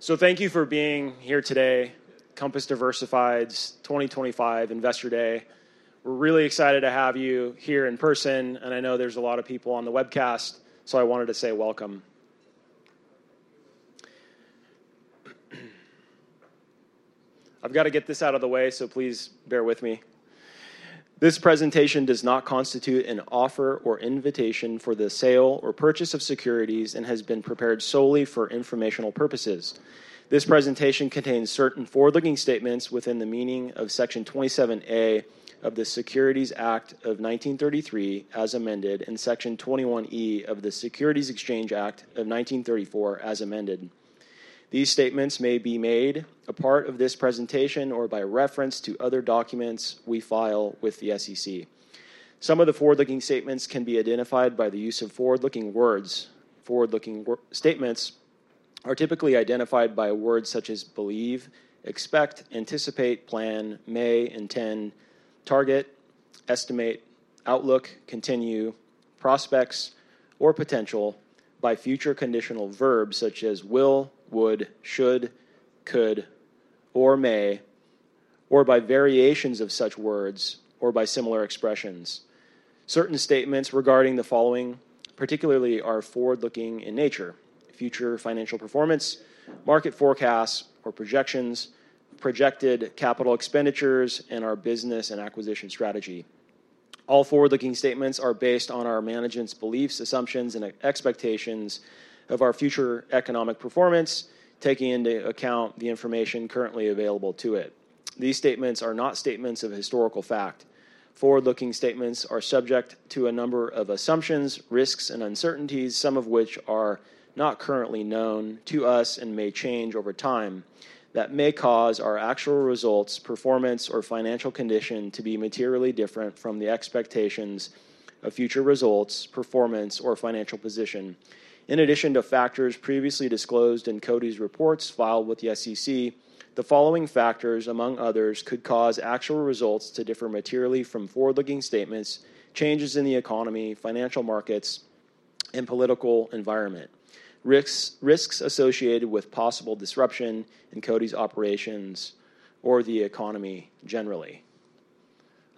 Thank you for being here today, Compass Diversified's 2025 Investor Day. We're really excited to have you here in person, and I know there's a lot of people on the webcast, so I wanted to say welcome. I've got to get this out of the way, so please bear with me. This presentation does not constitute an offer or invitation for the sale or purchase of securities and has been prepared solely for informational purposes. This presentation contains certain forward-looking statements within the meaning of Section 27A of the Securities Act of 1933, as amended, and Section 21E of the Securities Exchange Act of 1934, as amended. These statements may be made a part of this presentation or by reference to other documents we file with the SEC. Some of the forward-looking statements can be identified by the use of forward-looking words. Forward-looking statements are typically identified by words such as believe, expect, anticipate, plan, may, intend, target, estimate, outlook, continue, prospects, or potential by future conditional verbs such as will, would, should, could, or may, or by variations of such words or by similar expressions. Certain statements regarding the following, particularly, are forward-looking in nature: future financial performance, market forecasts or projections, projected capital expenditures, and our business and acquisition strategy. All forward-looking statements are based on our management's beliefs, assumptions, and expectations of our future economic performance, taking into account the information currently available to it. These statements are not statements of historical fact. Forward-looking statements are subject to a number of assumptions, risks, and uncertainties, some of which are not currently known to us and may change over time, that may cause our actual results, performance, or financial condition to be materially different from the expectations of future results, performance, or financial position. In addition to factors previously disclosed in CODI's reports filed with the SEC, the following factors, among others, could cause actual results to differ materially from forward-looking statements: changes in the economy, financial markets, and political environment; risks associated with possible disruption in CODI's operations or the economy generally.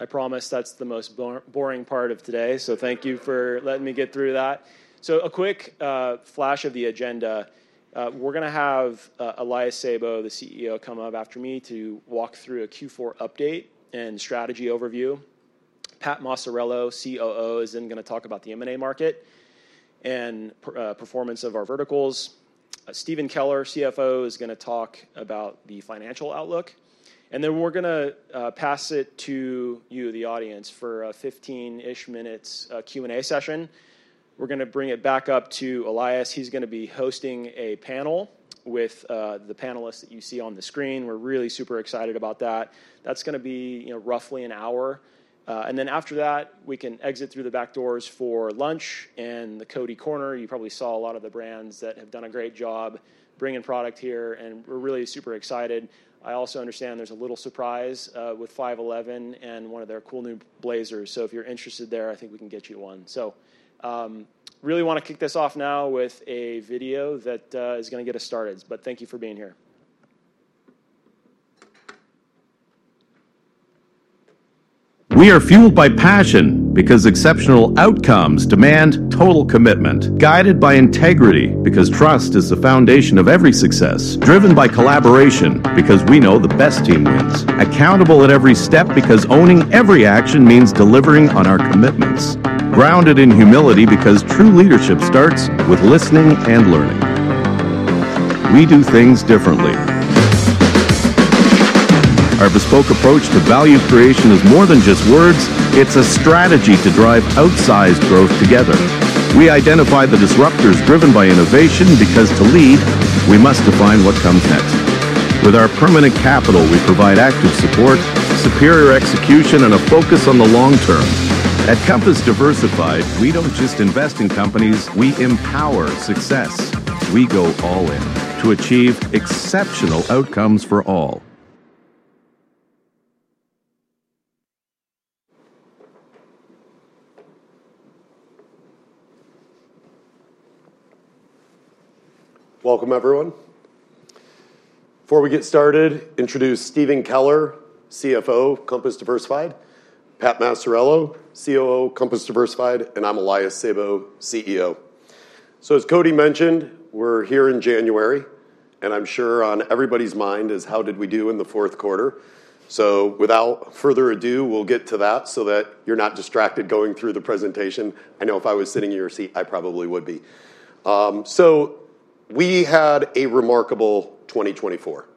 I promise that's the most boring part of today, so thank you for letting me get through that. So, a quick flash of the agenda. We're going to have Elias Sabo, the CEO, come up after me to walk through a Q4 update and strategy overview. Patrick Maciariello, COO, is then going to talk about the M&A market and performance of our verticals. Stephen Keller, CFO, is going to talk about the financial outlook. And then we're going to pass it to you, the audience, for a 15-ish minutes Q&A session. We're going to bring it back up to Elias. He's going to be hosting a panel with the panelists that you see on the screen. We're really super excited about that. That's going to be roughly an hour. And then after that, we can exit through the back doors for lunch and the CODI Corner. You probably saw a lot of the brands that have done a great job bringing product here, and we're really super excited. I also understand there's a little surprise with 5.11 and one of their cool new blazers. So if you're interested there, I think we can get you one. So really want to kick this off now with a video that is going to get us started. But thank you for being here. We are fueled by passion because exceptional outcomes demand total commitment, guided by integrity because trust is the foundation of every success, driven by collaboration because we know the best team wins, accountable at every step because owning every action means delivering on our commitments, grounded in humility because true leadership starts with listening and learning. We do things differently. Our bespoke approach to value creation is more than just words. It's a strategy to drive outsized growth together. We identify the disruptors driven by innovation because to lead, we must define what comes next. With our permanent capital, we provide active support, superior execution, and a focus on the long term. At Compass Diversified, we don't just invest in companies. We empower success. We go all in to achieve exceptional outcomes for all. Welcome, everyone. Before we get started, introduce Stephen Keller, CFO, Compass Diversified, Pat Maciariello, COO, Compass Diversified, and I'm Elias Sabo, CEO. So as Cody mentioned, we're here in January, and I'm sure on everybody's mind is, how did we do in the fourth quarter? So without further ado, we'll get to that so that you're not distracted going through the presentation. I know if I was sitting in your seat, I probably would be. So we had a remarkable 2024,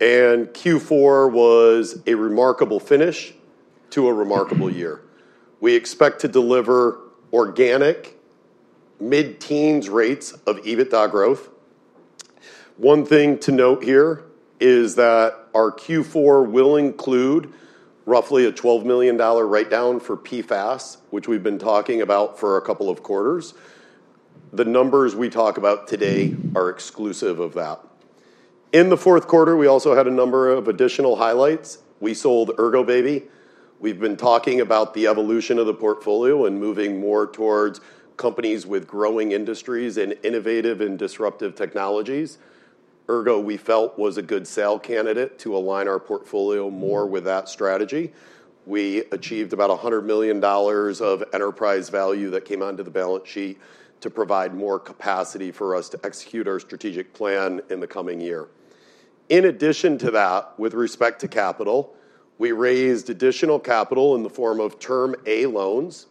and Q4 was a remarkable finish to a remarkable year. We expect to deliver organic mid-teens rates of EBITDA growth. One thing to note here is that our Q4 will include roughly a $12 million write-down for PFAS, which we've been talking about for a couple of quarters. The numbers we talk about today are exclusive of that. In the fourth quarter, we also had a number of additional highlights. We sold Ergobaby. We've been talking about the evolution of the portfolio and moving more towards companies with growing industries and innovative and disruptive technologies. Ergo, we felt was a good sale candidate to align our portfolio more with that strategy. We achieved about $100 million of enterprise value that came onto the balance sheet to provide more capacity for us to execute our strategic plan in the coming year. In addition to that, with respect to capital, we raised additional capital in the form of Term A loans.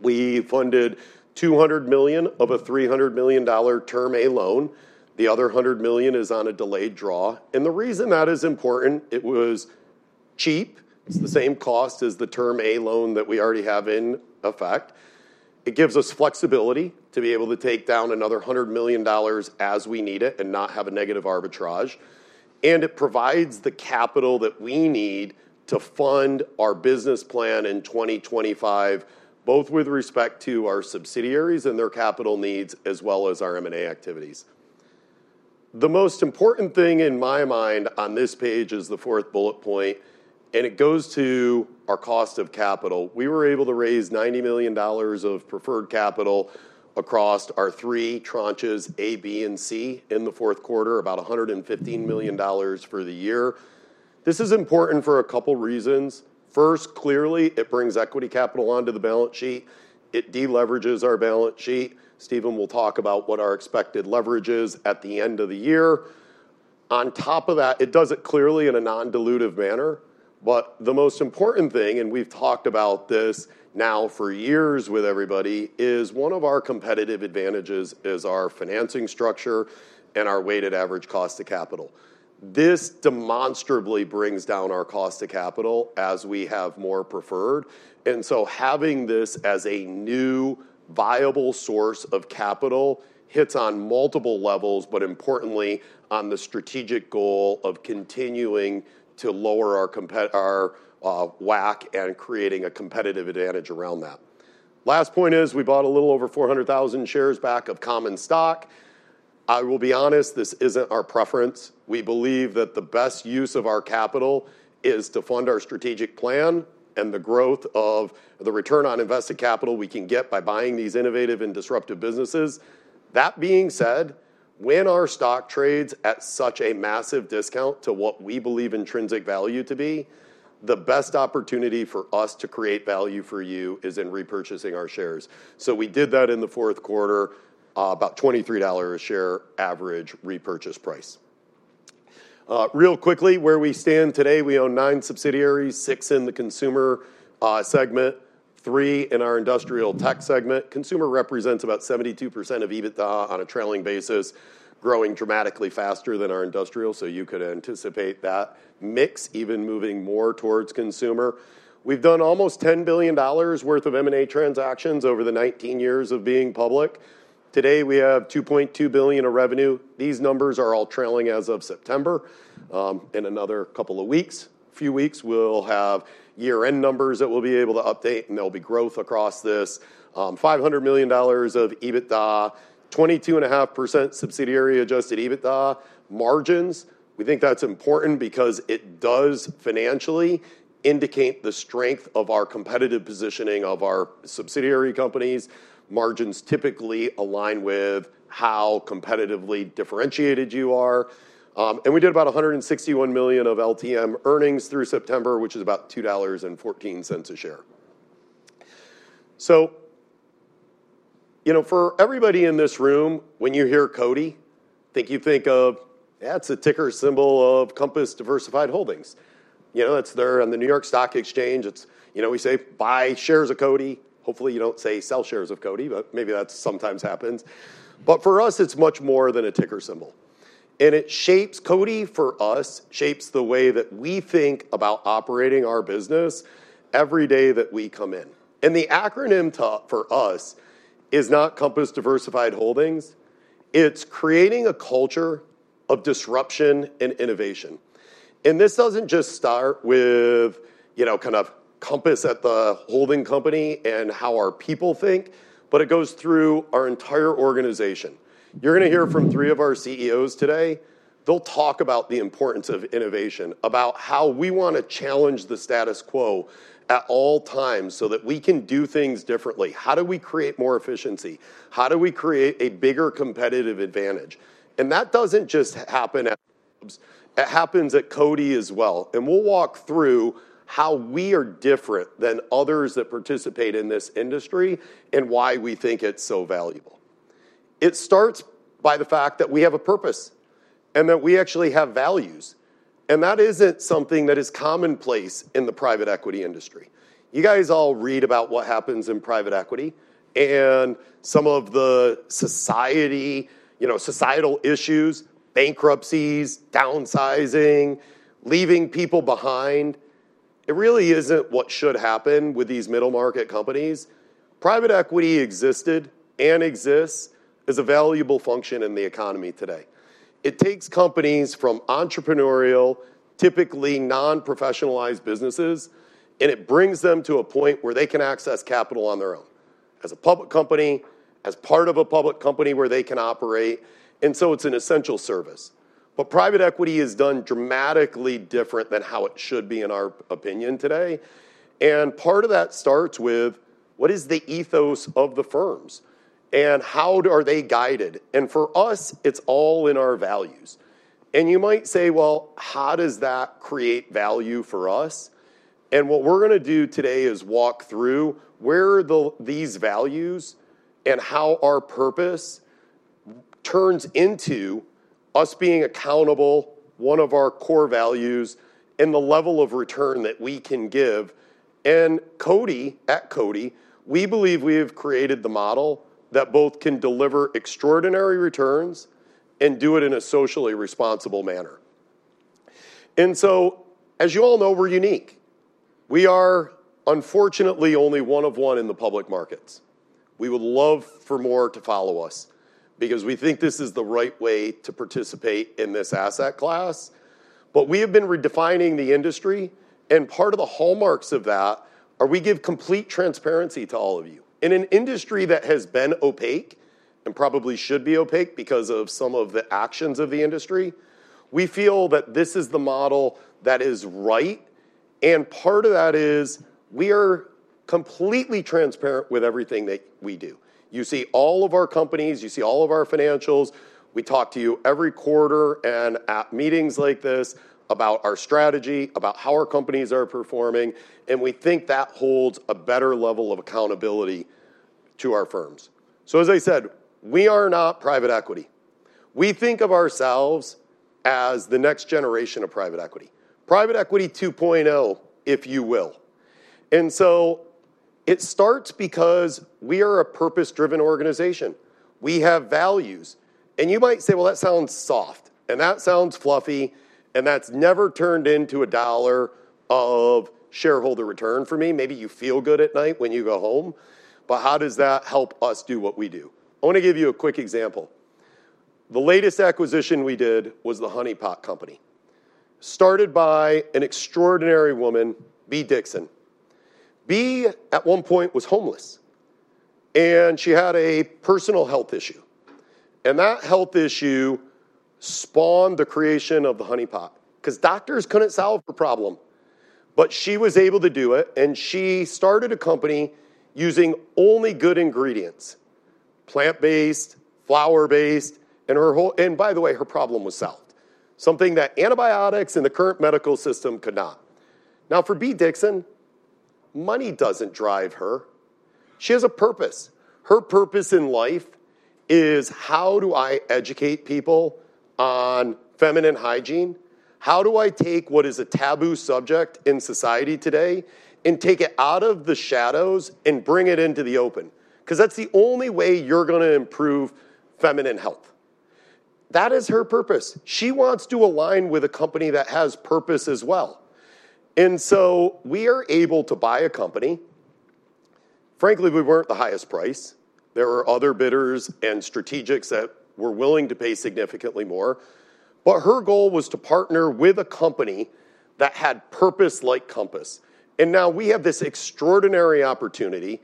We funded $200 million of a $300 million Term A loan. The other $100 million is on a delayed draw. And the reason that is important, it was cheap. It's the same cost as the Term A loan that we already have in effect. It gives us flexibility to be able to take down another $100 million as we need it and not have a negative arbitrage, and it provides the capital that we need to fund our business plan in 2025, both with respect to our subsidiaries and their capital needs, as well as our M&A activities. The most important thing in my mind on this page is the fourth bullet point, and it goes to our cost of capital. We were able to raise $90 million of preferred capital across our three tranches, A, B, and C, in the fourth quarter, about $115 million for the year. This is important for a couple of reasons. First, clearly, it brings equity capital onto the balance sheet. It deleverages our balance sheet. Stephen will talk about what our expected leverage is at the end of the year. On top of that, it does it clearly in a non-dilutive manner. But the most important thing, and we've talked about this now for years with everybody, is one of our competitive advantages is our financing structure and our Weighted Average Cost of Capital. This demonstrably brings down our cost of capital as we have more preferred. And so having this as a new viable source of capital hits on multiple levels, but importantly, on the strategic goal of continuing to lower our WACC and creating a competitive advantage around that. Last point is we bought a little over 400,000 shares back of common stock. I will be honest, this isn't our preference. We believe that the best use of our capital is to fund our strategic plan and the growth of the Return on Invested Capital we can get by buying these innovative and disruptive businesses. That being said, when our stock trades at such a massive discount to what we believe intrinsic value to be, the best opportunity for us to create value for you is in repurchasing our shares. So we did that in the fourth quarter, about $23 a share average repurchase price. Real quickly, where we stand today, we own nine subsidiaries, six in the consumer segment, three in our industrial tech segment. Consumer represents about 72% of EBITDA on a trailing basis, growing dramatically faster than our industrial, so you could anticipate that mix even moving more towards consumer. We've done almost $10 billion worth of M&A transactions over the 19 years of being public. Today, we have $2.2 billion of revenue. These numbers are all trailing as of September. In another couple of weeks, a few weeks, we'll have year-end numbers that we'll be able to update, and there'll be growth across this: $500 million of EBITDA, 22.5% Subsidiary Adjusted EBITDA margins. We think that's important because it does financially indicate the strength of our competitive positioning of our subsidiary companies. Margins typically align with how competitively differentiated you are. And we did about $161 million of LTM earnings through September, which is about $2.14 a share. So for everybody in this room, when you hear CODI, I think you think of, "That's a ticker symbol of Compass Diversified Holdings." It's there on the New York Stock Exchange. We say, "Buy shares of CODI." Hopefully, you don't say, "Sell shares of CODI," but maybe that sometimes happens. But for us, it's much more than a ticker symbol. CODI for us shapes the way that we think about operating our business every day that we come in. The acronym for us is not Compass Diversified Holdings. It's creating a culture of disruption and innovation. This doesn't just start with kind of Compass at the holding company and how our people think, but it goes through our entire organization. You're going to hear from three of our CEOs today. They'll talk about the importance of innovation, about how we want to challenge the status quo at all times so that we can do things differently. How do we create more efficiency? How do we create a bigger competitive advantage? That doesn't just happen at CODI. It happens at CODI as well. We'll walk through how we are different than others that participate in this industry and why we think it's so valuable. It starts by the fact that we have a purpose and that we actually have values. And that isn't something that is commonplace in the private equity industry. You guys all read about what happens in private equity and some of the societal issues, bankruptcies, downsizing, leaving people behind. It really isn't what should happen with these middle-market companies. Private equity existed and exists as a valuable function in the economy today. It takes companies from entrepreneurial, typically non-professionalized businesses, and it brings them to a point where they can access capital on their own as a public company, as part of a public company where they can operate. And so it's an essential service. But private equity is done dramatically different than how it should be, in our opinion, today. And part of that starts with what is the ethos of the firms and how are they guided. And for us, it's all in our values. And you might say, "Well, how does that create value for us?" And what we're going to do today is walk through where these values and how our purpose turns into us being accountable, one of our core values, and the level of return that we can give. And at CODI, we believe we have created the model that both can deliver extraordinary returns and do it in a socially responsible manner. And so, as you all know, we're unique. We are, unfortunately, only one of one in the public markets. We would love for more to follow us because we think this is the right way to participate in this asset class. But we have been redefining the industry. And part of the hallmarks of that are we give complete transparency to all of you. In an industry that has been opaque and probably should be opaque because of some of the actions of the industry, we feel that this is the model that is right. And part of that is we are completely transparent with everything that we do. You see all of our companies. You see all of our financials. We talk to you every quarter and at meetings like this about our strategy, about how our companies are performing. And we think that holds a better level of accountability to our firms. So, as I said, we are not private equity. We think of ourselves as the next generation of private equity, Private Equity 2.0, if you will. And so it starts because we are a purpose-driven organization. We have values. You might say, "Well, that sounds soft, and that sounds fluffy, and that's never turned into a dollar of shareholder return for me." Maybe you feel good at night when you go home. But how does that help us do what we do? I want to give you a quick example. The latest acquisition we did was the Honey Pot Company, started by an extraordinary woman, Bea Dixon. Bea, at one point, was homeless, and she had a personal health issue. And that health issue spawned the creation of the Honey Pot because doctors couldn't solve her problem. But she was able to do it, and she started a company using only good ingredients: plant-based, flower-based. And by the way, her problem was solved, something that antibiotics and the current medical system could not. Now, for Bea Dixon, money doesn't drive her. She has a purpose. Her purpose in life is, "How do I educate people on feminine hygiene? How do I take what is a taboo subject in society today and take it out of the shadows and bring it into the open?" Because that's the only way you're going to improve feminine health. That is her purpose. She wants to align with a company that has purpose as well, and so we are able to buy a company. Frankly, we weren't the highest price. There were other bidders and strategics that were willing to pay significantly more, but her goal was to partner with a company that had purpose like Compass, and now we have this extraordinary opportunity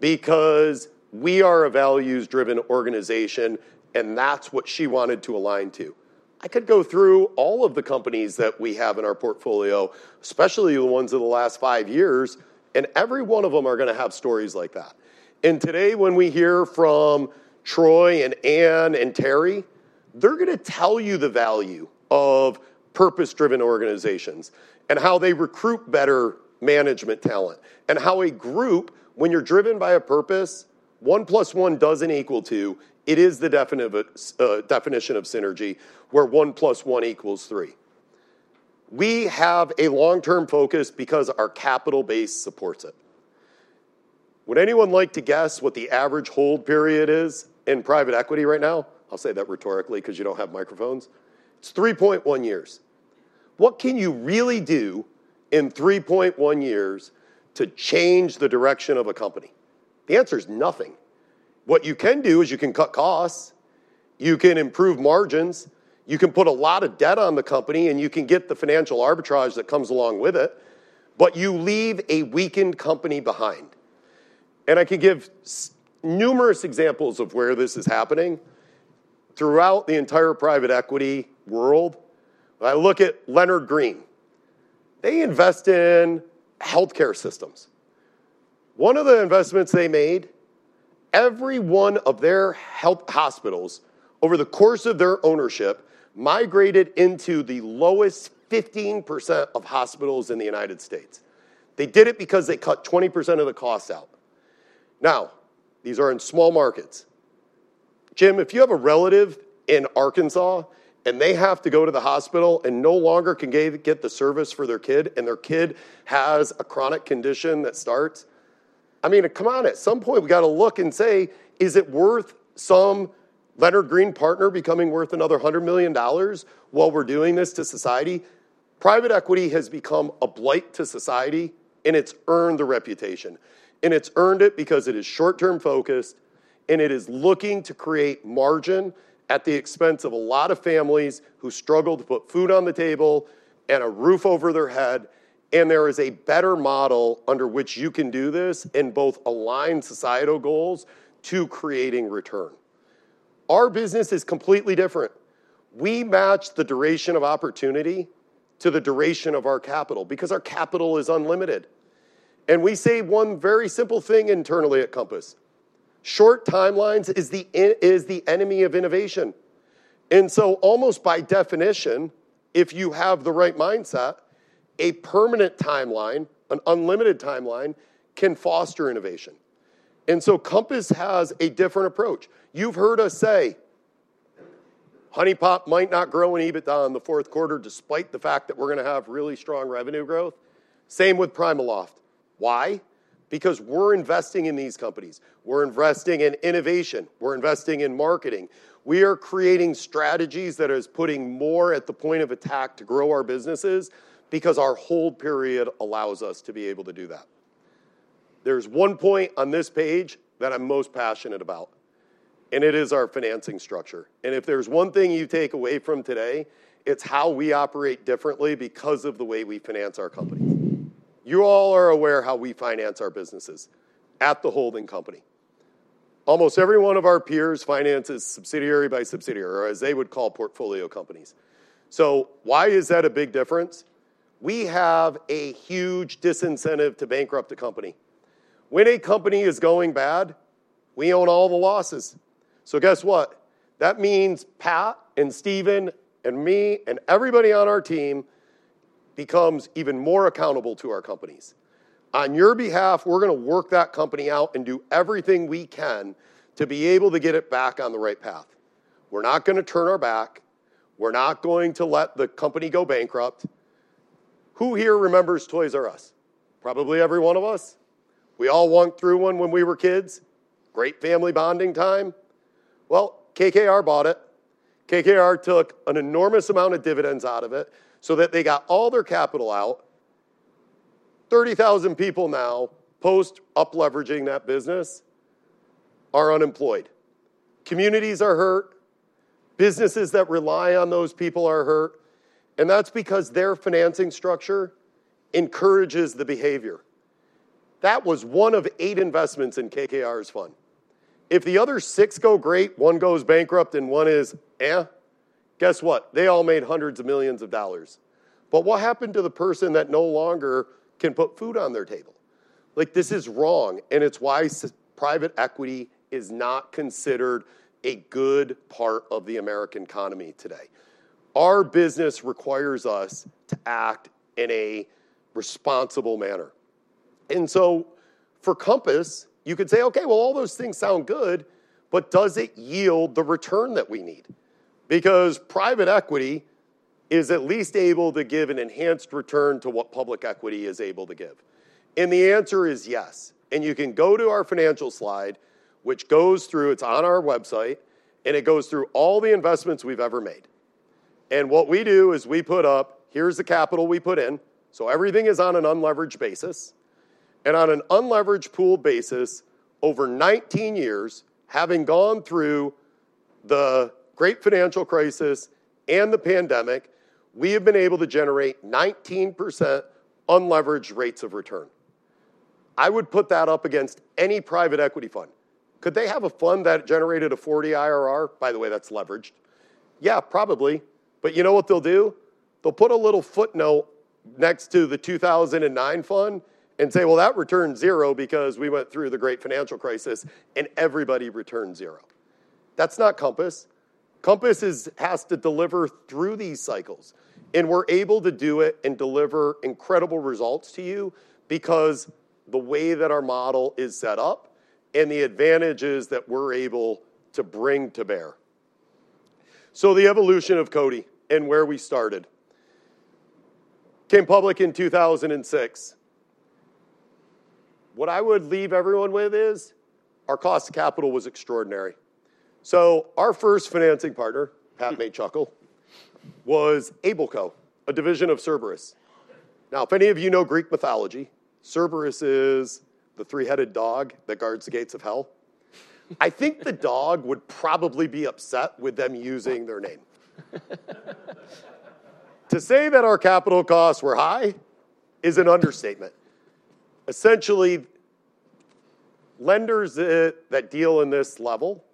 because we are a values-driven organization, and that's what she wanted to align to. I could go through all of the companies that we have in our portfolio, especially the ones of the last five years, and every one of them are going to have stories like that. And today, when we hear from Troy and Anne and Terry, they're going to tell you the value of purpose-driven organizations and how they recruit better management talent and how a group, when you're driven by a purpose, one plus one doesn't equal two. It is the definition of synergy where one plus one equals three. We have a long-term focus because our capital base supports it. Would anyone like to guess what the average hold period is in private equity right now? I'll say that rhetorically because you don't have microphones. It's 3.1 years. What can you really do in 3.1 years to change the direction of a company? The answer is nothing. What you can do is you can cut costs. You can improve margins. You can put a lot of debt on the company, and you can get the financial arbitrage that comes along with it. But you leave a weakened company behind. And I can give numerous examples of where this is happening throughout the entire private equity world. I look at Leonard Green. They invest in healthcare systems. One of the investments they made, every one of their hospitals over the course of their ownership migrated into the lowest 15% of hospitals in the United States. They did it because they cut 20% of the cost out. Now, these are in small markets. Jim, if you have a relative in Arkansas and they have to go to the hospital and no longer can get the service for their kid and their kid has a chronic condition that starts, I mean, come on, at some point, we got to look and say, "Is it worth some Leonard Green partner becoming worth another $100 million while we're doing this to society?" Private equity has become a blight to society, and it's earned the reputation, and it's earned it because it is short-term focused, and it is looking to create margin at the expense of a lot of families who struggle to put food on the table and a roof over their head, and there is a better model under which you can do this and both align societal goals to creating return. Our business is completely different. We match the duration of opportunity to the duration of our capital because our capital is unlimited. And we say one very simple thing internally at Compass: short timelines is the enemy of innovation. And so almost by definition, if you have the right mindset, a permanent timeline, an unlimited timeline can foster innovation. And so Compass has a different approach. You've heard us say Honey Pot might not grow in EBITDA in the fourth quarter despite the fact that we're going to have really strong revenue growth. Same with PrimaLoft. Why? Because we're investing in these companies. We're investing in innovation. We're investing in marketing. We are creating strategies that are putting more at the point of attack to grow our businesses because our hold period allows us to be able to do that. There's one point on this page that I'm most passionate about, and it is our financing structure. And if there's one thing you take away from today, it's how we operate differently because of the way we finance our company. You all are aware how we finance our businesses at the holding company. Almost every one of our peers finances subsidiary by subsidiary, or as they would call portfolio companies. So why is that a big difference? We have a huge disincentive to bankrupt a company. When a company is going bad, we own all the losses. So guess what? That means Pat and Stephen and me and everybody on our team becomes even more accountable to our companies. On your behalf, we're going to work that company out and do everything we can to be able to get it back on the right path. We're not going to turn our back. We're not going to let the company go bankrupt. Who here remembers Toys "R" Us? Probably every one of us. We all walked through one when we were kids. Great family bonding time. Well, KKR bought it. KKR took an enormous amount of dividends out of it so that they got all their capital out. 30,000 people now, post-upleveraging that business, are unemployed. Communities are hurt. Businesses that rely on those people are hurt, and that's because their financing structure encourages the behavior. That was one of eight investments in KKR's fund. If the other six go great, one goes bankrupt, and one is, guess what? They all made hundreds of millions of dollars. But what happened to the person that no longer can put food on their table? This is wrong, and it's why private equity is not considered a good part of the American economy today. Our business requires us to act in a responsible manner. And so for Compass, you could say, "Okay, well, all those things sound good, but does it yield the return that we need?" Because private equity is at least able to give an enhanced return to what public equity is able to give. And the answer is yes. And you can go to our financial slide, which goes through, it's on our website, and it goes through all the investments we've ever made. And what we do is we put up, "Here's the capital we put in." So everything is on an unleveraged basis. On an unleveraged pooled basis, over 19 years, having gone through the great financial crisis and the pandemic, we have been able to generate 19% unleveraged rates of return. I would put that up against any private equity fund. Could they have a fund that generated a 40 IRR? By the way, that's leveraged. Yeah, probably. But you know what they'll do? They'll put a little footnote next to the 2009 fund and say, "Well, that returned zero because we went through the great financial crisis and everybody returned zero." That's not Compass. Compass has to deliver through these cycles. And we're able to do it and deliver incredible results to you because of the way that our model is set up and the advantages that we're able to bring to bear. So the evolution of CODI and where we started came public in 2006. What I would leave everyone with is our cost of capital was extraordinary. So our first financing partner, Pat Maciariello, was Ableco, a division of Cerberus. Now, if any of you know Greek mythology, Cerberus is the three-headed dog that guards the gates of hell. I think the dog would probably be upset with them using their name. To say that our capital costs were high is an understatement. Essentially, lenders that deal in this level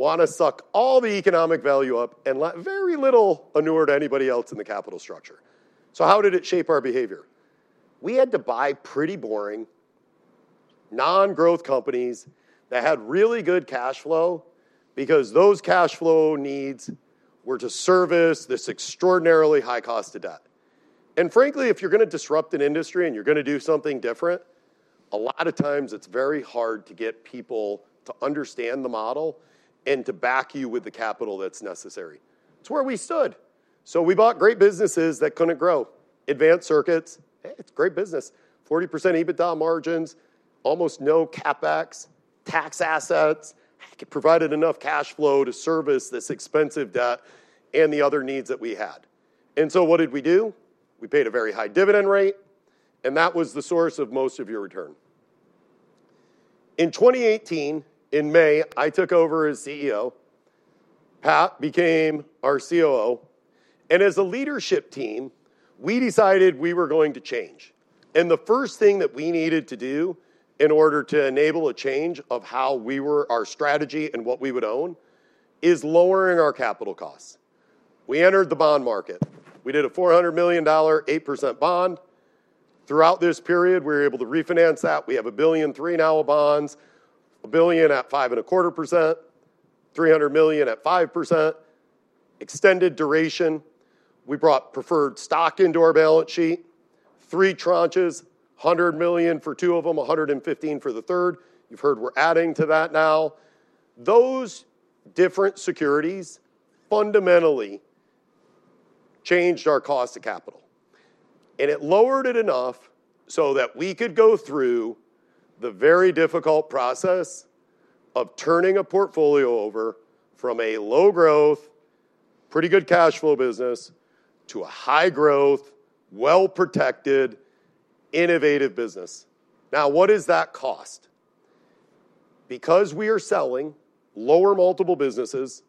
want to suck all the economic value up and let very little anywhere to anybody else in the capital structure. So how did it shape our behavior? We had to buy pretty boring non-growth companies that had really good cash flow because those cash flow needs were to service this extraordinarily high cost of debt. And frankly, if you're going to disrupt an industry and you're going to do something different, a lot of times it's very hard to get people to understand the model and to back you with the capital that's necessary. It's where we stood. So we bought great businesses that couldn't grow: Advanced Circuits. It's a great business. 40% EBITDA margins, almost no CapEx, tax assets. It provided enough cash flow to service this expensive debt and the other needs that we had. And so what did we do? We paid a very high dividend rate, and that was the source of most of your return. In 2018, in May, I took over as CEO. Pat became our COO. And as a leadership team, we decided we were going to change. The first thing that we needed to do in order to enable a change of how we were our strategy and what we would own is lowering our capital costs. We entered the bond market. We did a $400 million, 8% bond. Throughout this period, we were able to refinance that. We have a billion three now all bonds, a billion at 5.25%, $300 million at 5%, extended duration. We brought preferred stock into our balance sheet, three tranches, $100 million for two of them, $115 million for the third. You've heard we're adding to that now. Those different securities fundamentally changed our cost of capital, and it lowered it enough so that we could go through the very difficult process of turning a portfolio over from a low-growth, pretty good cash flow business to a high-growth, well-protected, innovative business. Now, what does that cost? Because we are selling lower multiple businesses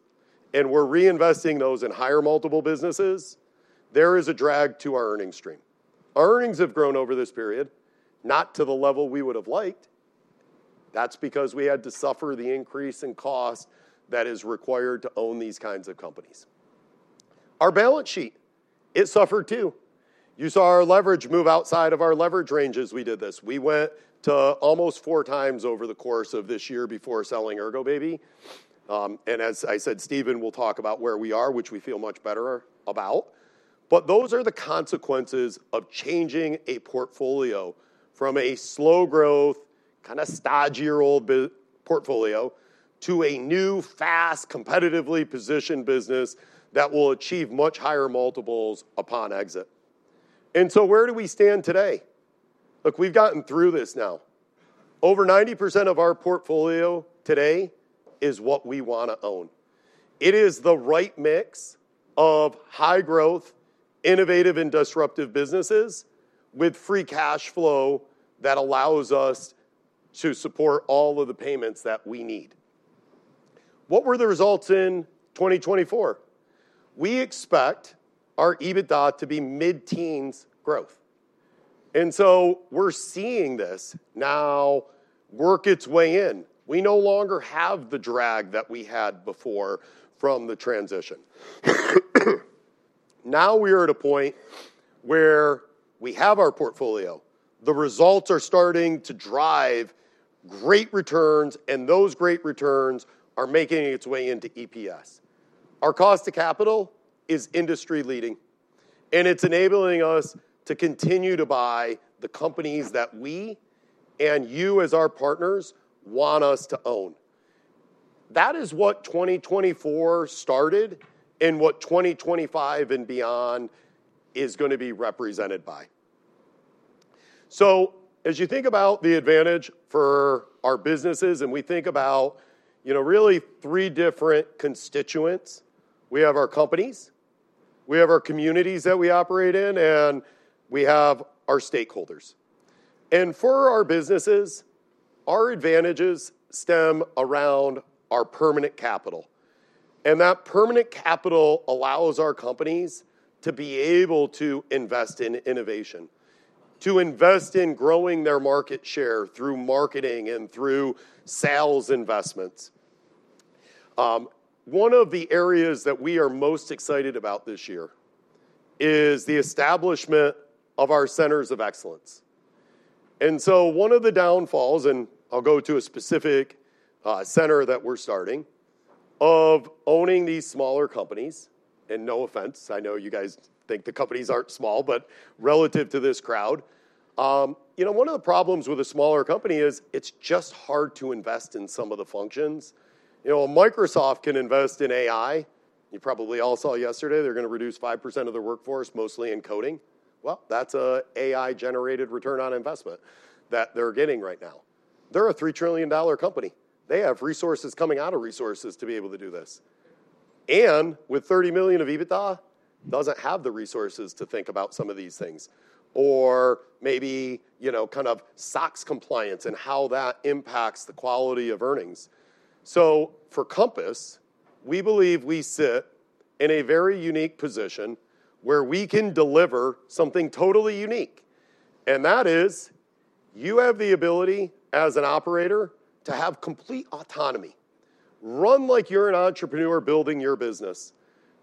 and we're reinvesting those in higher multiple businesses, there is a drag to our earnings stream. Our earnings have grown over this period, not to the level we would have liked. That's because we had to suffer the increase in cost that is required to own these kinds of companies. Our balance sheet, it suffered too. You saw our leverage move outside of our leverage ranges we did this. We went to almost four times over the course of this year before selling Ergobaby. And as I said, Stephen will talk about where we are, which we feel much better about. But those are the consequences of changing a portfolio from a slow-growth, kind of stodgy old portfolio to a new, fast, competitively positioned business that will achieve much higher multiples upon exit. And so where do we stand today? Look, we've gotten through this now. Over 90% of our portfolio today is what we want to own. It is the right mix of high-growth, innovative, and disruptive businesses with free cash flow that allows us to support all of the payments that we need. What were the results in 2024? We expect our EBITDA to be mid-teens growth, and so we're seeing this now work its way in. We no longer have the drag that we had before from the transition. Now we are at a point where we have our portfolio. The results are starting to drive great returns, and those great returns are making its way into EPS. Our cost of capital is industry-leading, and it's enabling us to continue to buy the companies that we and you as our partners want us to own. That is what 2024 started and what 2025 and beyond is going to be represented by. So as you think about the advantage for our businesses and we think about really three different constituents, we have our companies, we have our communities that we operate in, and we have our stakeholders. And for our businesses, our advantages stem around our permanent capital. And that permanent capital allows our companies to be able to invest in innovation, to invest in growing their market share through marketing and through sales investments. One of the areas that we are most excited about this year is the establishment of our centers of excellence. And so one of the downfalls, and I'll go to a specific center that we're starting, of owning these smaller companies, and no offense, I know you guys think the companies aren't small, but relative to this crowd, one of the problems with a smaller company is it's just hard to invest in some of the functions. Microsoft can invest in AI. You probably all saw yesterday they're going to reduce 5% of their workforce, mostly in coding. Well, that's an AI-generated return on investment that they're getting right now. They're a $3 trillion company. They have resources coming out of resources to be able to do this. And with $30 million of EBITDA, it doesn't have the resources to think about some of these things, or maybe kind of SOX compliance and how that impacts the quality of earnings. So for Compass, we believe we sit in a very unique position where we can deliver something totally unique. And that is you have the ability as an operator to have complete autonomy. Run like you're an entrepreneur building your business.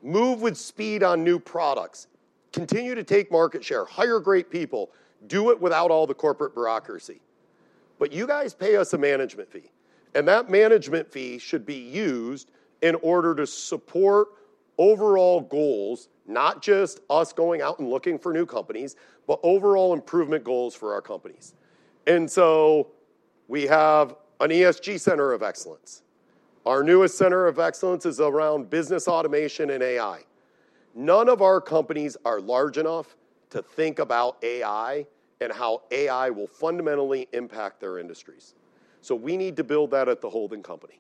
Move with speed on new products. Continue to take market share. Hire great people. Do it without all the corporate bureaucracy. But you guys pay us a management fee. And that management fee should be used in order to support overall goals, not just us going out and looking for new companies, but overall improvement goals for our companies. And so we have an ESG center of excellence. Our newest center of excellence is around business automation and AI. None of our companies are large enough to think about AI and how AI will fundamentally impact their industries. So we need to build that at the holding company.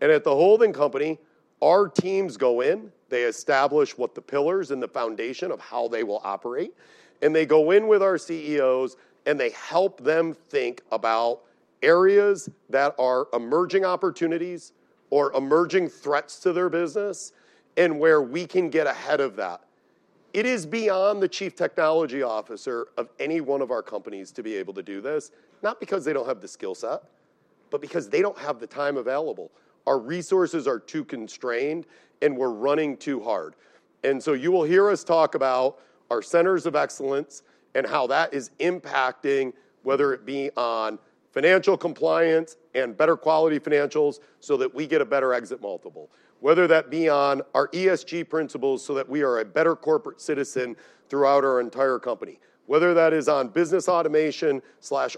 At the holding company, our teams go in. They establish what the pillars and the foundation of how they will operate. They go in with our CEOs, and they help them think about areas that are emerging opportunities or emerging threats to their business and where we can get ahead of that. It is beyond the Chief Technology Officer of any one of our companies to be able to do this, not because they don't have the skill set, but because they don't have the time available. Our resources are too constrained, and we're running too hard. And so you will hear us talk about our centers of excellence and how that is impacting whether it be on financial compliance and better quality financials so that we get a better exit multiple, whether that be on our ESG principles so that we are a better corporate citizen throughout our entire company, whether that is on business automation,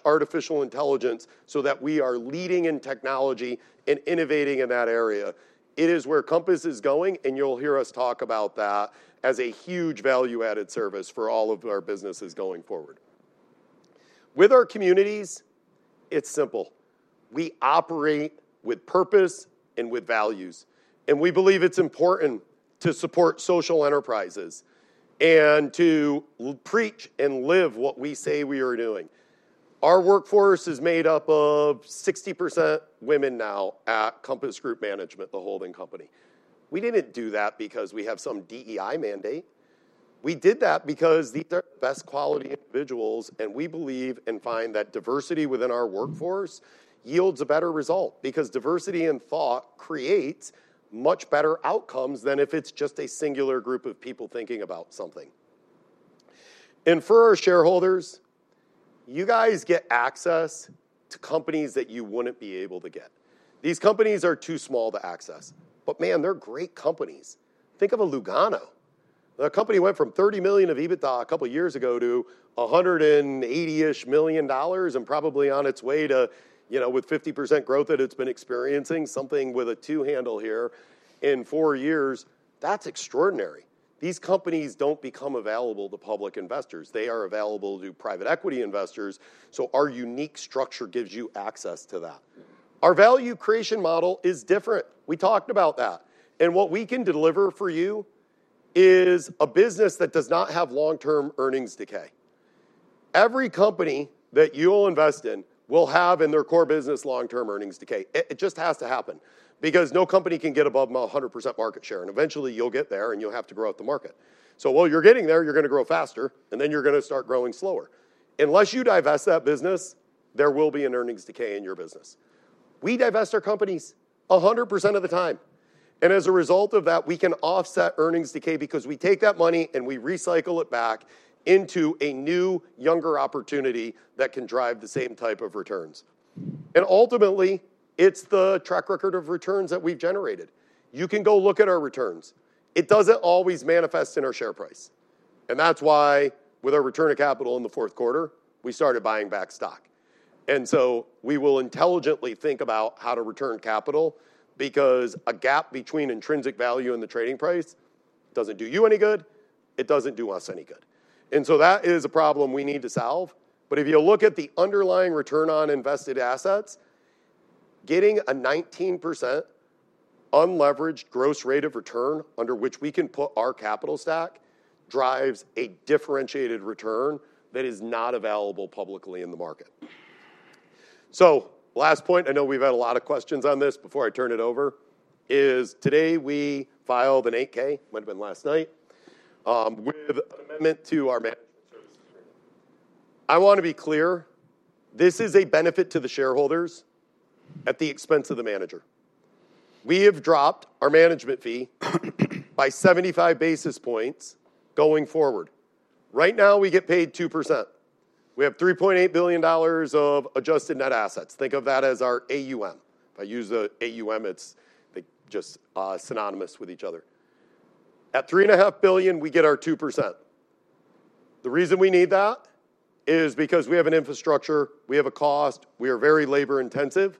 artificial intelligence so that we are leading in technology and innovating in that area. It is where Compass is going, and you'll hear us talk about that as a huge value-added service for all of our businesses going forward. With our communities, it's simple. We operate with purpose and with values. And we believe it's important to support social enterprises and to preach and live what we say we are doing. Our workforce is made up of 60% women now at Compass Group Management, the holding company. We didn't do that because we have some DEI mandate. We did that because these are the best quality individuals, and we believe and find that diversity within our workforce yields a better result because diversity in thought creates much better outcomes than if it's just a singular group of people thinking about something. And for our shareholders, you guys get access to companies that you wouldn't be able to get. These companies are too small to access. But man, they're great companies. Think of a Lugano. The company went from $30 million of EBITDA a couple of years ago to $180-ish million and probably on its way to, with 50% growth that it's been experiencing, something with a two-handle here in four years. That's extraordinary. These companies don't become available to public investors. They are available to private equity investors. So our unique structure gives you access to that. Our value creation model is different. We talked about that. And what we can deliver for you is a business that does not have long-term earnings decay. Every company that you'll invest in will have in their core business long-term earnings decay. It just has to happen because no company can get above 100% market share. And eventually, you'll get there, and you'll have to grow at the market. So while you're getting there, you're going to grow faster, and then you're going to start growing slower. Unless you divest that business, there will be an earnings decay in your business. We divest our companies 100% of the time. And as a result of that, we can offset earnings decay because we take that money and we recycle it back into a new, younger opportunity that can drive the same type of returns. And ultimately, it's the track record of returns that we've generated. You can go look at our returns. It doesn't always manifest in our share price. And that's why with our return to capital in the fourth quarter, we started buying back stock. And so we will intelligently think about how to return capital because a gap between intrinsic value and the trading price doesn't do you any good. It doesn't do us any good. And so that is a problem we need to solve. But if you look at the underlying return on invested assets, getting a 19% unleveraged gross rate of return under which we can put our capital stack drives a differentiated return that is not available publicly in the market. So last point, I know we've had a lot of questions on this before I turn it over, is today we filed an 8-K, might have been last night, with an amendment to our Management Services Agreement. I want to be clear. This is a benefit to the shareholders at the expense of the manager. We have dropped our management fee by 75 basis points going forward. Right now, we get paid 2%. We have $3.8 billion of Adjusted Net Assets. Think of that as our AUM. If I use the AUM, it's just synonymous with each other. At $3.5 billion, we get our 2%. The reason we need that is because we have an infrastructure. We have a cost. We are very labor-intensive.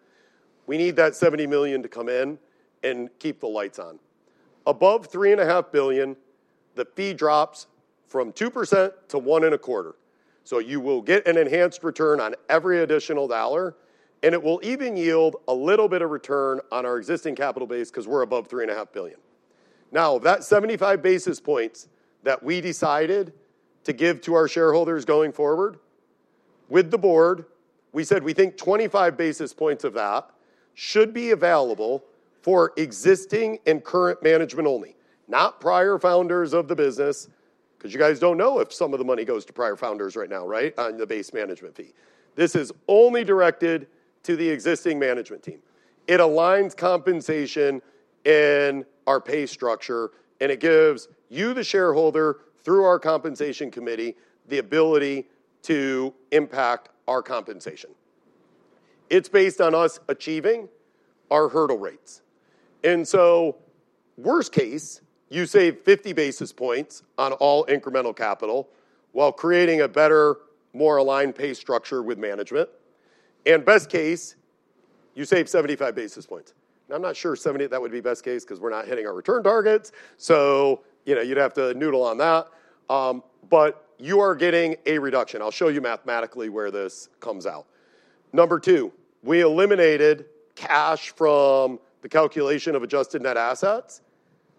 We need that $70 million to come in and keep the lights on. Above $3.5 billion, the fee drops from 2% to 1.25%. So you will get an enhanced return on every additional dollar, and it will even yield a little bit of return on our existing capital base because we're above $3.5 billion. Now, that 75 basis points that we decided to give to our shareholders going forward, with the board, we said we think 25 basis points of that should be available for existing and current management only, not prior founders of the business, because you guys don't know if some of the money goes to prior founders right now, right, on the base management fee. This is only directed to the existing management team. It aligns compensation and our pay structure, and it gives you, the shareholder, through our compensation committee, the ability to impact our compensation. It's based on us achieving our hurdle rates. And so worst case, you save 50 basis points on all incremental capital while creating a better, more aligned pay structure with management. And best case, you save 75 basis points. Now, I'm not sure 70 of that would be best case because we're not hitting our return targets, so you'd have to noodle on that. But you are getting a reduction. I'll show you mathematically where this comes out. Number two, we eliminated cash from the calculation of Adjusted Net Assets.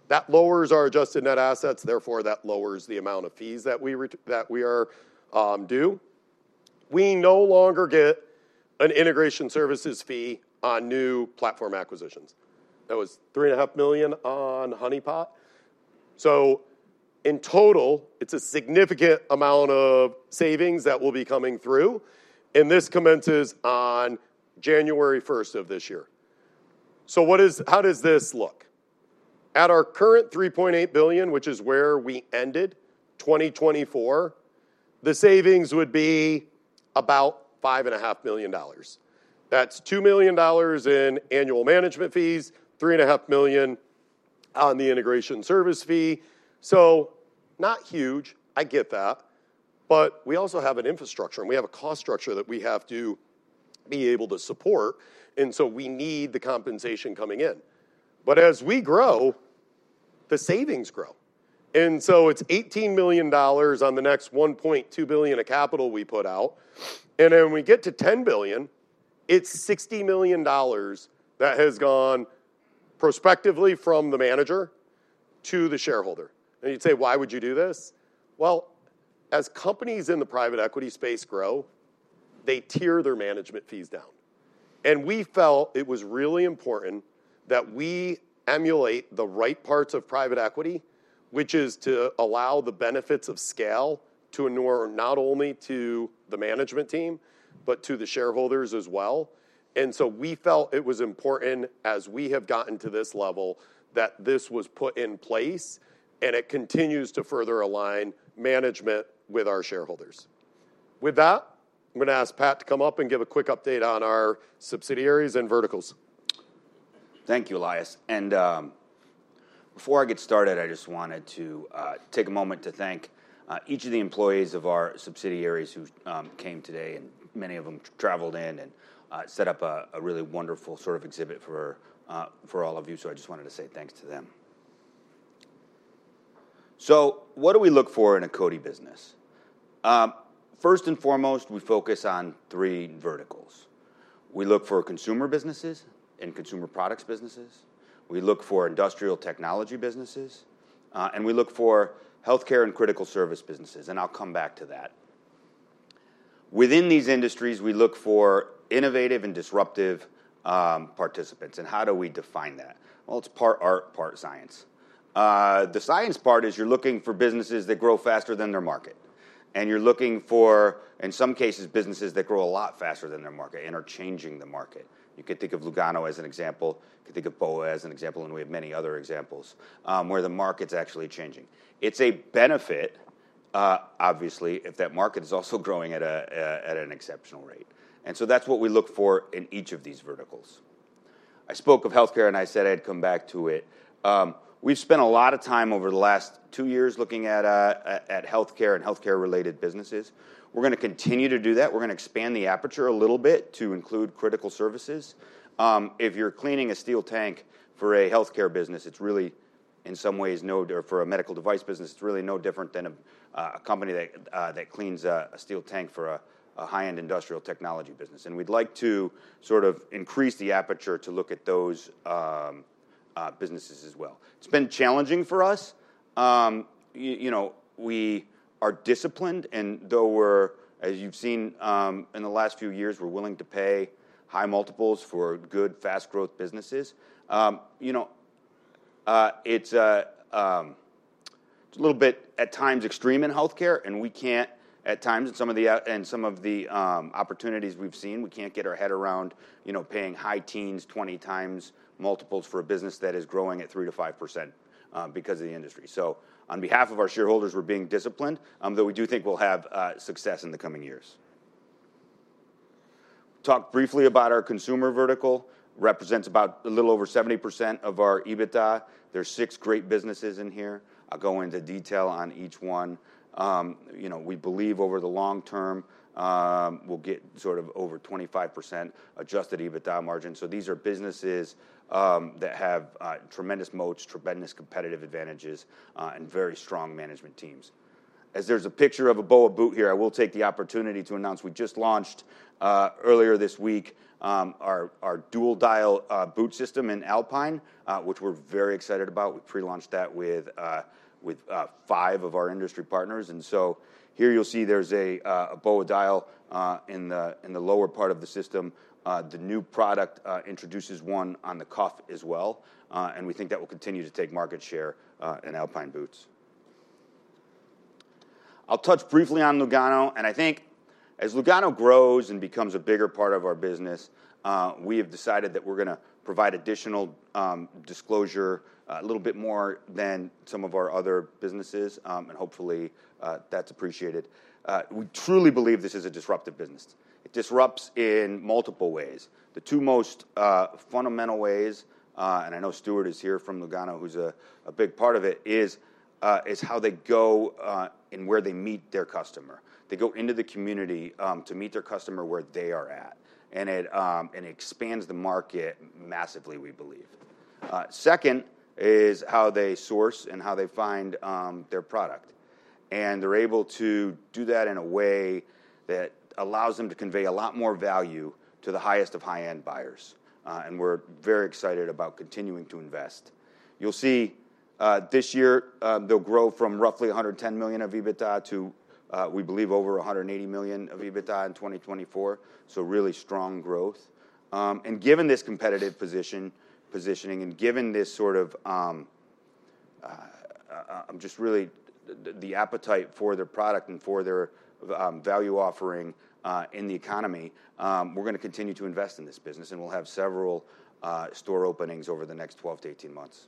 That lowers our Adjusted Net Assets. Therefore, that lowers the amount of fees that we do. We no longer get an Integration Services Fee on new platform acquisitions. That was $3.5 million on The Honey Pot. So in total, it's a significant amount of savings that will be coming through. And this commences on January 1st of this year. So how does this look? At our current $3.8 billion, which is where we ended 2024, the savings would be about $5.5 million. That's $2 million in annual management fees, $3.5 million on the Integration Service Fee. So not huge. I get that. But we also have an infrastructure, and we have a cost structure that we have to be able to support. And so we need the compensation coming in. But as we grow, the savings grow. And so it's $18 million on the next $1.2 billion of capital we put out. And then when we get to $10 billion, it's $60 million that has gone prospectively from the manager to the shareholder. And you'd say, "Why would you do this?" Well, as companies in the private equity space grow, they tier their management fees down. And we felt it was really important that we emulate the right parts of private equity, which is to allow the benefits of scale to not only the management team, but to the shareholders as well. And so we felt it was important, as we have gotten to this level, that this was put in place, and it continues to further align management with our shareholders. With that, I'm going to ask Pat to come up and give a quick update on our subsidiaries and verticals. Thank you, Elias. Before I get started, I just wanted to take a moment to thank each of the employees of our subsidiaries who came today, and many of them traveled in and set up a really wonderful sort of exhibit for all of you. I just wanted to say thanks to them. What do we look for in a CODI business? First and foremost, we focus on three verticals. We look for consumer businesses and consumer products businesses. We look for industrial technology businesses. We look for healthcare and critical service businesses. I'll come back to that. Within these industries, we look for innovative and disruptive participants. How do we define that? It's part art, part science. The science part is you're looking for businesses that grow faster than their market. You're looking for, in some cases, businesses that grow a lot faster than their market and are changing the market. You could think of Lugano as an example. You could think of BOA as an example, and we have many other examples where the market's actually changing. It's a benefit, obviously, if that market is also growing at an exceptional rate. And so that's what we look for in each of these verticals. I spoke of healthcare, and I said I'd come back to it. We've spent a lot of time over the last two years looking at healthcare and healthcare-related businesses. We're going to continue to do that. We're going to expand the aperture a little bit to include critical services. If you're cleaning a steel tank for a healthcare business, it's really, in some ways, or for a medical device business, it's really no different than a company that cleans a steel tank for a high-end industrial technology business. And we'd like to sort of increase the aperture to look at those businesses as well. It's been challenging for us. We are disciplined. And though we're, as you've seen in the last few years, we're willing to pay high multiples for good, fast-growth businesses. It's a little bit, at times, extreme in healthcare, and at times, in some of the opportunities we've seen, we can't get our head around paying high teens 20 times multiples for a business that is growing at 3% to 5% because of the industry. So on behalf of our shareholders, we're being disciplined, though we do think we'll have success in the coming years. Talked briefly about our consumer vertical. It represents about a little over 70% of our EBITDA. There's six great businesses in here. I'll go into detail on each one. We believe over the long term, we'll get sort of over 25% Adjusted EBITDA margin. So these are businesses that have tremendous moats, tremendous competitive advantages, and very strong management teams. As there's a picture of a BOA boot here, I will take the opportunity to announce we just launched earlier this week our dual dial boot system in alpine, which we're very excited about. We pre-launched that with five of our industry partners. And so here you'll see there's a BOA dial in the lower part of the system. The new product introduces one on the cuff as well. We think that will continue to take market share in alpine boots. I'll touch briefly on Lugano. I think as Lugano grows and becomes a bigger part of our business, we have decided that we're going to provide additional disclosure a little bit more than some of our other businesses. Hopefully, that's appreciated. We truly believe this is a disruptive business. It disrupts in multiple ways. The two most fundamental ways, and I know Stuart is here from Lugano, who's a big part of it, is how they go and where they meet their customer. They go into the community to meet their customer where they are at. It expands the market massively, we believe. Second is how they source and how they find their product. They're able to do that in a way that allows them to convey a lot more value to the highest of high-end buyers. We're very excited about continuing to invest. You'll see this year, they'll grow from roughly 110 million of EBITDA to, we believe, over 180 million of EBITDA in 2024. So really strong growth. Given this competitive positioning and given this sort of, I'm just really, the appetite for their product and for their value offering in the economy, we're going to continue to invest in this business. We'll have several store openings over the next 12 to 18 months.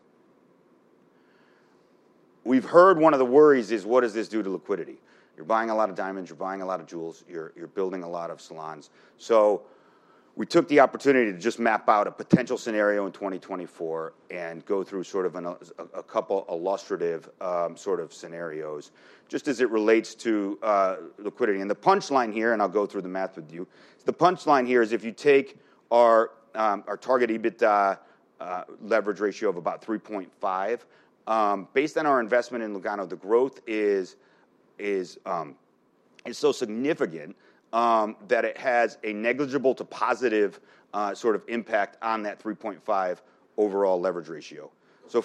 We've heard one of the worries is, what does this do to liquidity? You're buying a lot of diamonds. You're buying a lot of jewels. You're building a lot of salons. We took the opportunity to just map out a potential scenario in 2024 and go through sort of a couple illustrative sort of scenarios just as it relates to liquidity. The punchline here, and I'll go through the math with you, the punchline here is if you take our target EBITDA leverage ratio of about 3.5, based on our investment in Lugano, the growth is so significant that it has a negligible to positive sort of impact on that 3.5 overall leverage ratio.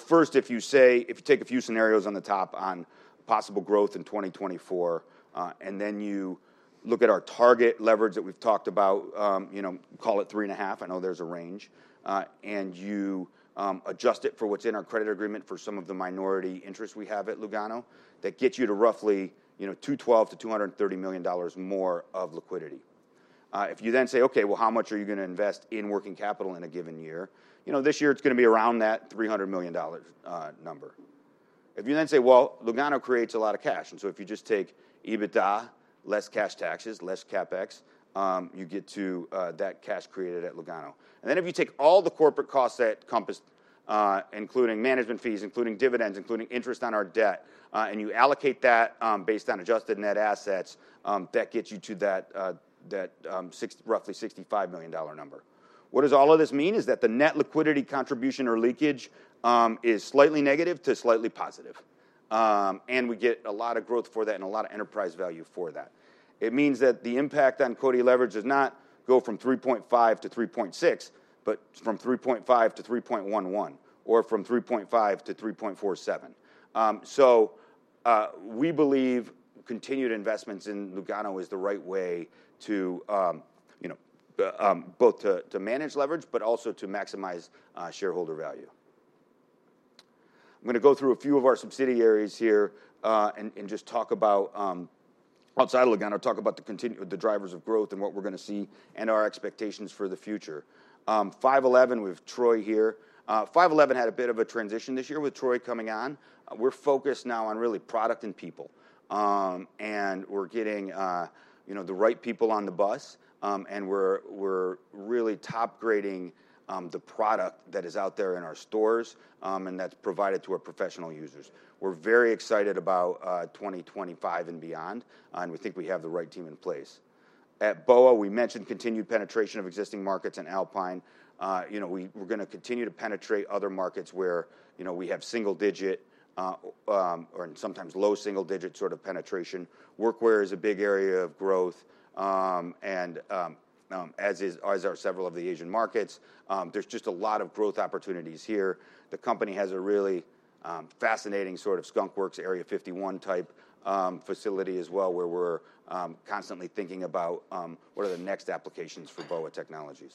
First, if you take a few scenarios on the top on possible growth in 2024, and then you look at our target leverage that we've talked about, call it 3.5. I know there's a range. You adjust it for what's in our credit agreement for some of the minority interest we have at Lugano, that gets you to roughly $212-$230 million more of liquidity. If you then say, "Okay, well, how much are you going to invest in working capital in a given year?" This year, it's going to be around that $300 million number. If you then say, "Well, Lugano creates a lot of cash." And so if you just take EBITDA, less cash taxes, less CapEx, you get to that cash created at Lugano. And then if you take all the corporate costs that encompass, including management fees, including dividends, including interest on our debt, and you allocate that based on Adjusted Net Assets, that gets you to that roughly $65 million number. What does all of this mean? Is that the net liquidity contribution or leakage is slightly negative to slightly positive. And we get a lot of growth for that and a lot of enterprise value for that. It means that the impact on CODI leverage does not go from 3.5 to 3.6, but from 3.5 to 3.11 or from 3.5 to 3.47. So we believe continued investments in Lugano is the right way to both to manage leverage, but also to maximize shareholder value. I'm going to go through a few of our subsidiaries here and just talk about outside of Lugano, talk about the drivers of growth and what we're going to see and our expectations for the future. 5.11, we have Troy here. 5.11 had a bit of a transition this year with Troy coming on. We're focused now on really product and people. And we're getting the right people on the bus. We're really top-grading the product that is out there in our stores and that's provided to our professional users. We're very excited about 2025 and beyond. We think we have the right team in place. At BOA, we mentioned continued penetration of existing markets in alpine. We're going to continue to penetrate other markets where we have single-digit or sometimes low single-digit sort of penetration. Workwear is a big area of growth. And as are several of the Asian markets. There's just a lot of growth opportunities here. The company has a really fascinating sort of Skunk Works Area 51 type facility as well, where we're constantly thinking about what are the next applications for BOA Technology.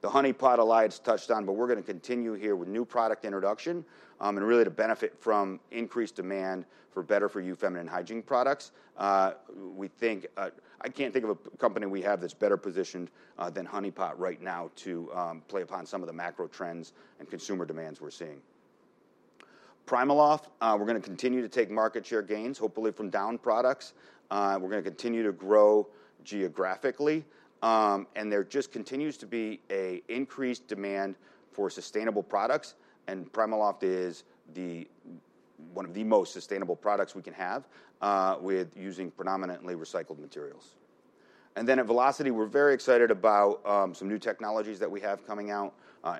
The Honey Pot Elias touched on, but we're going to continue here with new product introduction and really to benefit from increased demand for better-for-you feminine hygiene products. We can't think of a company we have that's better positioned than Honey Pot right now to play upon some of the macro trends and consumer demands we're seeing. PrimaLoft, we're going to continue to take market share gains, hopefully from down products. We're going to continue to grow geographically. There just continues to be an increased demand for sustainable products. PrimaLoft is one of the most sustainable products we can have with using predominantly recycled materials. Then at Velocity, we're very excited about some new technologies that we have coming out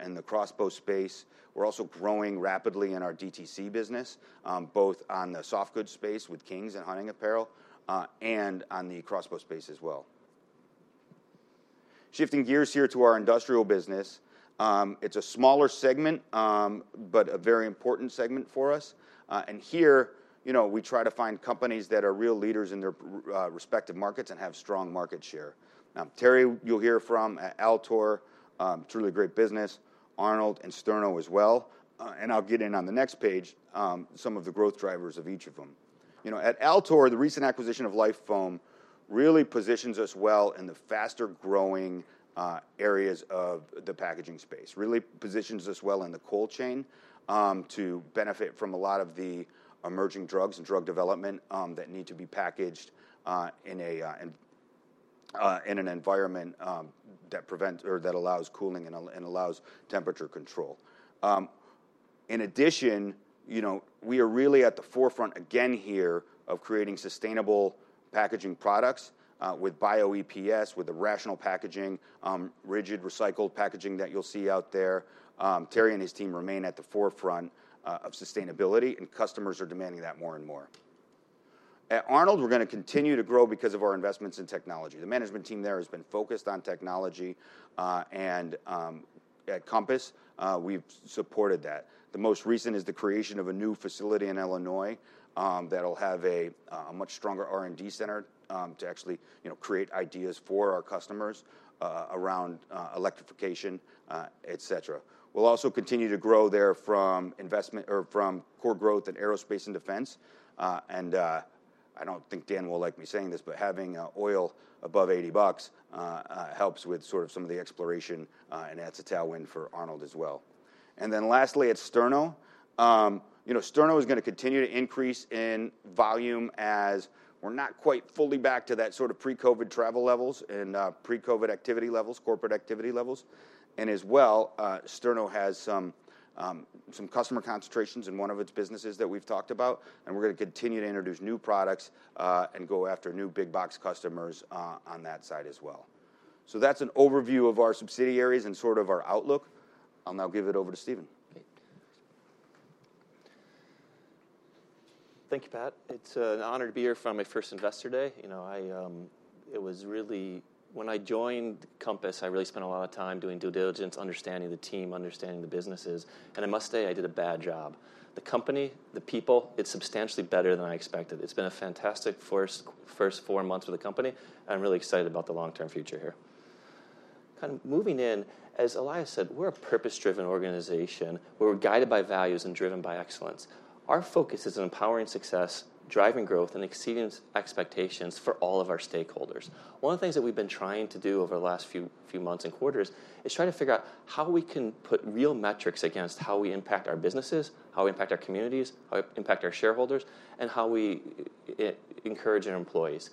in the crossbow space. We're also growing rapidly in our DTC business, both on the soft goods space with King's Camo and hunting apparel and on the crossbow space as well. Shifting gears here to our industrial business. It's a smaller segment, but a very important segment for us. Here, we try to find companies that are real leaders in their respective markets and have strong market share. Terry, you'll hear from at Altor, truly a great business. Arnold and Sterno as well. I'll get in on the next page some of the growth drivers of each of them. At Altor, the recent acquisition of Lifoam really positions us well in the faster-growing areas of the packaging space. It really positions us well in the cold chain to benefit from a lot of the emerging drugs and drug development that need to be packaged in an environment that allows cooling and allows temperature control. In addition, we are really at the forefront again here of creating sustainable packaging products with Bio-EPS, with the RationL packaging, rigid recycled packaging that you'll see out there. Terry and his team remain at the forefront of sustainability. And customers are demanding that more and more. At Arnold, we're going to continue to grow because of our investments in technology. The management team there has been focused on technology. And at Compass, we've supported that. The most recent is the creation of a new facility in Illinois that will have a much stronger R&D center to actually create ideas for our customers around electrification, etc. We'll also continue to grow there from core growth in aerospace and defense. And I don't think Dan will like me saying this, but having oil above $80 helps with sort of some of the exploration and that's a tailwind for Arnold as well. And then lastly, at Sterno, Sterno is going to continue to increase in volume as we're not quite fully back to that sort of pre-COVID travel levels and pre-COVID activity levels, corporate activity levels. And as well, Sterno has some customer concentrations in one of its businesses that we've talked about. And we're going to continue to introduce new products and go after new big box customers on that side as well. So that's an overview of our subsidiaries and sort of our outlook. I'll now give it over to Stephen. Thank you, Pat. It's an honor to be here for my first investor day. It was really, when I joined Compass, I really spent a lot of time doing due diligence, understanding the team, understanding the businesses, and I must say, I did a bad job. The company, the people, it's substantially better than I expected. It's been a fantastic first four months with the company, and I'm really excited about the long-term future here. Kind of moving in, as Elias said, we're a purpose-driven organization. We're guided by values and driven by excellence. Our focus is on empowering success, driving growth, and exceeding expectations for all of our stakeholders. One of the things that we've been trying to do over the last few months and quarters is try to figure out how we can put real metrics against how we impact our businesses, how we impact our communities, how we impact our shareholders, and how we encourage our employees.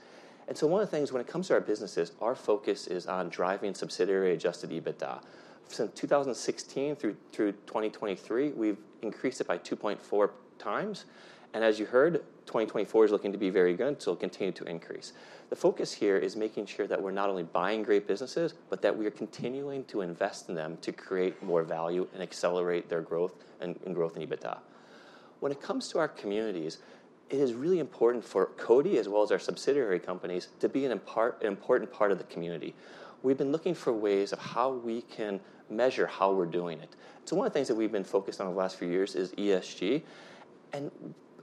And so one of the things when it comes to our businesses, our focus is on driving subsidiary Adjusted EBITDA. Since 2016 through 2023, we've increased it by 2.4 times. And as you heard, 2024 is looking to be very good. So it'll continue to increase. The focus here is making sure that we're not only buying great businesses, but that we are continuing to invest in them to create more value and accelerate their growth and growth in EBITDA. When it comes to our communities, it is really important for CODI as well as our subsidiary companies to be an important part of the community. We've been looking for ways of how we can measure how we're doing it. So one of the things that we've been focused on the last few years is ESG. And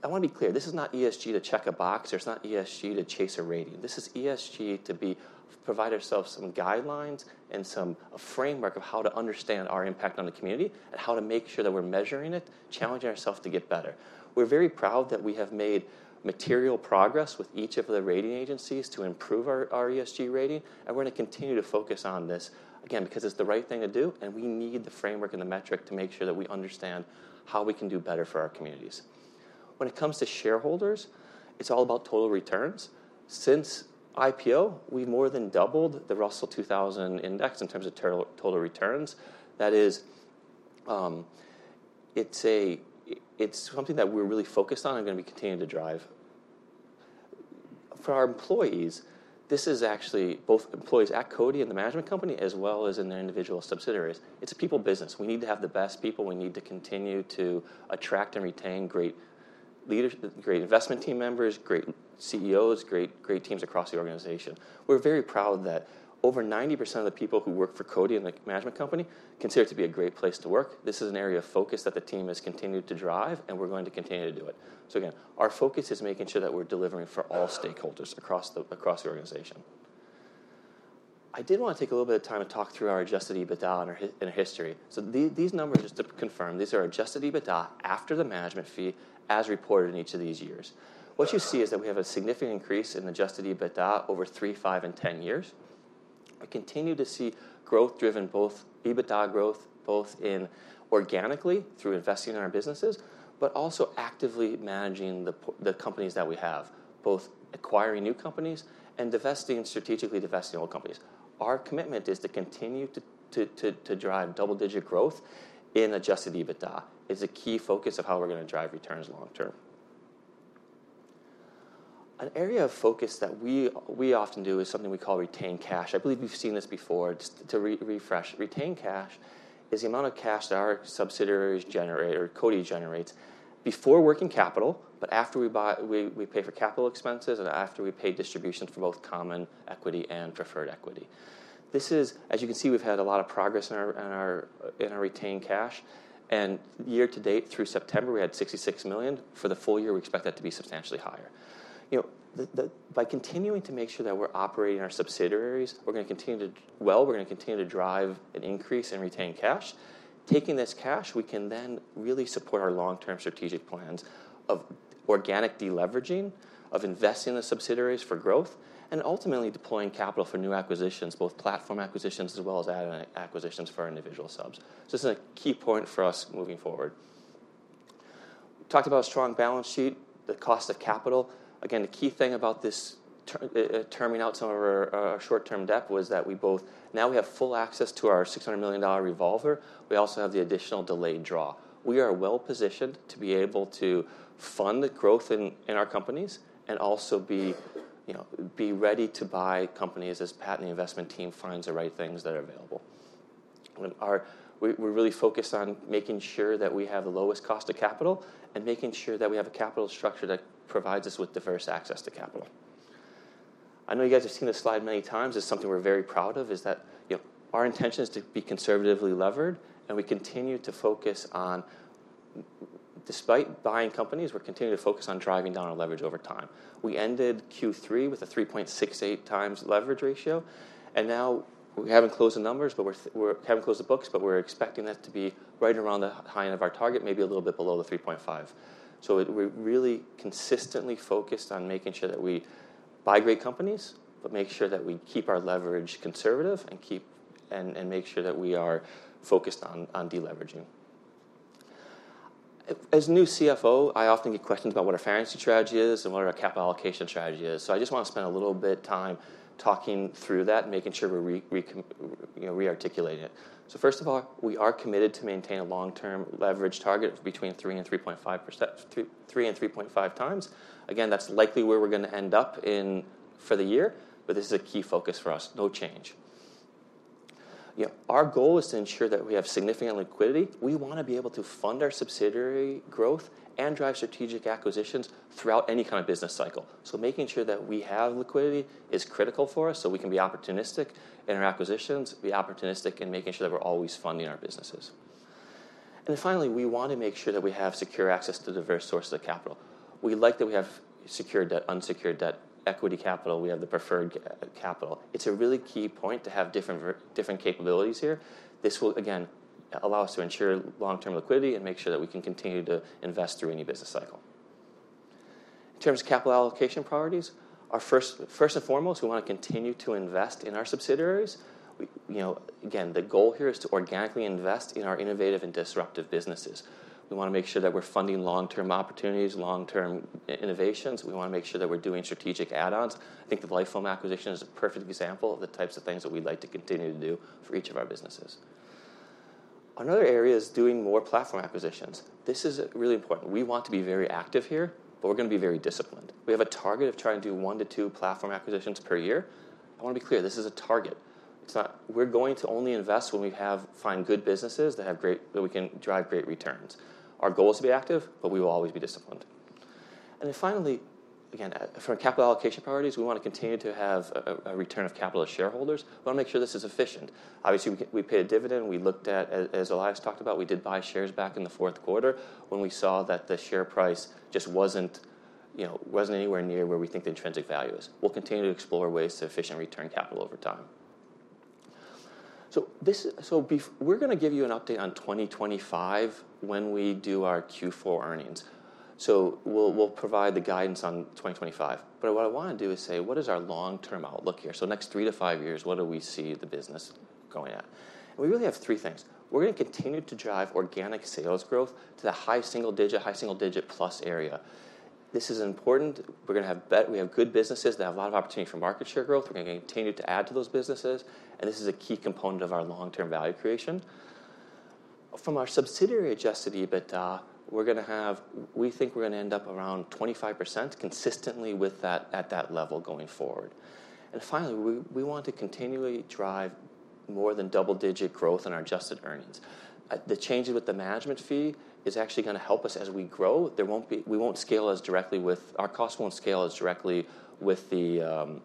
I want to be clear, this is not ESG to check a box or it's not ESG to chase a rating. This is ESG to provide ourselves some guidelines and some framework of how to understand our impact on the community and how to make sure that we're measuring it, challenging ourselves to get better. We're very proud that we have made material progress with each of the rating agencies to improve our ESG rating. And we're going to continue to focus on this, again, because it's the right thing to do. And we need the framework and the metric to make sure that we understand how we can do better for our communities. When it comes to shareholders, it's all about total returns. Since IPO, we've more than doubled the Russell 2000 Index in terms of total returns. That is, it's something that we're really focused on and going to be continuing to drive. For our employees, this is actually both employees at CODI and the management company as well as in their individual subsidiaries. It's a people business. We need to have the best people. We need to continue to attract and retain great investment team members, great CEOs, great teams across the organization. We're very proud that over 90% of the people who work for CODI and the management company consider it to be a great place to work. This is an area of focus that the team has continued to drive. And we're going to continue to do it. So again, our focus is making sure that we're delivering for all stakeholders across the organization. I did want to take a little bit of time to talk through our Adjusted EBITDA and our history. So these numbers, just to confirm, these are our Adjusted EBITDA after the management fee as reported in each of these years. What you see is that we have a significant increase in Adjusted EBITDA over three, five, and 10 years. We continue to see growth driven both EBITDA growth, both organically through investing in our businesses, but also actively managing the companies that we have, both acquiring new companies and strategically divesting old companies. Our commitment is to continue to drive double-digit growth in Adjusted EBITDA. It's a key focus of how we're going to drive returns long term. An area of focus that we often do is something we call retained cash. I believe you've seen this before. Just to refresh, retained cash is the amount of cash that our subsidiaries generate or CODI generates before working capital, but after we pay for capital expenses and after we pay distributions for both common equity and preferred equity. This is, as you can see, we've had a lot of progress in our retained cash, and year to date, through September, we had $66 million. For the full year, we expect that to be substantially higher. By continuing to make sure that we're operating our subsidiaries, we're going to continue to do well. We're going to continue to drive an increase in retained cash. Taking this cash, we can then really support our long-term strategic plans of organic deleveraging, of investing in the subsidiaries for growth, and ultimately deploying capital for new acquisitions, both platform acquisitions as well as added acquisitions for our individual subs. So this is a key point for us moving forward. We talked about a strong balance sheet, the cost of capital. Again, the key thing about this terming out some of our short-term debt was that we both now we have full access to our $600 million revolver. We also have the additional delayed draw. We are well positioned to be able to fund the growth in our companies and also be ready to buy companies as Pat and the investment team find the right things that are available. We're really focused on making sure that we have the lowest cost of capital and making sure that we have a capital structure that provides us with diverse access to capital. I know you guys have seen this slide many times. It's something we're very proud of, is that our intention is to be conservatively levered, and we continue to focus on, despite buying companies, we're continuing to focus on driving down our leverage over time. We ended Q3 with a 3.68 times leverage ratio, and now we haven't closed the numbers, but we haven't closed the books, but we're expecting that to be right around the high end of our target, maybe a little bit below the 3.5. We're really consistently focused on making sure that we buy great companies, but make sure that we keep our leverage conservative and make sure that we are focused on deleveraging. As new CFO, I often get questions about what our financing strategy is and what our capital allocation strategy is. So I just want to spend a little bit of time talking through that and making sure we rearticulate it, so first of all, we are committed to maintain a long-term leverage target of between three and 3.5 times. Again, that's likely where we're going to end up for the year, but this is a key focus for us, no change. Our goal is to ensure that we have significant liquidity. We want to be able to fund our subsidiary growth and drive strategic acquisitions throughout any kind of business cycle. So making sure that we have liquidity is critical for us so we can be opportunistic in our acquisitions, be opportunistic in making sure that we're always funding our businesses. And then finally, we want to make sure that we have secure access to diverse sources of capital. We like that we have secure debt, unsecured debt, equity capital. We have the preferred capital. It's a really key point to have different capabilities here. This will, again, allow us to ensure long-term liquidity and make sure that we can continue to invest through any business cycle. In terms of capital allocation priorities, first and foremost, we want to continue to invest in our subsidiaries. Again, the goal here is to organically invest in our innovative and disruptive businesses. We want to make sure that we're funding long-term opportunities, long-term innovations. We want to make sure that we're doing strategic add-ons. I think the Lifoam acquisition is a perfect example of the types of things that we'd like to continue to do for each of our businesses. Another area is doing more platform acquisitions. This is really important. We want to be very active here, but we're going to be very disciplined. We have a target of trying to do one to two platform acquisitions per year. I want to be clear, this is a target. We're going to only invest when we find good businesses that we can drive great returns. Our goal is to be active, but we will always be disciplined. And then finally, again, from capital allocation priorities, we want to continue to have a return of capital to shareholders. We want to make sure this is efficient. Obviously, we paid a dividend. As Elias talked about, we did buy shares back in the fourth quarter when we saw that the share price just wasn't anywhere near where we think the intrinsic value is. We'll continue to explore ways to efficiently return capital over time. So we're going to give you an update on 2025 when we do our Q4 earnings. So we'll provide the guidance on 2025. But what I want to do is say, what is our long-term outlook here? So next three to five years, what do we see the business going at? And we really have three things. We're going to continue to drive organic sales growth to the high single digit, high single digit plus area. This is important. We're going to have good businesses that have a lot of opportunity for market share growth. We're going to continue to add to those businesses. And this is a key component of our long-term value creation. From our subsidiary Adjusted EBITDA, we think we're going to end up around 25% consistently at that level going forward. Finally, we want to continually drive more than double-digit growth in our adjusted earnings. The changes with the management fee is actually going to help us as we grow. Our costs won't scale as directly with the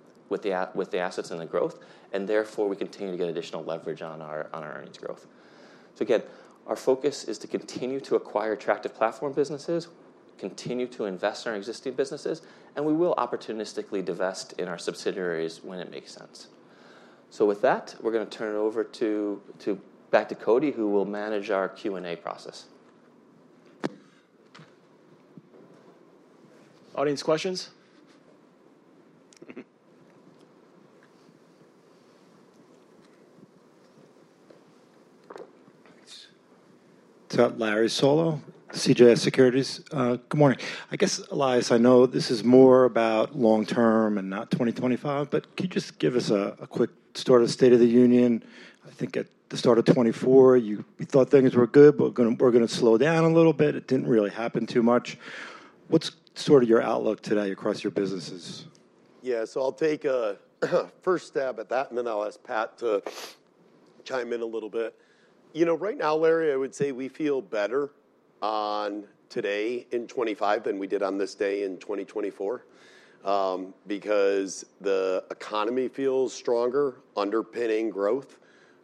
assets and the growth. Therefore, we continue to get additional leverage on our earnings growth. Again, our focus is to continue to acquire attractive platform businesses, continue to invest in our existing businesses, and we will opportunistically divest in our subsidiaries when it makes sense. With that, we're going to turn it over back to Cody, who will manage our Q&A process. Audience questions? It's Larry Solow, CJS Securities. Good morning. I guess, Elias, I know this is more about long term and not 2025, but can you just give us a quick sort of state of the union? I think at the start of 2024, we thought things were good, but we're going to slow down a little bit. It didn't really happen too much. What's sort of your outlook today across your businesses? Yeah, so I'll take a first stab at that, and then I'll ask Pat to chime in a little bit. Right now, Larry, I would say we feel better today in 2025 than we did on this day in 2024 because the economy feels stronger, underpinning growth.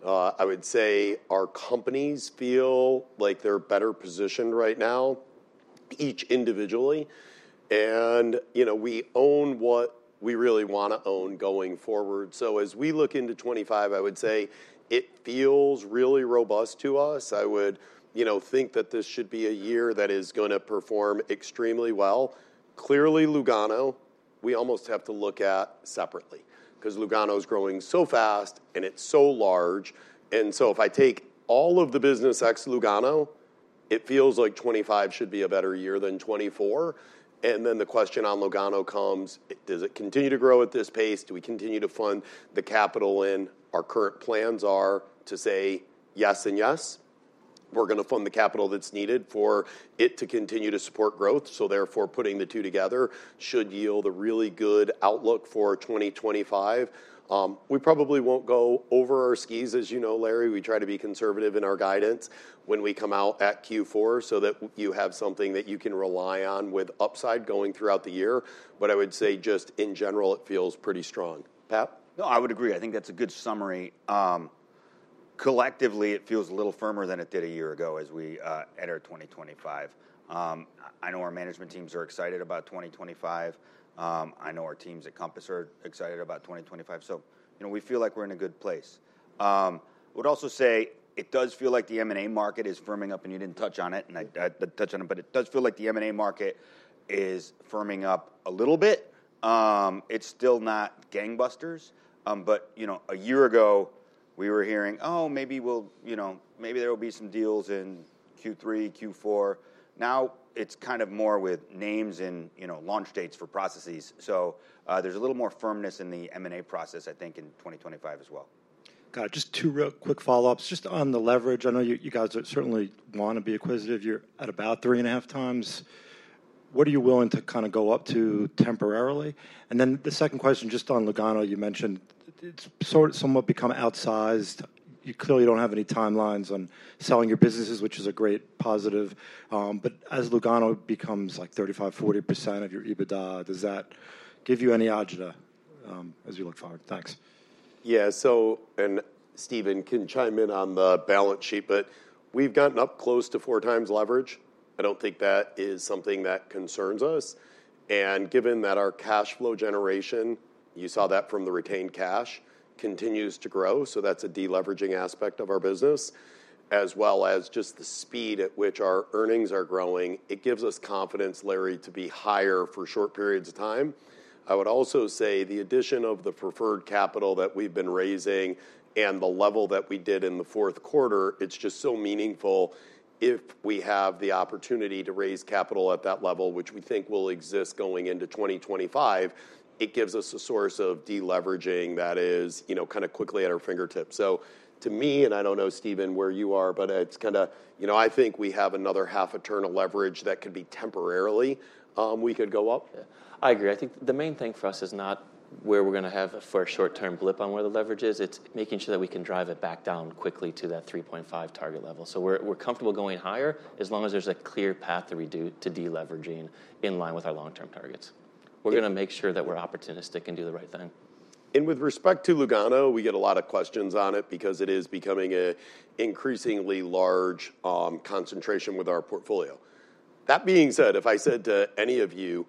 I would say our companies feel like they're better positioned right now each individually. And we own what we really want to own going forward. So as we look into 2025, I would say it feels really robust to us. I would think that this should be a year that is going to perform extremely well. Clearly, Lugano, we almost have to look at separately because Lugano is growing so fast and it's so large. And so if I take all of the business ex Lugano, it feels like 2025 should be a better year than 2024. And then the question on Lugano comes: does it continue to grow at this pace? Do we continue to fund the capital in? Our current plans are to say yes and yes. We're going to fund the capital that's needed for it to continue to support growth. So therefore, putting the two together should yield a really good outlook for 2025. We probably won't go over our skis, as you know, Larry. We try to be conservative in our guidance when we come out at Q4 so that you have something that you can rely on with upside going throughout the year. But I would say just in general, it feels pretty strong. Pat? No, I would agree. I think that's a good summary. Collectively, it feels a little firmer than it did a year ago as we enter 2025. I know our management teams are excited about 2025. I know our teams at Compass are excited about 2025. So we feel like we're in a good place. I would also say it does feel like the M&A market is firming up, and you didn't touch on it, and I did touch on it, but it does feel like the M&A market is firming up a little bit. It's still not gangbusters. But a year ago, we were hearing, oh, maybe there will be some deals in Q3, Q4. Now it's kind of more with names and launch dates for processes. So there's a little more firmness in the M&A process, I think, in 2025 as well. Got it. Just two real quick follow-ups. Just on the leverage, I know you guys certainly want to be acquisitive. You're at about three and a half times. What are you willing to kind of go up to temporarily? And then the second question, just on Lugano, you mentioned it's somewhat become outsized. You clearly don't have any timelines on selling your businesses, which is a great positive. But as Lugano becomes like 35%, 40% of your EBITDA, does that give you any agita as you look forward? Thanks. Yeah. So, Stephen can chime in on the balance sheet, but we've gotten up close to four times leverage. I don't think that is something that concerns us. Given that our cash flow generation, you saw that from the retained cash, continues to grow. That's a deleveraging aspect of our business, as well as just the speed at which our earnings are growing. It gives us confidence, Larry, to be higher for short periods of time. I would also say the addition of the preferred capital that we've been raising and the level that we did in the fourth quarter. It's just so meaningful. If we have the opportunity to raise capital at that level, which we think will exist going into 2025, it gives us a source of deleveraging that is kind of quickly at our fingertips. To me, and I don't know, Stephen, where you are, but it's kind of. I think we have another half a turn of leverage that could be temporarily. We could go up. I agree. I think the main thing for us is not where we're going to have a short-term blip on where the leverage is. It's making sure that we can drive it back down quickly to that 3.5 target level. So we're comfortable going higher as long as there's a clear path to deleveraging in line with our long-term targets. We're going to make sure that we're opportunistic and do the right thing. And with respect to Lugano, we get a lot of questions on it because it is becoming an increasingly large concentration with our portfolio. That being said, if I said to any of you,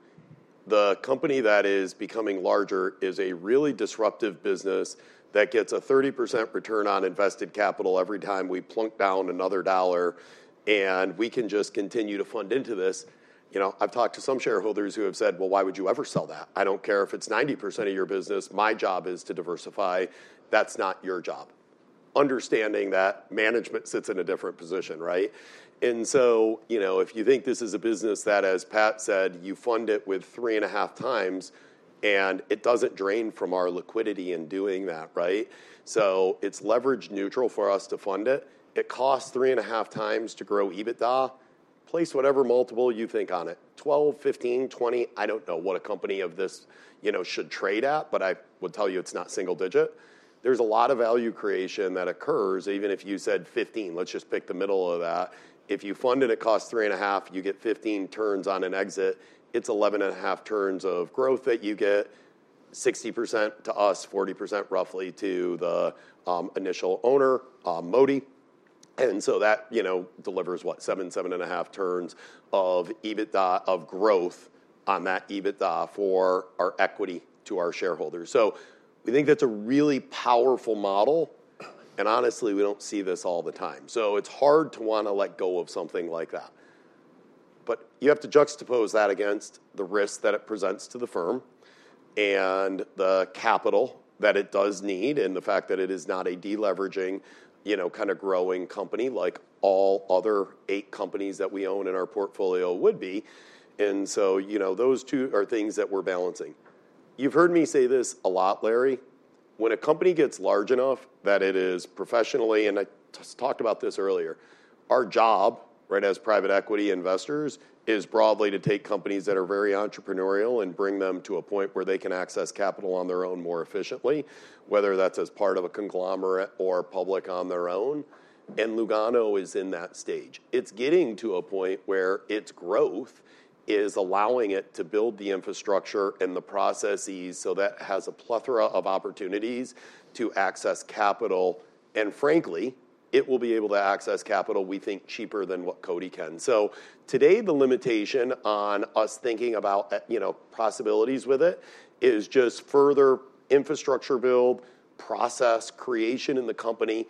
the company that is becoming larger is a really disruptive business that gets a 30% return on invested capital every time we plunk down another dollar, and we can just continue to fund into this. I've talked to some shareholders who have said, well, why would you ever sell that? I don't care if it's 90% of your business. My job is to diversify. That's not your job. Understanding that management sits in a different position, right? And so if you think this is a business that, as Pat said, you fund it with three and a half times, and it doesn't drain from our liquidity in doing that, right? It's leverage neutral for us to fund it. It costs three and a half times to grow EBITDA. Place whatever multiple you think on it. 12, 15, 20, I don't know what a company of this should trade at, but I will tell you it's not single digit. There's a lot of value creation that occurs. Even if you said 15, let's just pick the middle of that. If you fund and it costs three and a half, you get 15 turns on an exit. It's 11 and a half turns of growth that you get, 60% to us, 40% roughly to the initial owner, Moti And so that delivers what, seven, seven and a half turns of growth on that EBITDA for our equity to our shareholders. We think that's a really powerful model. And honestly, we don't see this all the time. So it's hard to want to let go of something like that. But you have to juxtapose that against the risk that it presents to the firm and the capital that it does need and the fact that it is not a deleveraging kind of growing company like all other eight companies that we own in our portfolio would be. And so those two are things that we're balancing. You've heard me say this a lot, Larry. When a company gets large enough that it is professionally, and I talked about this earlier, our job as private equity investors is broadly to take companies that are very entrepreneurial and bring them to a point where they can access capital on their own more efficiently, whether that's as part of a conglomerate or public on their own. And Lugano is in that stage. It's getting to a point where its growth is allowing it to build the infrastructure and the processes so that it has a plethora of opportunities to access capital. Frankly, it will be able to access capital, we think, cheaper than what CODI can. Today, the limitation on us thinking about possibilities with it is just further infrastructure build, process creation in the company.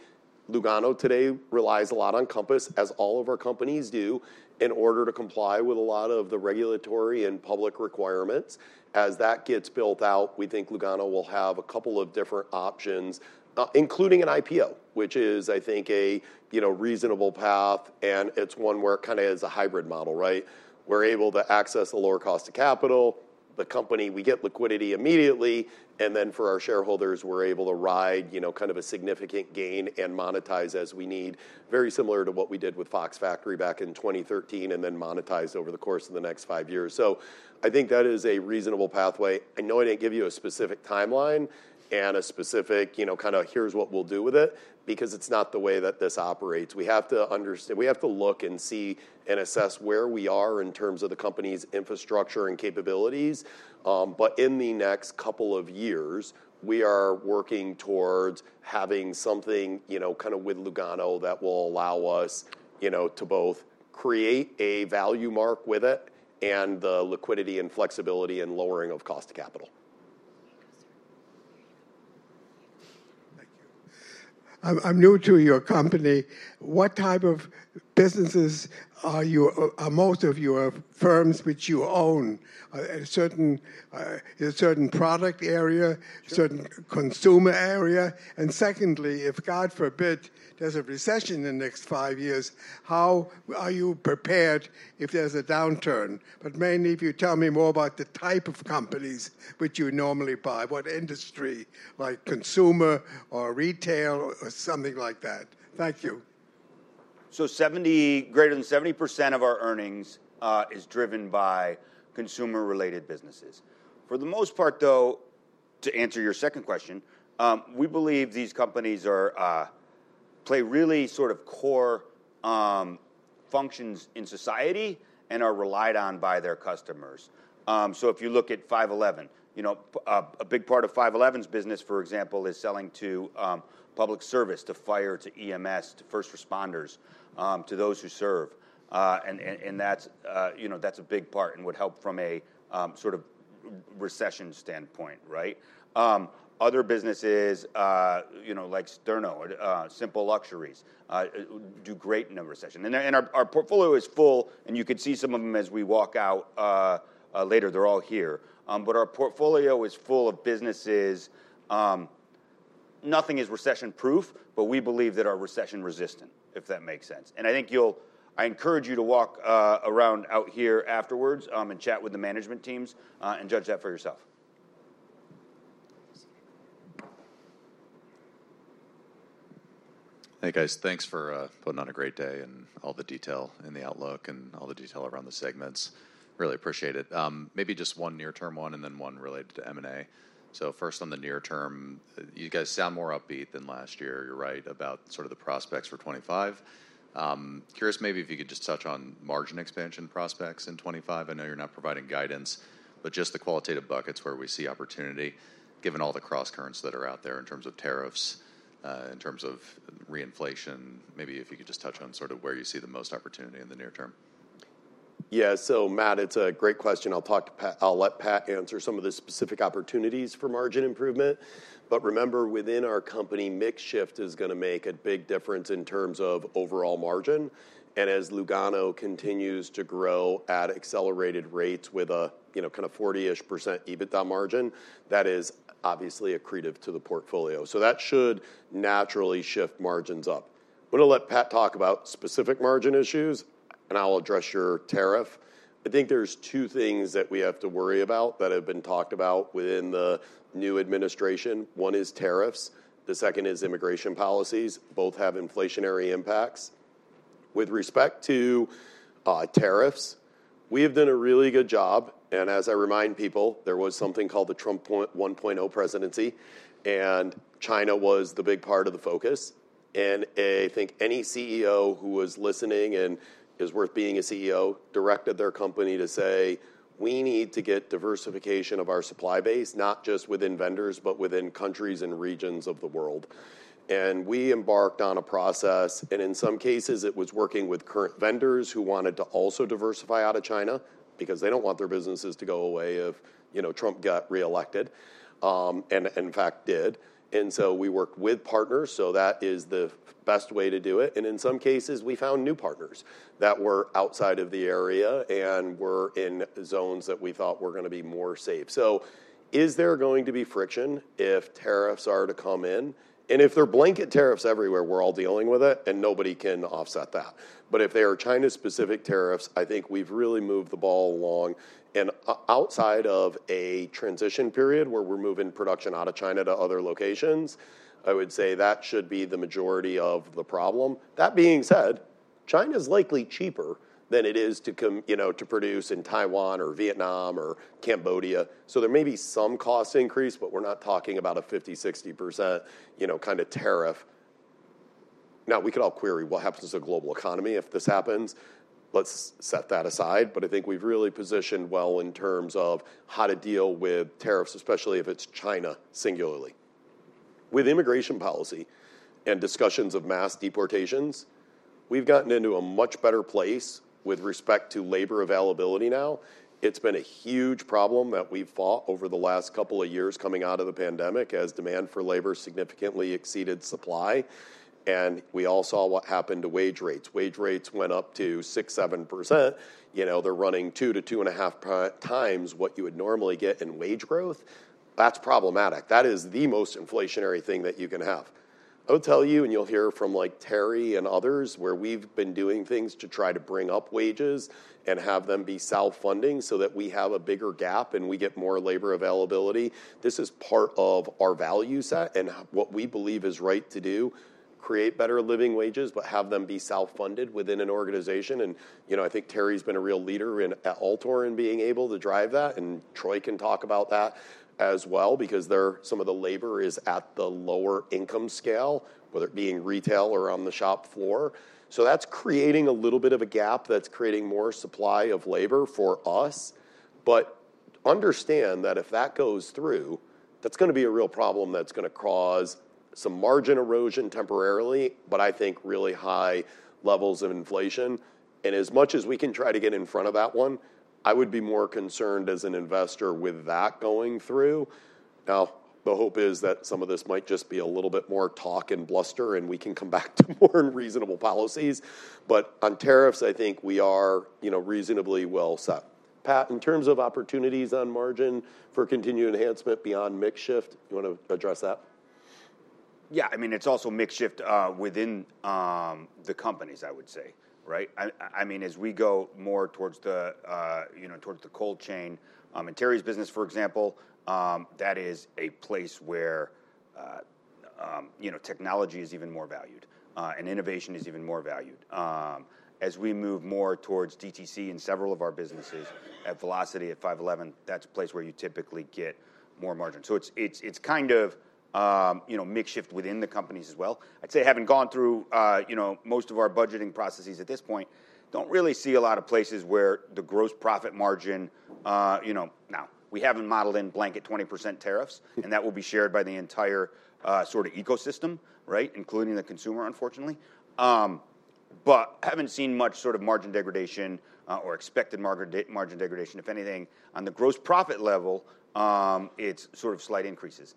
Lugano today relies a lot on Compass, as all of our companies do, in order to comply with a lot of the regulatory and public requirements. As that gets built out, we think Lugano will have a couple of different options, including an IPO, which is, I think, a reasonable path. It's one where it kind of is a hybrid model, right? We're able to access a lower cost of capital. The company, we get liquidity immediately. For our shareholders, we're able to ride kind of a significant gain and monetize as we need, very similar to what we did with Fox Factory back in 2013 and then monetized over the course of the next five years. I think that is a reasonable pathway. I know I didn't give you a specific timeline and a specific kind of here's what we'll do with it because it's not the way that this operates. We have to look and see and assess where we are in terms of the company's infrastructure and capabilities. In the next couple of years, we are working towards having something kind of with Lugano that will allow us to both create a value mark with it and the liquidity and flexibility and lowering of cost of capital. Thank you. I'm new to your company. What type of businesses are most of your firms which you own? Is it a certain product area, certain consumer area? And secondly, if God forbid, there's a recession in the next five years, how are you prepared if there's a downturn? But mainly, if you tell me more about the type of companies which you normally buy, what industry, like consumer or retail or something like that. Thank you. Greater than 70% of our earnings is driven by consumer-related businesses. For the most part, though, to answer your second question, we believe these companies play really sort of core functions in society and are relied on by their customers. If you look at 5.11, a big part of 5.11's business, for example, is selling to public service, to fire, to EMS, to first responders, to those who serve. And that's a big part and would help from a sort of recession standpoint, right? Other businesses like Sterno, simple luxuries, do great in a recession. And our portfolio is full, and you could see some of them as we walk out later. They're all here. But our portfolio is full of businesses. Nothing is recession-proof, but we believe that are recession-resistant, if that makes sense. I think I encourage you to walk around out here afterwards and chat with the management teams and judge that for yourself. Hey, guys. Thanks for putting on a great day and all the detail in the outlook and all the detail around the segments. Really appreciate it. Maybe just one near-term one and then one related to M&A. So first on the near-term, you guys sound more upbeat than last year. You're right about sort of the prospects for 2025. Curious maybe if you could just touch on margin expansion prospects in 2025. I know you're not providing guidance, but just the qualitative buckets where we see opportunity given all the cross currents that are out there in terms of tariffs, in terms of reinflation. Maybe if you could just touch on sort of where you see the most opportunity in the near term. Yeah. So Matt, it's a great question. I'll let Pat answer some of the specific opportunities for margin improvement. But remember, within our company, mix shift is going to make a big difference in terms of overall margin. And as Lugano continues to grow at accelerated rates with a kind of 40-ish% EBITDA margin, that is obviously accretive to the portfolio. So that should naturally shift margins up. I'm going to let Pat talk about specific margin issues, and I'll address your tariff. I think there's two things that we have to worry about that have been talked about within the new administration. One is tariffs. The second is immigration policies. Both have inflationary impacts. With respect to tariffs, we have done a really good job. And as I remind people, there was something called the Trump 1.0 presidency, and China was the big part of the focus. And I think any CEO who was listening and is worth being a CEO directed their company to say, we need to get diversification of our supply base, not just within vendors, but within countries and regions of the world. And we embarked on a process, and in some cases, it was working with current vendors who wanted to also diversify out of China because they don't want their businesses to go away if Trump got reelected. And in fact, did. And so we worked with partners. So that is the best way to do it. And in some cases, we found new partners that were outside of the area and were in zones that we thought were going to be more safe. So is there going to be friction if tariffs are to come in? And if they're blanket tariffs everywhere, we're all dealing with it, and nobody can offset that. But if they are China-specific tariffs, I think we've really moved the ball along. And outside of a transition period where we're moving production out of China to other locations, I would say that should be the majority of the problem. That being said, China is likely cheaper than it is to produce in Taiwan or Vietnam or Cambodia. So there may be some cost increase, but we're not talking about a 50%-60% kind of tariff. Now, we could all query what happens to the global economy if this happens. Let's set that aside. But I think we've really positioned well in terms of how to deal with tariffs, especially if it's China singularly. With immigration policy and discussions of mass deportations, we've gotten into a much better place with respect to labor availability now. It's been a huge problem that we've fought over the last couple of years coming out of the pandemic as demand for labor significantly exceeded supply. And we all saw what happened to wage rates. Wage rates went up to 6%-7%. They're running two to two and a half times what you would normally get in wage growth. That's problematic. That is the most inflationary thing that you can have. I'll tell you, and you'll hear from Terry and others where we've been doing things to try to bring up wages and have them be self-funding so that we have a bigger gap and we get more labor availability. This is part of our value set and what we believe is right to do: create better living wages, but have them be self-funded within an organization, and I think Terry's been a real leader at Altor in being able to drive that, and Troy can talk about that as well because some of the labor is at the lower income scale, whether it being retail or on the shop floor, so that's creating a little bit of a gap that's creating more supply of labor for us, but understand that if that goes through, that's going to be a real problem that's going to cause some margin erosion temporarily, but I think really high levels of inflation, and as much as we can try to get in front of that one, I would be more concerned as an investor with that going through. Now, the hope is that some of this might just be a little bit more talk and bluster, and we can come back to more reasonable policies. But on tariffs, I think we are reasonably well set. Pat, in terms of opportunities on margin for continued enhancement beyond mix shift, you want to address that? Yeah. I mean, it's also mix shift within the companies, I would say, right? I mean, as we go more towards the cold chain and Terry's business, for example, that is a place where technology is even more valued and innovation is even more valued. As we move more towards DTC and several of our businesses at Velocity, at 5.11, that's a place where you typically get more margin. So it's kind of mix shift within the companies as well. I'd say having gone through most of our budgeting processes at this point, don't really see a lot of places where the gross profit margin now, we haven't modeled in blanket 20% tariffs, and that will be shared by the entire sort of ecosystem, right, including the consumer, unfortunately. But haven't seen much sort of margin degradation or expected margin degradation, if anything. On the gross profit level, it's sort of slight increases.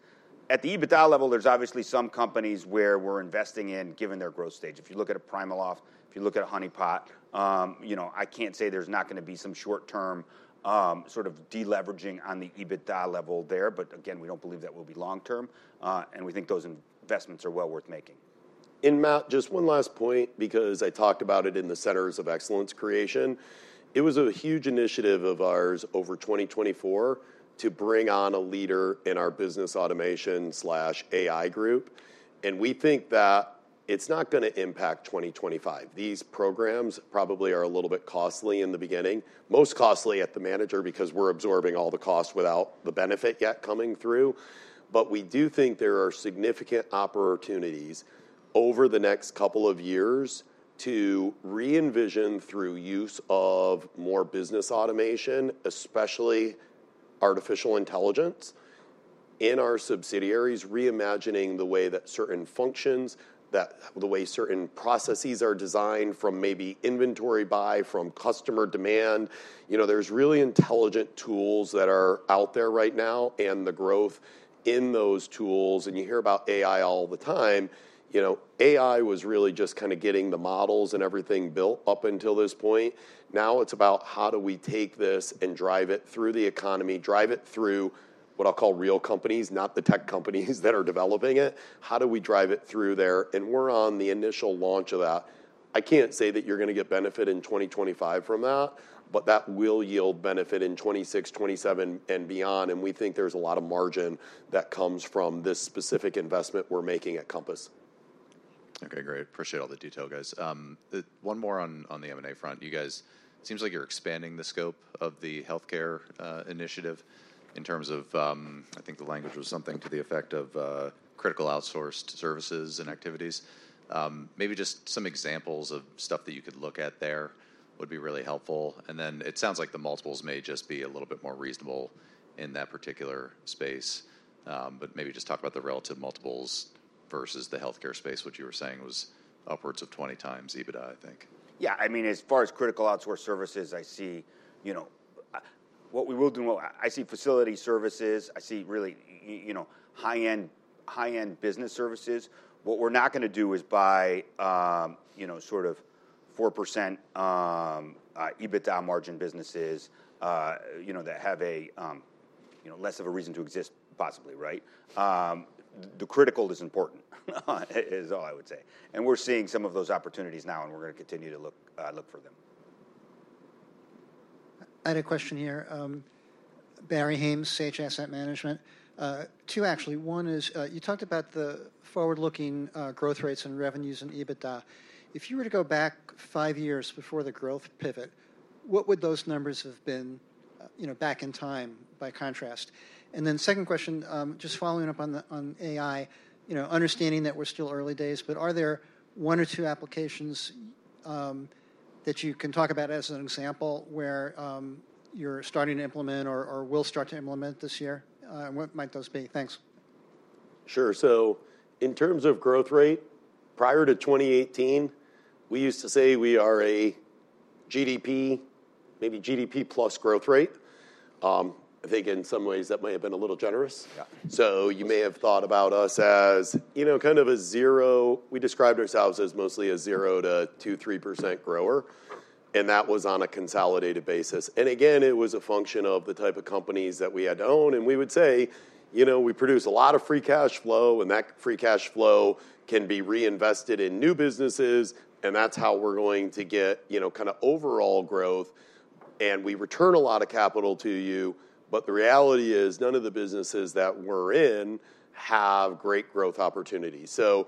At the EBITDA level, there's obviously some companies where we're investing in given their growth stage. If you look at a PrimaLoft, if you look at a Honey Pot, I can't say there's not going to be some short-term sort of deleveraging on the EBITDA level there, but again, we don't believe that will be long-term, and we think those investments are well worth making. And Matt, just one last point because I talked about it in the Centers of Excellence creation. It was a huge initiative of ours over 2024 to bring on a leader in our business automation/AI group. And we think that it's not going to impact 2025. These programs probably are a little bit costly in the beginning, most costly at the margin because we're absorbing all the cost without the benefit yet coming through. But we do think there are significant opportunities over the next couple of years to re-envision through use of more business automation, especially artificial intelligence in our subsidiaries, reimagining the way that certain functions, the way certain processes are designed from maybe inventory buy, from customer demand. There's really intelligent tools that are out there right now and the growth in those tools. And you hear about AI all the time. AI was really just kind of getting the models and everything built up until this point. Now it's about how do we take this and drive it through the economy, drive it through what I'll call real companies, not the tech companies that are developing it. How do we drive it through there, and we're on the initial launch of that. I can't say that you're going to get benefit in 2025 from that, but that will yield benefit in 2026, 2027, and beyond, and we think there's a lot of margin that comes from this specific investment we're making at Compass. Okay, great. Appreciate all the detail, guys. One more on the M&A front. You guys, it seems like you're expanding the scope of the healthcare initiative in terms of, I think the language was something to the effect of critical outsourced services and activities. Maybe just some examples of stuff that you could look at there would be really helpful. And then it sounds like the multiples may just be a little bit more reasonable in that particular space. But maybe just talk about the relative multiples versus the healthcare space, which you were saying was upwards of 20 times EBITDA, I think. Yeah. I mean, as far as critical outsource services, I see what we will do, I see facility services. I see really high-end business services. What we're not going to do is buy sort of 4% EBITDA margin businesses that have less of a reason to exist, possibly, right? The critical is important, is all I would say. And we're seeing some of those opportunities now, and we're going to continue to look for them. I had a question here. Barry Haimes, Sage Asset Management. Two, actually. One is you talked about the forward-looking growth rates and revenues and EBITDA. If you were to go back five years before the growth pivot, what would those numbers have been back in time by contrast? And then second question, just following up on AI, understanding that we're still early days, but are there one or two applications that you can talk about as an example where you're starting to implement or will start to implement this year? What might those be? Thanks. Sure. So in terms of growth rate, prior to 2018, we used to say we are a GDP, maybe GDP plus growth rate. I think in some ways that might have been a little generous, so you may have thought about us as kind of a zero. We described ourselves as mostly a zero to 2-3% grower, and that was on a consolidated basis, and again, it was a function of the type of companies that we had to own, and we would say we produce a lot of free cash flow, and that free cash flow can be reinvested in new businesses, and that's how we're going to get kind of overall growth, and we return a lot of capital to you, but the reality is none of the businesses that we're in have great growth opportunities. So,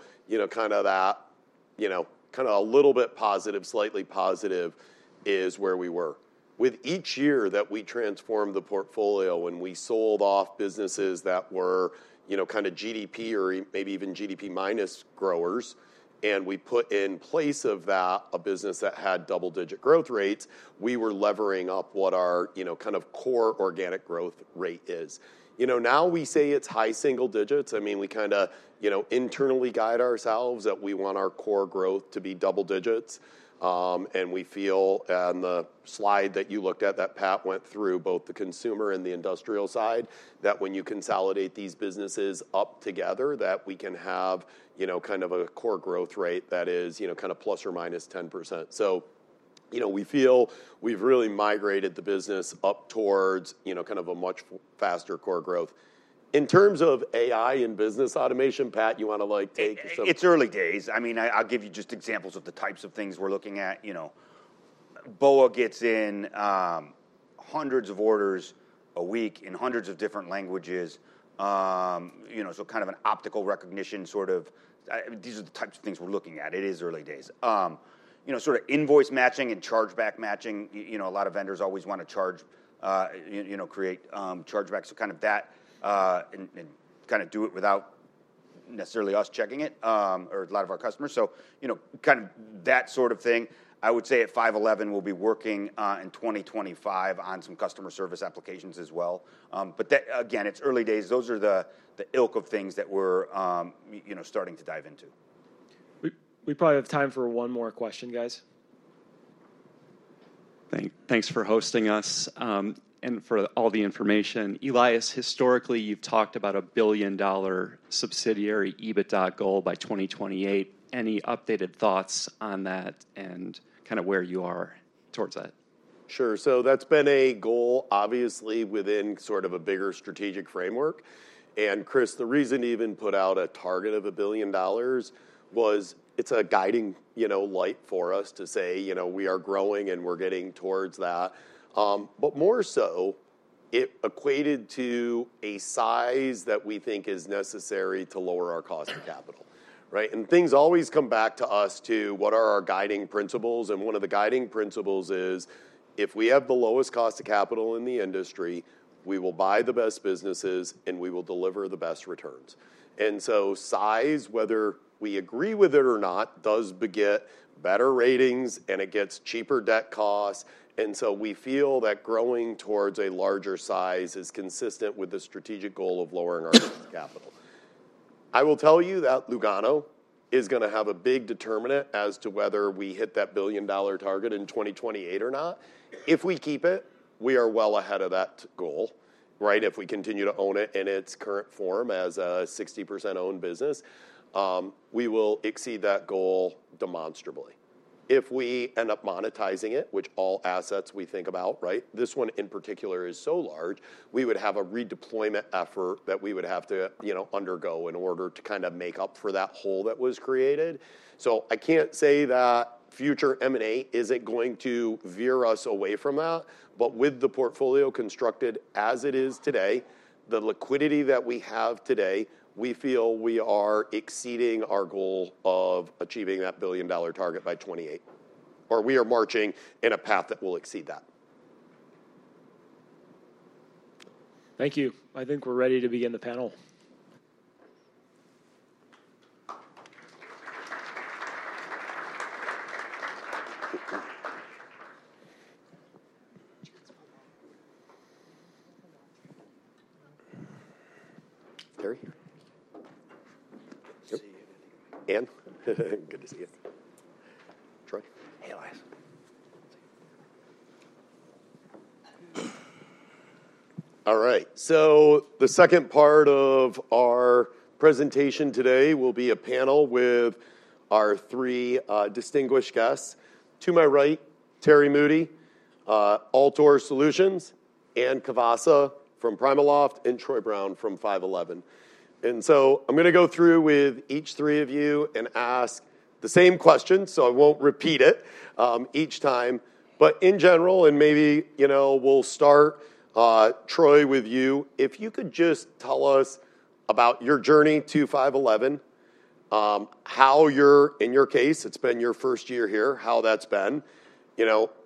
kind of that kind of a little bit positive, slightly positive is where we were. With each year that we transformed the portfolio and we sold off businesses that were kind of GDP or maybe even GDP minus growers, and we put in place of that a business that had double-digit growth rates, we were levering up what our kind of core organic growth rate is. Now we say it's high single digits. I mean, we kind of internally guide ourselves that we want our core growth to be double digits. And we feel on the slide that you looked at that Pat went through, both the consumer and the industrial side, that when you consolidate these businesses up together, that we can have kind of a core growth rate that is kind of plus or minus 10%. So we feel we've really migrated the business up towards kind of a much faster core growth. In terms of AI and business automation, Pat, you want to take yourself? It's early days. I mean, I'll give you just examples of the types of things we're looking at. BOA gets in hundreds of orders a week in hundreds of different languages. So kind of an optical recognition sort of these are the types of things we're looking at. It is early days. Sort of invoice matching and chargeback matching. A lot of vendors always want to create chargeback, so kind of that and kind of do it without necessarily us checking it or a lot of our customers. So kind of that sort of thing. I would say at 5.11, we'll be working in 2025 on some customer service applications as well. But again, it's early days. Those are the ilk of things that we're starting to dive into. We probably have time for one more question, guys. Thanks for hosting us and for all the information. Elias, historically, you've talked about a billion-dollar subsidiary EBITDA goal by 2028. Any updated thoughts on that and kind of where you are towards that? Sure. So that's been a goal, obviously, within sort of a bigger strategic framework. And Chris, the reason you even put out a target of $1 billion was it's a guiding light for us to say we are growing and we're getting towards that. But more so, it equated to a size that we think is necessary to lower our cost of capital, right? And things always come back to us to what are our guiding principles. And one of the guiding principles is if we have the lowest cost of capital in the industry, we will buy the best businesses and we will deliver the best returns. And so size, whether we agree with it or not, does get better ratings and it gets cheaper debt costs. And so we feel that growing towards a larger size is consistent with the strategic goal of lowering our cost of capital. I will tell you that Lugano is going to have a big determinant as to whether we hit that $1 billion target in 2028 or not. If we keep it, we are well ahead of that goal, right? If we continue to own it in its current form as a 60% owned business, we will exceed that goal demonstrably. If we end up monetizing it, which all assets we think about, right? This one in particular is so large, we would have a redeployment effort that we would have to undergo in order to kind of make up for that hole that was created. So I can't say that future M&A isn't going to veer us away from that. But with the portfolio constructed as it is today, the liquidity that we have today, we feel we are exceeding our goal of achieving that billion-dollar target by 2028, or we are marching in a path that will exceed that. Thank you. I think we're ready to begin the panel. Terry? Yep. Good to see you. Anne? Good to see you. Troy? Hey Elias. All right. So the second part of our presentation today will be a panel with our three distinguished guests. To my right, Terry Moody, Altor Solutions, Anne Cavassa from PrimaLoft, and Troy Brown from 5.11. And so I'm going to go through with each three of you and ask the same question, so I won't repeat it each time. But in general, and maybe we'll start, Troy, with you. If you could just tell us about your journey to 5.11, how you're, in your case, it's been your first year here, how that's been.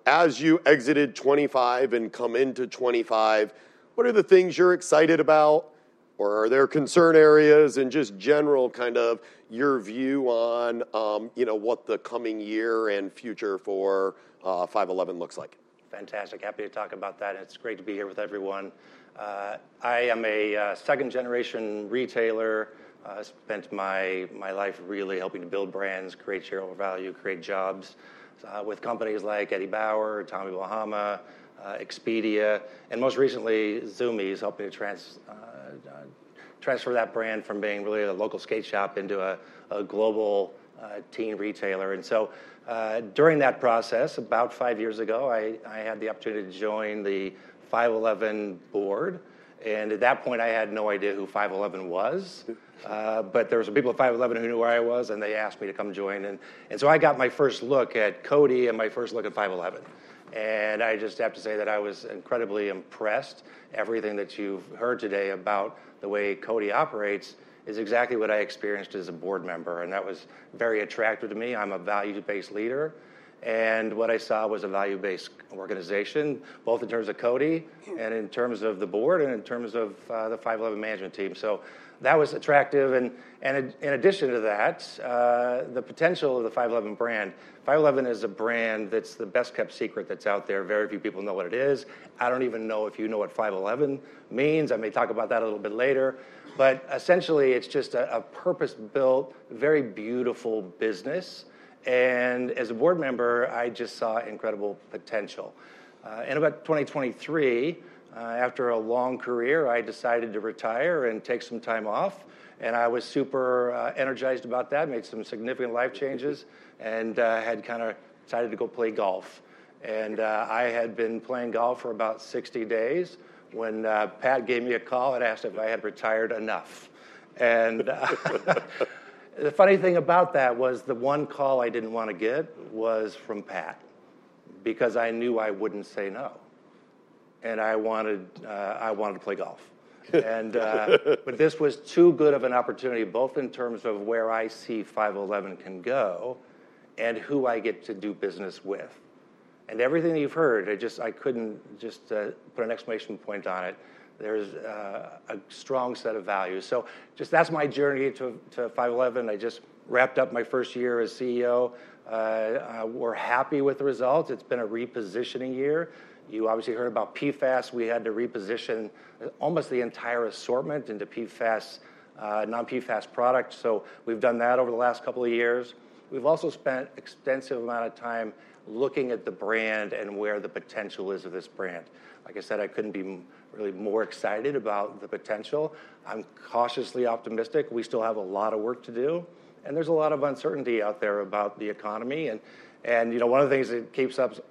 As you exited 2024 and come into 2025, what are the things you're excited about, or are there concern areas, and just general kind of your view on what the coming year and future for 5.11 looks like? Fantastic. Happy to talk about that. It's great to be here with everyone. I am a second-generation retailer. I spent my life really helping to build brands, create shareable value, create jobs with companies like Eddie Bauer, Tommy Bahama, Expedia, and most recently, Zumiez, helping to transfer that brand from being really a local skate shop into a global teen retailer. And so during that process, about five years ago, I had the opportunity to join the 5.11 board. And at that point, I had no idea who 5.11 was. But there were some people at 5.11 who knew where I was, and they asked me to come join. And so I got my first look at CODI and my first look at 5.11. And I just have to say that I was incredibly impressed. Everything that you've heard today about the way CODI operates is exactly what I experienced as a board member. And that was very attractive to me. I'm a value-based leader. And what I saw was a value-based organization, both in terms of CODI and in terms of the board and in terms of the 5.11 management team. So that was attractive. And in addition to that, the potential of the 5.11 brand. 5.11 is a brand that's the best-kept secret that's out there. Very few people know what it is. I don't even know if you know what 5.11 means. I may talk about that a little bit later. But essentially, it's just a purpose-built, very beautiful business. And as a board member, I just saw incredible potential. In about 2023, after a long career, I decided to retire and take some time off. I was super energized about that, made some significant life changes, and had kind of decided to go play golf. I had been playing golf for about 60 days when Pat gave me a call and asked if I had retired enough. The funny thing about that was the one call I didn't want to get was from Pat because I knew I wouldn't say no. I wanted to play golf. But this was too good of an opportunity, both in terms of where I see 5.11 can go and who I get to do business with. Everything you've heard, I couldn't just put an exclamation point on it. There's a strong set of values. So just that's my journey to 5.11. I just wrapped up my first year as CEO. We're happy with the results. It's been a repositioning year. You obviously heard about PFAS. We had to reposition almost the entire assortment into PFAS, non-PFAS products. So we've done that over the last couple of years. We've also spent an extensive amount of time looking at the brand and where the potential is of this brand. Like I said, I couldn't be really more excited about the potential. I'm cautiously optimistic. We still have a lot of work to do. And there's a lot of uncertainty out there about the economy. And one of the things that keeps us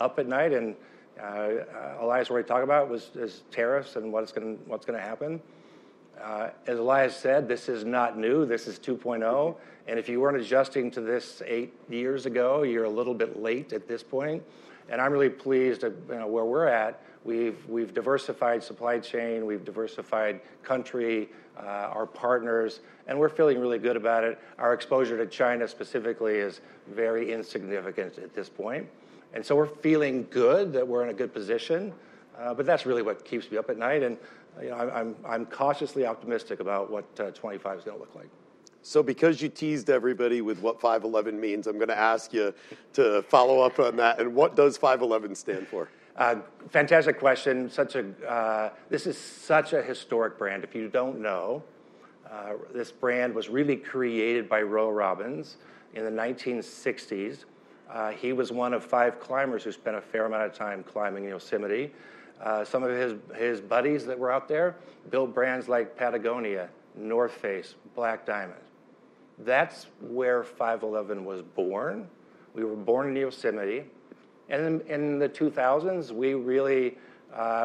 up at night, and Elias already talked about, was this tariffs and what's going to happen. As Elias said, this is not new. This is 2.0. And if you weren't adjusting to this eight years ago, you're a little bit late at this point. And I'm really pleased at where we're at. We've diversified supply chain. We've diversified countries with our partners. And we're feeling really good about it. Our exposure to China specifically is very insignificant at this point. And so we're feeling good that we're in a good position. But that's really what keeps me up at night. And I'm cautiously optimistic about what 2025 is going to look like. So because you teased everybody with what 5.11 means, I'm going to ask you to follow up on that. And what does 5.11 stand for? Fantastic question. This is such a historic brand. If you don't know, this brand was really created by Royal Robbins in the 1960s. He was one of five climbers who spent a fair amount of time climbing Yosemite. Some of his buddies that were out there built brands like Patagonia, The North Face, Black Diamond. That's where 5.11 was born. We were born in Yosemite, and in the 2000s, we really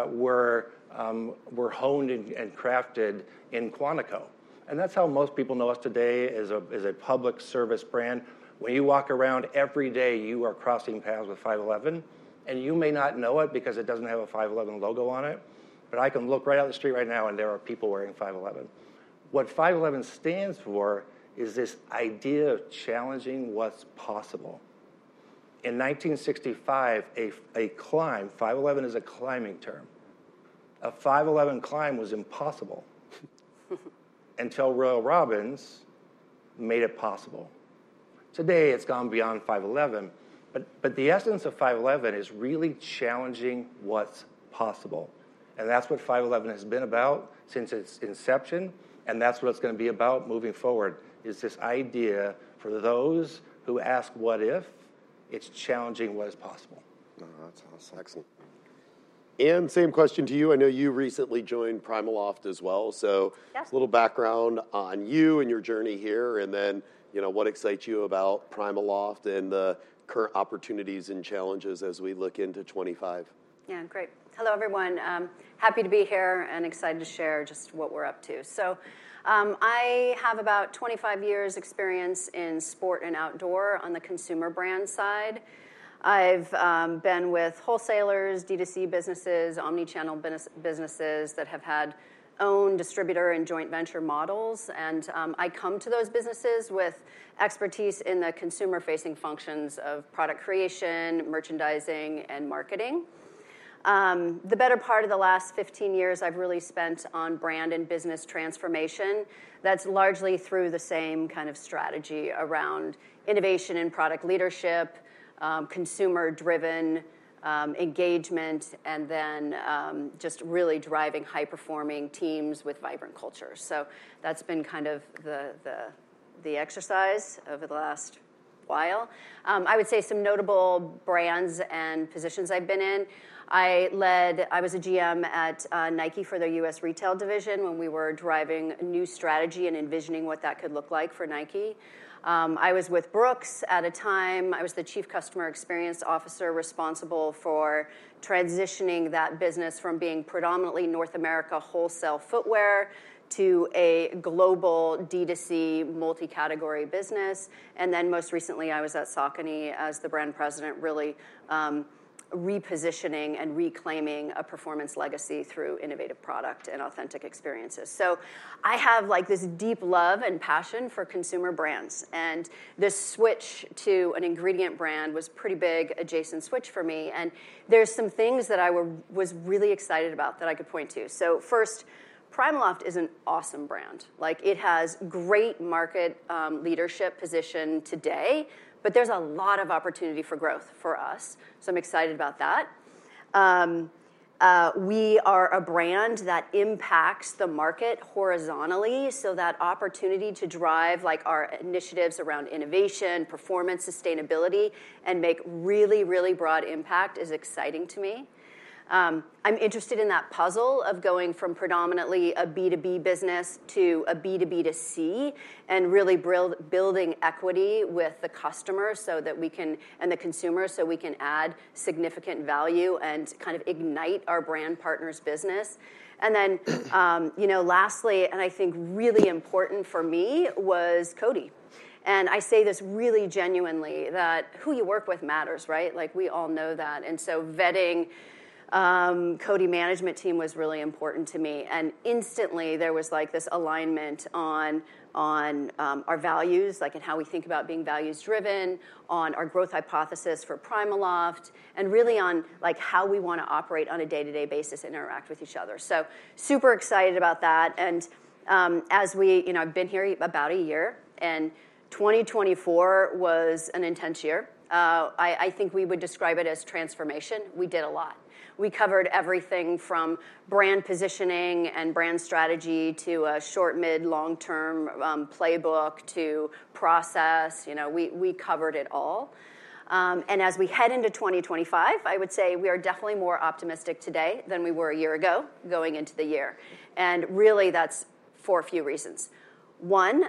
were honed and crafted in Quantico, and that's how most people know us today as a public service brand. When you walk around every day, you are crossing paths with 5.11, and you may not know it because it doesn't have a 5.11 logo on it. But I can look right out the street right now, and there are people wearing 5.11. What 5.11 stands for is this idea of challenging what's possible. In 1965, a 5.11 climb is a climbing term. A 5.11 climb was impossible until Royal Robbins made it possible. Today, it's gone beyond 5.11. But the essence of 5.11 is really challenging what's possible. And that's what 5.11 has been about since its inception. And that's what it's going to be about moving forward, is this idea for those who ask what if, it's challenging what is possible. Oh, that's awesome. Anne, same question to you. I know you recently joined PrimaLoft as well. So a little background on you and your journey here, and then what excites you about PrimaLoft and the current opportunities and challenges as we look into 2025. Yeah, great. Hello, everyone. Happy to be here and excited to share just what we're up to. So I have about 25 years' experience in sport and outdoor on the consumer brand side. I've been with wholesalers, D2C businesses, omnichannel businesses that have had own distributor and joint venture models. And I come to those businesses with expertise in the consumer-facing functions of product creation, merchandising, and marketing. The better part of the last 15 years, I've really spent on brand and business transformation. That's largely through the same kind of strategy around innovation and product leadership, consumer-driven engagement, and then just really driving high-performing teams with vibrant cultures. So that's been kind of the exercise over the last while. I would say some notable brands and positions I've been in. I was a GM at Nike for their U.S. retail division when we were driving a new strategy and envisioning what that could look like for Nike. I was with Brooks at a time. I was the Chief Customer Experience Officer responsible for transitioning that business from being predominantly North America wholesale footwear to a global D2C multi-category business, and then most recently, I was at Saucony as the Brand President, really repositioning and reclaiming a performance legacy through innovative product and authentic experiences, so I have this deep love and passion for consumer brands, and this switch to an ingredient brand was a pretty big adjacent switch for me, and there are some things that I was really excited about that I could point to, so first, PrimaLoft is an awesome brand. It has great market leadership position today, but there's a lot of opportunity for growth for us. So I'm excited about that. We are a brand that impacts the market horizontally. So that opportunity to drive our initiatives around innovation, performance, sustainability, and make really, really broad impact is exciting to me. I'm interested in that puzzle of going from predominantly a B2B business to a B2B2C and really building equity with the customer and the consumer so we can add significant value and kind of ignite our brand partner's business. And then lastly, and I think really important for me was CODI. And I say this really genuinely that who you work with matters, right? We all know that. And so vetting CODI management team was really important to me. And instantly, there was this alignment on our values and how we think about being values-driven, on our growth hypothesis for PrimaLoft, and really on how we want to operate on a day-to-day basis and interact with each other. So super excited about that. And as we've been here about a year, and 2024 was an intense year. I think we would describe it as transformation. We did a lot. We covered everything from brand positioning and brand strategy to a short, mid, long-term playbook to process. We covered it all. And as we head into 2025, I would say we are definitely more optimistic today than we were a year ago going into the year. And really, that's for a few reasons. One,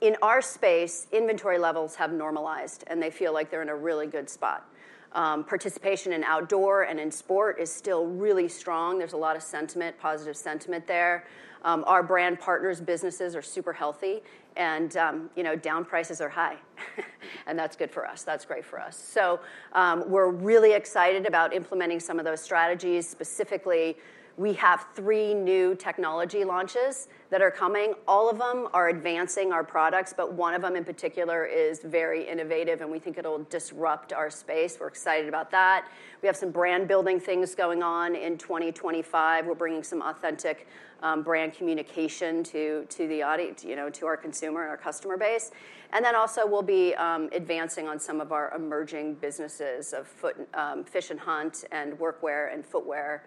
in our space, inventory levels have normalized, and they feel like they're in a really good spot. Participation in outdoor and in sport is still really strong. There's a lot of positive sentiment there. Our brand partners' businesses are super healthy, and down prices are high. And that's good for us. That's great for us. So we're really excited about implementing some of those strategies. Specifically, we have three new technology launches that are coming. All of them are advancing our products, but one of them in particular is very innovative, and we think it'll disrupt our space. We're excited about that. We have some brand-building things going on in 2025. We're bringing some authentic brand communication to our consumer and our customer base. And then also, we'll be advancing on some of our emerging businesses of fish and hunt and workwear and footwear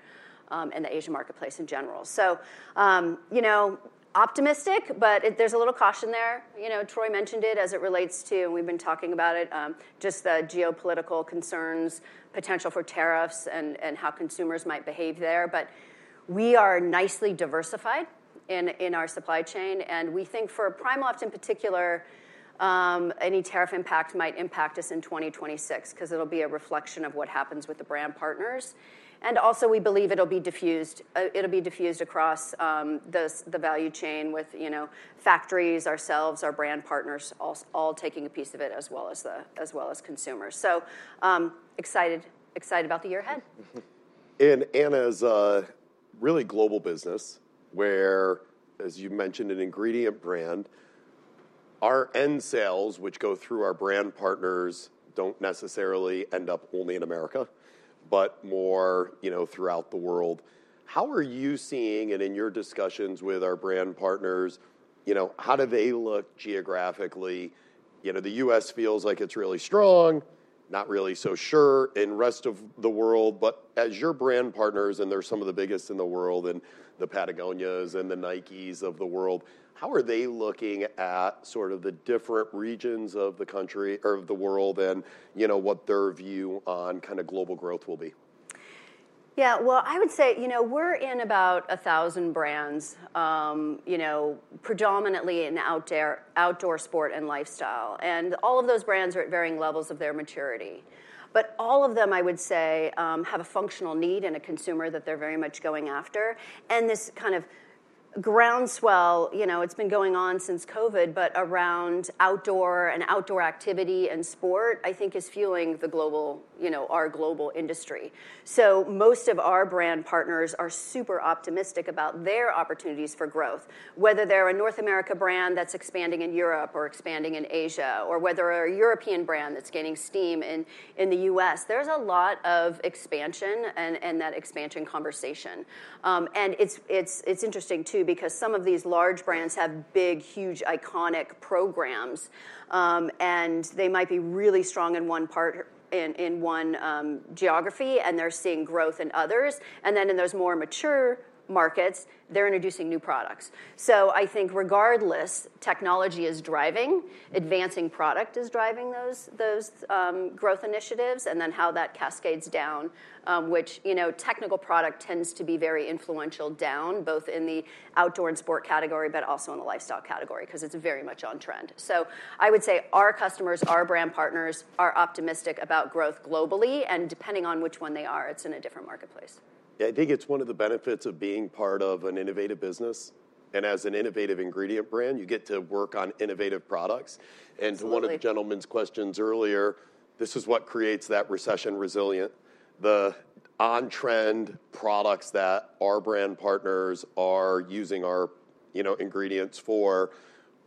in the Asian marketplace in general. So optimistic, but there's a little caution there. Troy mentioned it as it relates to, and we've been talking about it, just the geopolitical concerns, potential for tariffs, and how consumers might behave there. But we are nicely diversified in our supply chain. And we think for PrimaLoft in particular, any tariff impact might impact us in 2026 because it'll be a reflection of what happens with the brand partners. And also, we believe it'll be diffused across the value chain with factories, ourselves, our brand partners all taking a piece of it as well as consumers. So excited about the year ahead. In Anne's really global business, where, as you mentioned, an ingredient brand, our end sales, which go through our brand partners, don't necessarily end up only in America, but more throughout the world. How are you seeing, and in your discussions with our brand partners, how do they look geographically? The US feels like it's really strong, not really so sure in the rest of the world. But as your brand partners, and they're some of the biggest in the world, and the Patagonias and the Nikes of the world, how are they looking at sort of the different regions of the country or of the world and what their view on kind of global growth will be? Yeah, well, I would say we're in about 1,000 brands, predominantly in outdoor sport and lifestyle, and all of those brands are at varying levels of their maturity, but all of them, I would say, have a functional need and a consumer that they're very much going after, and this kind of groundswell, it's been going on since COVID, but around outdoor and outdoor activity and sport, I think, is fueling our global industry, so most of our brand partners are super optimistic about their opportunities for growth, whether they're a North America brand that's expanding in Europe or expanding in Asia, or whether they're a European brand that's gaining steam in the U.S. There's a lot of expansion and that expansion conversation, and it's interesting, too, because some of these large brands have big, huge, iconic programs. They might be really strong in one part, in one geography, and they're seeing growth in others. Then in those more mature markets, they're introducing new products. I think regardless, technology is driving. Advancing product is driving those growth initiatives. Then how that cascades down, which technical product tends to be very influential down, both in the outdoor and sport category, but also in the lifestyle category because it's very much on trend. I would say our customers, our brand partners are optimistic about growth globally. Depending on which one they are, it's in a different marketplace. Yeah, I think it's one of the benefits of being part of an innovative business. And as an innovative ingredient brand, you get to work on innovative products. And to one of the gentlemen's questions earlier, this is what creates that recession resilient, the on-trend products that our brand partners are using our ingredients for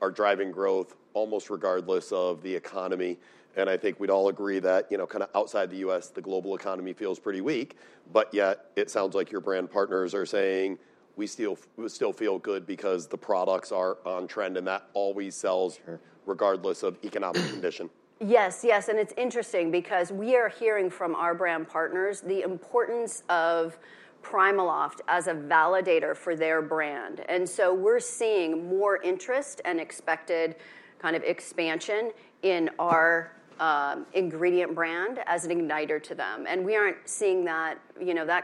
are driving growth almost regardless of the economy. And I think we'd all agree that kind of outside the U.S., the global economy feels pretty weak. But yet, it sounds like your brand partners are saying, we still feel good because the products are on trend. And that always sells regardless of economic condition. Yes, yes. And it's interesting because we are hearing from our brand partners the importance of PrimaLoft as a validator for their brand. And so we're seeing more interest and expected kind of expansion in our ingredient brand as an igniter to them. And we aren't seeing that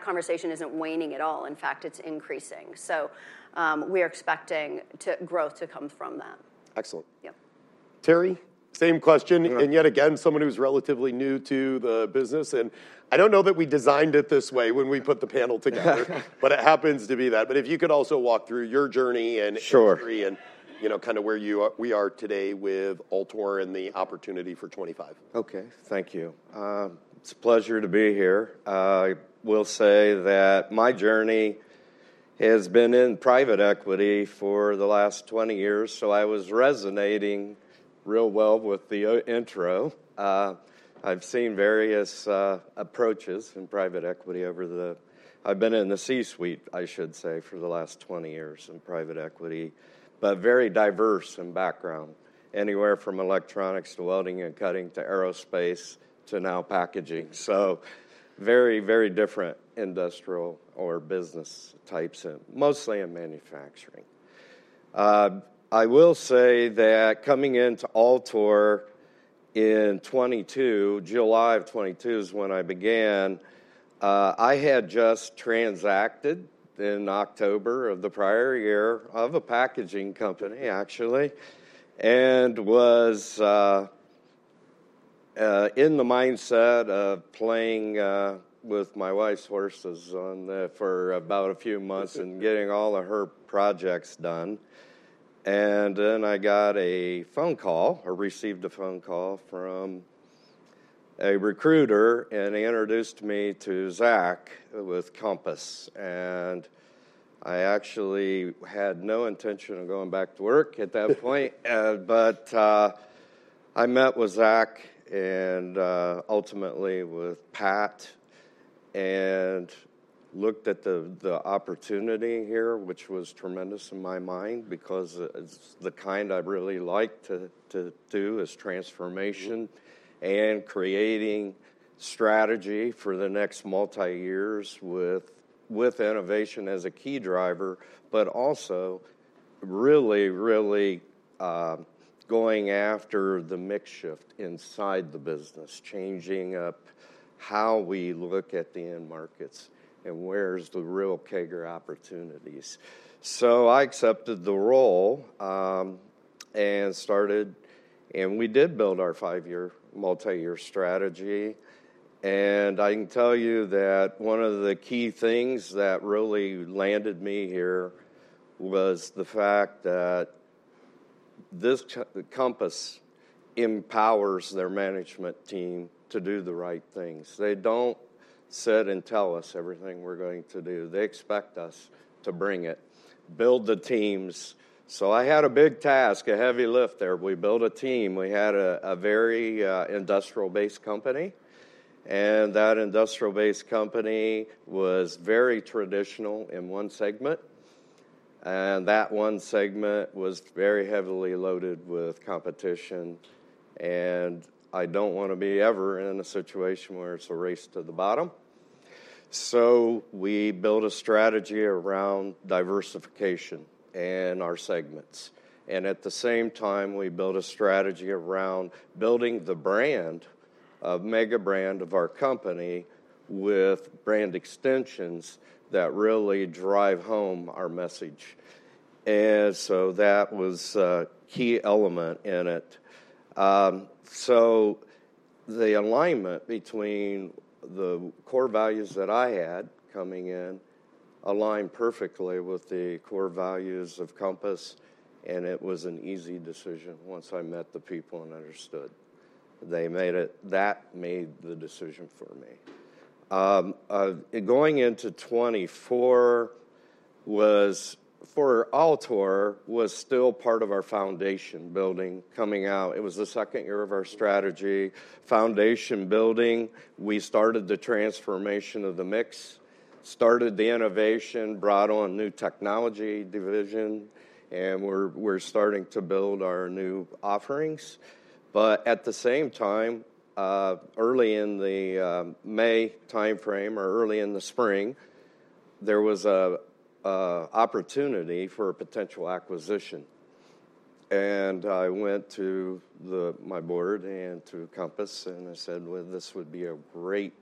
conversation waning at all. In fact, it's increasing. So we are expecting growth to come from that. Excellent. Terry, same question. And yet again, someone who's relatively new to the business. And I don't know that we designed it this way when we put the panel together, but it happens to be that. But if you could also walk through your journey and history and kind of where we are today with Altor and the opportunity for '25. Okay, thank you. It's a pleasure to be here. I will say that my journey has been in private equity for the last 20 years. So I was resonating real well with the intro. I've seen various approaches in private equity. I've been in the C-suite, I should say, for the last 20 years in private equity, but very diverse in background, anywhere from electronics to welding and cutting to aerospace to now packaging. So very, very different industrial or business types, mostly in manufacturing. I will say that coming into Altor in 2022, July of 2022 is when I began. I had just transacted in October of the prior year of a packaging company, actually, and was in the mindset of playing with my wife's horses for about a few months and getting all of her projects done. Then I got a phone call or received a phone call from a recruiter, and they introduced me to Zach with Compass. I actually had no intention of going back to work at that point. I met with Zach and ultimately with Pat and looked at the opportunity here, which was tremendous in my mind because it's the kind I really like to do, is transformation and creating strategy for the next multi-years with innovation as a key driver, but also really, really going after the mix shift inside the business, changing up how we look at the end markets and where's the real bigger opportunities. I accepted the role and started, and we did build our five-year multi-year strategy. And I can tell you that one of the key things that really landed me here was the fact that Compass empowers their management team to do the right things. They don't sit and tell us everything we're going to do. They expect us to bring it, build the teams. So I had a big task, a heavy lift there. We built a team. We had a very industrial-based company. And that industrial-based company was very traditional in one segment. And that one segment was very heavily loaded with competition. And I don't want to be ever in a situation where it's a race to the bottom. So we built a strategy around diversification in our segments. And at the same time, we built a strategy around building the brand, a mega brand of our company with brand extensions that really drive home our message. And so that was a key element in it. So the alignment between the core values that I had coming in aligned perfectly with the core values of Compass. And it was an easy decision once I met the people and understood. That made the decision for me. Going into 2024 for Altor was still part of our foundation building. It was the second year of our strategy foundation building. We started the transformation of the mix, started the innovation, brought on new technology division. And we're starting to build our new offerings. But at the same time, early in the May time frame or early in the spring, there was an opportunity for a potential acquisition. And I went to my board and to Compass, and I said, well, this would be a great,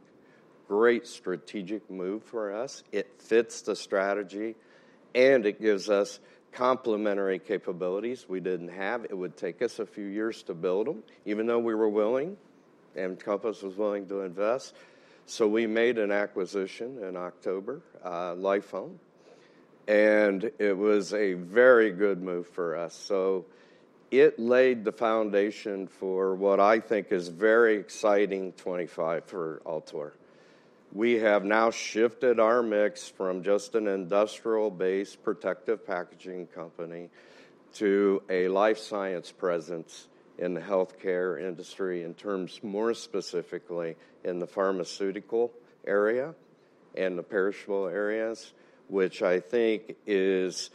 great strategic move for us. It fits the strategy, and it gives us complementary capabilities we didn't have. It would take us a few years to build them, even though we were willing, and Compass was willing to invest. So we made an acquisition in October, Lifoam. And it was a very good move for us. So it laid the foundation for what I think is a very exciting 2025 for Altor. We have now shifted our mix from just an industrial-based protective packaging company to a life science presence in the health care industry in terms more specifically in the pharmaceutical area and the perishable areas, which I think is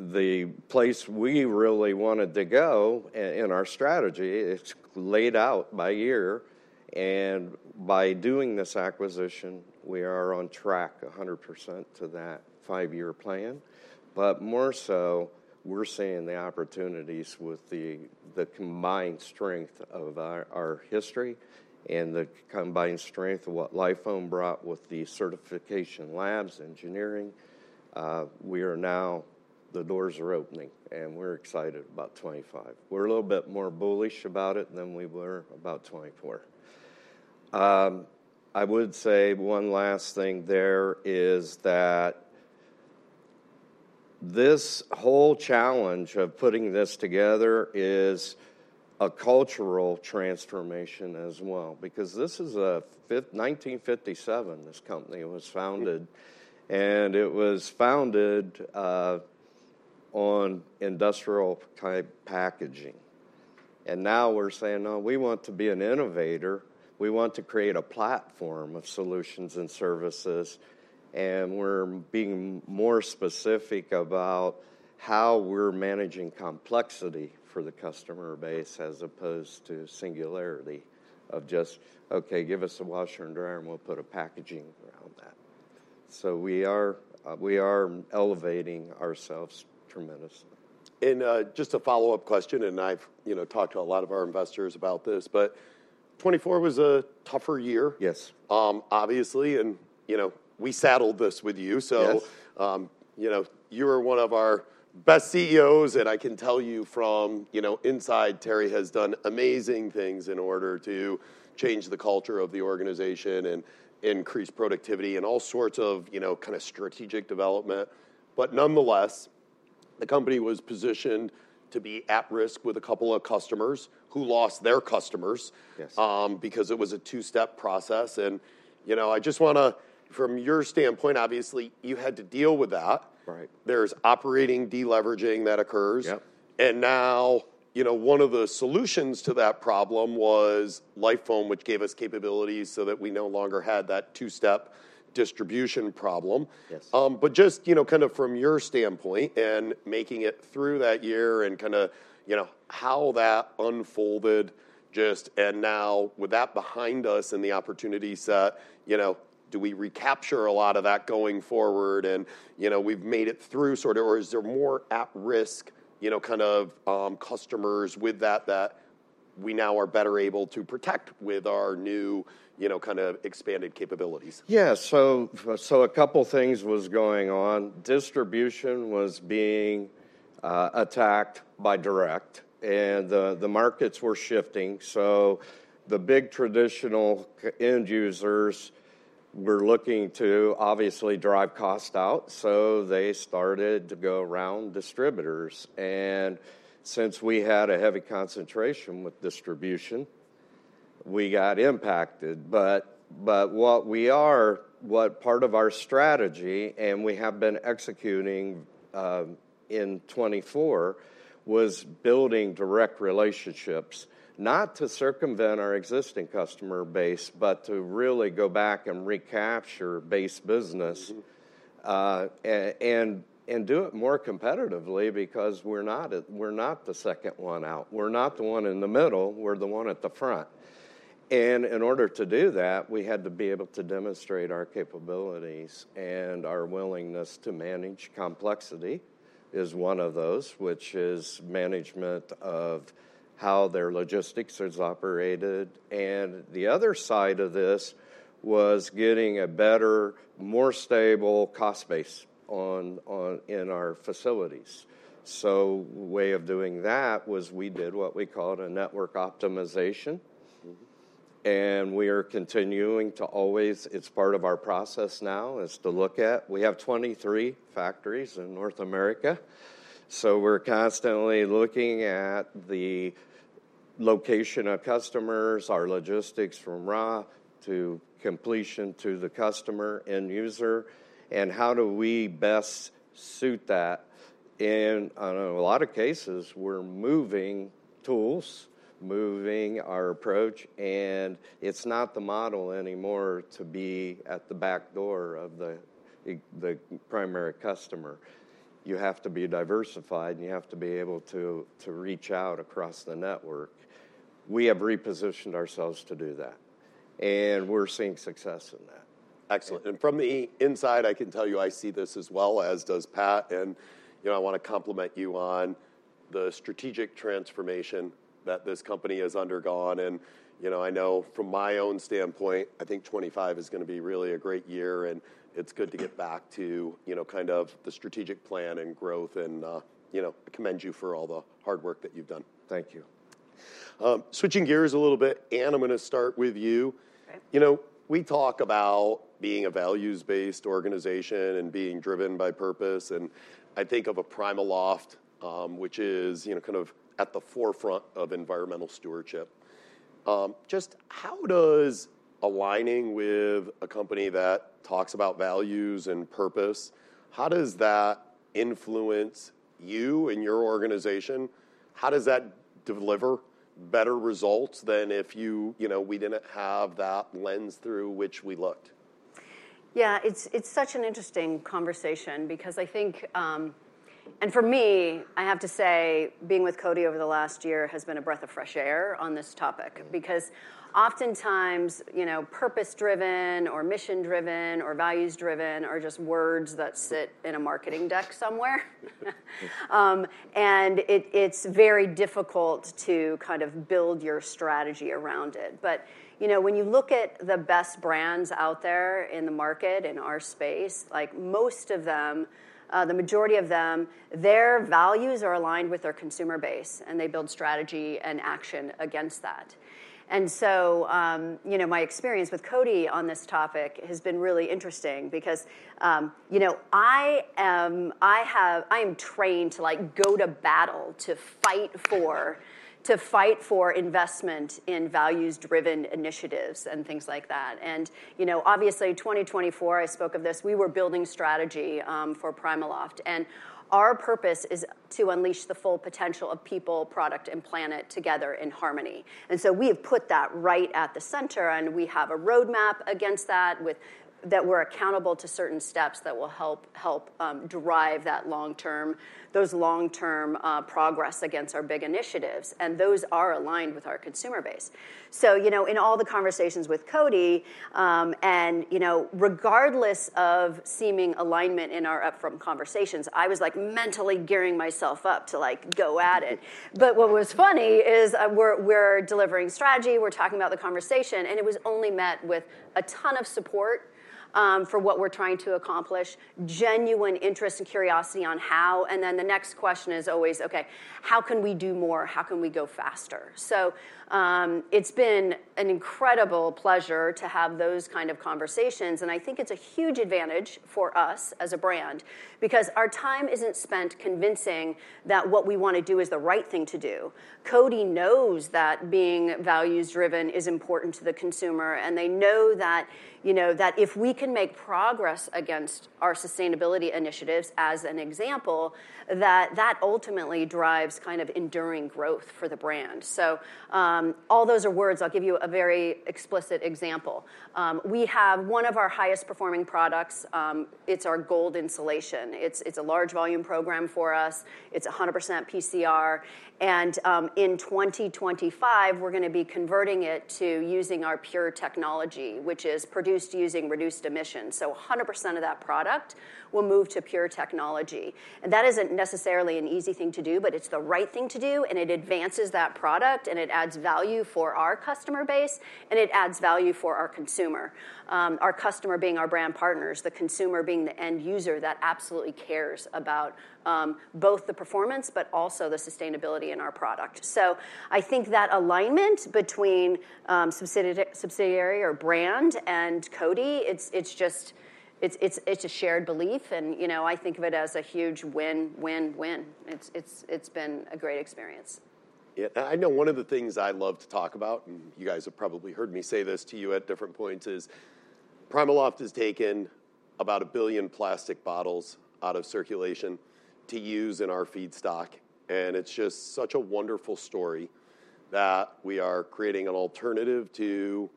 the place we really wanted to go in our strategy. It's laid out by year. And by doing this acquisition, we are on track 100% to that five-year plan. But more so, we're seeing the opportunities with the combined strength of our history and the combined strength of what Lifoam brought with the certification labs, engineering. We are now; the doors are opening, and we're excited about 2025. We're a little bit more bullish about it than we were about 2024. I would say one last thing there is that this whole challenge of putting this together is a cultural transformation as well because this is a 1957 company. This company was founded. And it was founded on industrial-type packaging. And now we're saying, no, we want to be an innovator. We want to create a platform of solutions and services. And we're being more specific about how we're managing complexity for the customer base as opposed to singularity of just, OK, give us a washer and dryer, and we'll put a packaging around that. We are elevating ourselves tremendously. Just a follow-up question, and I've talked to a lot of our investors about this, but 2024 was a tougher year, obviously. We saddled this with you. You were one of our best CEOs. I can tell you from inside, Terry has done amazing things in order to change the culture of the organization and increase productivity and all sorts of kind of strategic development. Nonetheless, the company was positioned to be at risk with a couple of customers who lost their customers because it was a two-step process. I just want to, from your standpoint, obviously, you had to deal with that. There's operating deleveraging that occurs. Now one of the solutions to that problem was Lifoam, which gave us capabilities so that we no longer had that two-step distribution problem. But just kind of from your standpoint and making it through that year and kind of how that unfolded just, and now with that behind us and the opportunities that do we recapture a lot of that going forward? And we've made it through sort of, or is there more at-risk kind of customers with that that we now are better able to protect with our new kind of expanded capabilities? Yeah, so a couple of things was going on. Distribution was being attacked by direct. And the markets were shifting. So the big traditional end users were looking to obviously drive cost out. So they started to go around distributors. And since we had a heavy concentration with distribution, we got impacted. But what we are, what part of our strategy, and we have been executing in 2024, was building direct relationships, not to circumvent our existing customer base, but to really go back and recapture base business and do it more competitively because we're not the second one out. We're not the one in the middle. We're the one at the front. And in order to do that, we had to be able to demonstrate our capabilities. And our willingness to manage complexity is one of those, which is management of how their logistics is operated. The other side of this was getting a better, more stable cost base in our facilities. A way of doing that was we did what we called a network optimization. We are continuing to always. It's part of our process now is to look at. We have 23 factories in North America. We're constantly looking at the location of customers, our logistics from raw to completion to the customer end user. How do we best suit that? In a lot of cases, we're moving tools, moving our approach. It's not the model anymore to be at the back door of the primary customer. You have to be diversified, and you have to be able to reach out across the network. We have repositioned ourselves to do that. We're seeing success in that. Excellent. And from the inside, I can tell you I see this as well as does Pat. And I want to compliment you on the strategic transformation that this company has undergone. And I know from my own standpoint, I think 2025 is going to be really a great year. And it's good to get back to kind of the strategic plan and growth. And I commend you for all the hard work that you've done. Thank you. Switching gears a little bit, Anne, I'm going to start with you. We talk about being a values-based organization and being driven by purpose. I think of PrimaLoft, which is kind of at the forefront of environmental stewardship. Just how does aligning with a company that talks about values and purpose influence you and your organization? How does that deliver better results than if we didn't have that lens through which we looked? Yeah, it's such an interesting conversation because I think, and for me, I have to say, being with CODI over the last year has been a breath of fresh air on this topic because oftentimes, purpose-driven or mission-driven or values-driven are just words that sit in a marketing deck somewhere. And it's very difficult to kind of build your strategy around it. But when you look at the best brands out there in the market in our space, like most of them, the majority of them, their values are aligned with their consumer base. And they build strategy and action against that. And so my experience with CODI on this topic has been really interesting because I am trained to go to battle, to fight for investment in values-driven initiatives and things like that. And obviously, 2024, I spoke of this, we were building strategy for PrimaLoft. Our purpose is to unleash the full potential of people, product, and planet together in harmony. We have put that right at the center. We have a roadmap against that that we're accountable to certain steps that will help drive those long-term progress against our big initiatives. Those are aligned with our consumer base. In all the conversations with CODI, and regardless of seeming alignment in our upfront conversations, I was like mentally gearing myself up to go at it. What was funny is we're delivering strategy. We're talking about the conversation. It was only met with a ton of support for what we're trying to accomplish, genuine interest and curiosity on how. The next question is always, OK, how can we do more? How can we go faster? So it's been an incredible pleasure to have those kind of conversations. And I think it's a huge advantage for us as a brand because our time isn't spent convincing that what we want to do is the right thing to do. CODI knows that being values-driven is important to the consumer. And they know that if we can make progress against our sustainability initiatives, as an example, that ultimately drives kind of enduring growth for the brand. So all those are words. I'll give you a very explicit example. We have one of our highest performing products. It's our Gold Insulation. It's a large volume program for us. It's 100% PCR. And in 2025, we're going to be converting it to using our P.U.R.E. technology, which is produced using reduced emissions. So 100% of that product will move to P.U.R.E. technology. And that isn't necessarily an easy thing to do, but it's the right thing to do. And it advances that product. And it adds value for our customer base. And it adds value for our consumer, our customer being our brand partners, the consumer being the end user that absolutely cares about both the performance, but also the sustainability in our product. So I think that alignment between subsidiary or brand and CODI, it's a shared belief. And I think of it as a huge win, win, win. It's been a great experience. Yeah, I know one of the things I love to talk about, and you guys have probably heard me say this to you at different points, is PrimaLoft has taken about a billion plastic bottles out of circulation to use in our feedstock. And it's just such a wonderful story that we are creating an alternative to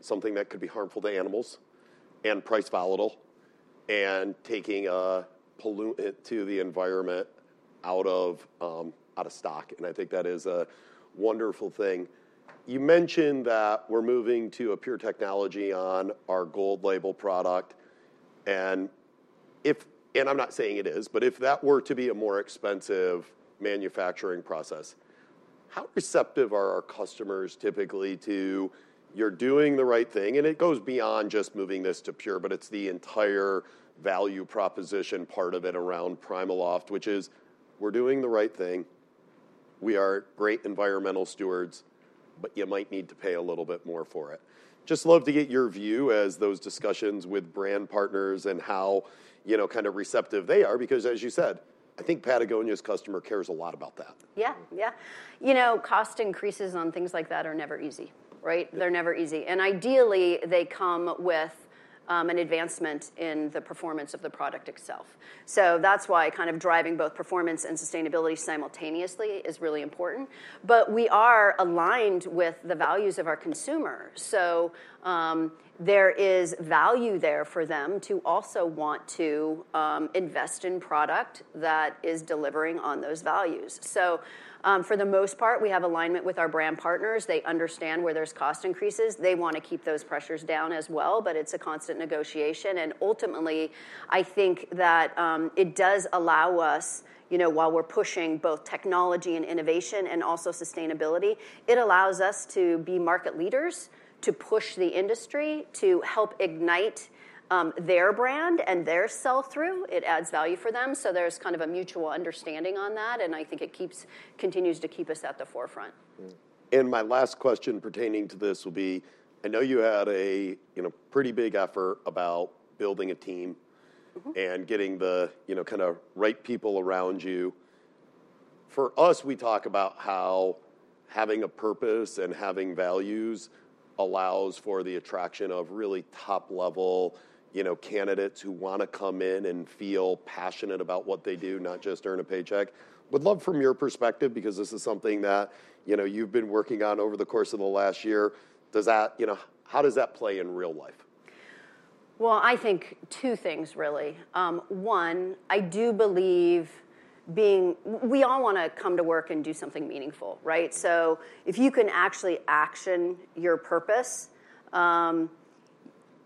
something that could be harmful to animals and price volatile and taking a pollutant to the environment out of stock. And I think that is a wonderful thing. You mentioned that we're moving to a P.U.R.E. technology on our Gold label product. And I'm not saying it is, but if that were to be a more expensive manufacturing process, how receptive are our customers typically to, you're doing the right thing? It goes beyond just moving this to P.U.R.E., but it's the entire value proposition part of it around PrimaLoft, which is we're doing the right thing. We are great environmental stewards, but you might need to pay a little bit more for it. Just love to get your view as those discussions with brand partners and how kind of receptive they are because, as you said, I think Patagonia's customer cares a lot about that. Yeah, yeah. Cost increases on things like that are never easy, right? They're never easy. And ideally, they come with an advancement in the performance of the product itself. So that's why kind of driving both performance and sustainability simultaneously is really important. But we are aligned with the values of our consumer. So there is value there for them to also want to invest in product that is delivering on those values. So for the most part, we have alignment with our brand partners. They understand where there's cost increases. They want to keep those pressures down as well. But it's a constant negotiation. And ultimately, I think that it does allow us, while we're pushing both technology and innovation and also sustainability, it allows us to be market leaders, to push the industry, to help ignite their brand and their sell-through. It adds value for them. So there's kind of a mutual understanding on that. And I think it continues to keep us at the forefront. My last question pertaining to this will be. I know you had a pretty big effort about building a team and getting the kind of right people around you. For us, we talk about how having a purpose and having values allows for the attraction of really top-level candidates who want to come in and feel passionate about what they do, not just earn a paycheck. Would love from your perspective, because this is something that you've been working on over the course of the last year, how does that play in real life? I think two things, really. One, I do believe we all want to come to work and do something meaningful, right? So if you can actually action your purpose,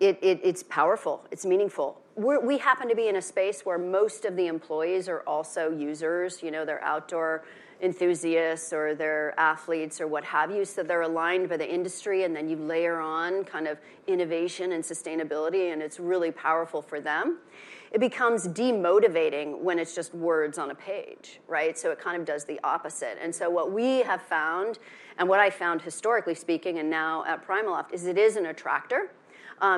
it's powerful. It's meaningful. We happen to be in a space where most of the employees are also users. They're outdoor enthusiasts or they're athletes or what have you. So they're aligned by the industry, and then you layer on kind of innovation and sustainability. And it's really powerful for them. It becomes demotivating when it's just words on a page, right? So it kind of does the opposite, and so what we have found, and what I found historically speaking, and now at PrimaLoft, is it is an attractor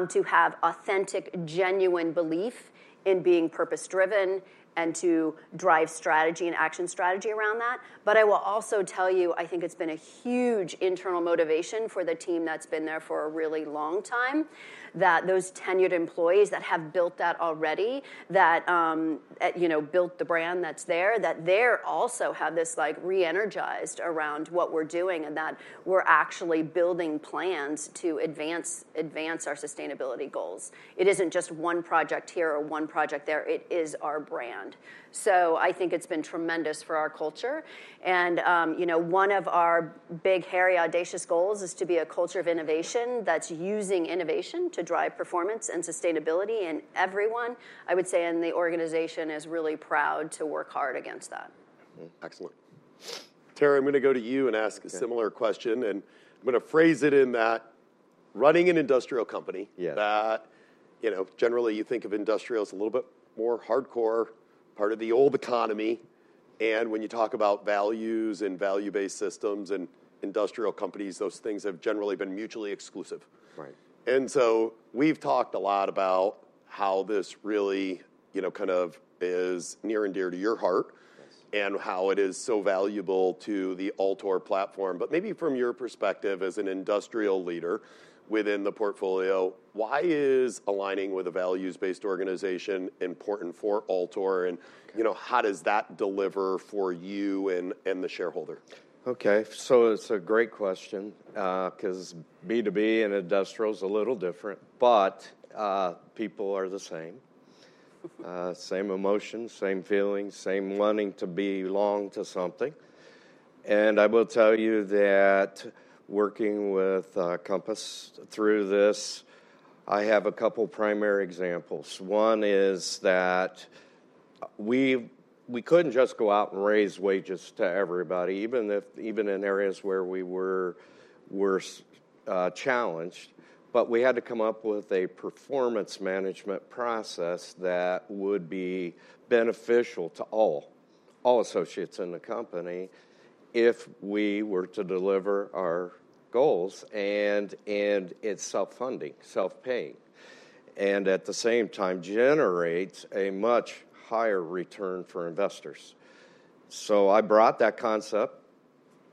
to have authentic, genuine belief in being purpose-driven and to drive strategy and action strategy around that. But I will also tell you, I think it's been a huge internal motivation for the team that's been there for a really long time, that those tenured employees that have built that already, that built the brand that's there, that they also have this re-energized around what we're doing and that we're actually building plans to advance our sustainability goals. It isn't just one project here or one project there. It is our brand. So I think it's been tremendous for our culture. And one of our big, hairy, audacious goals is to be a culture of innovation that's using innovation to drive performance and sustainability in everyone. I would say in the organization is really proud to work hard against that. Excellent. Terry, I'm going to go to you and ask a similar question. And I'm going to phrase it in that running an industrial company, that generally you think of industrial as a little bit more hardcore, part of the old economy. And when you talk about values and value-based systems and industrial companies, those things have generally been mutually exclusive. And so we've talked a lot about how this really kind of is near and dear to your heart and how it is so valuable to the Altor platform. But maybe from your perspective as an industrial leader within the portfolio, why is aligning with a values-based organization important for Altor? And how does that deliver for you and the shareholder? OK, so it's a great question because B2B and industrial is a little different, but people are the same, same emotions, same feelings, same wanting to belong to something, and I will tell you that working with Compass through this, I have a couple of primary examples. One is that we couldn't just go out and raise wages to everybody, even in areas where we were challenged, but we had to come up with a performance management process that would be beneficial to all associates in the company if we were to deliver our goals, and it's self-funding, self-paying, and at the same time generates a much higher return for investors, so I brought that concept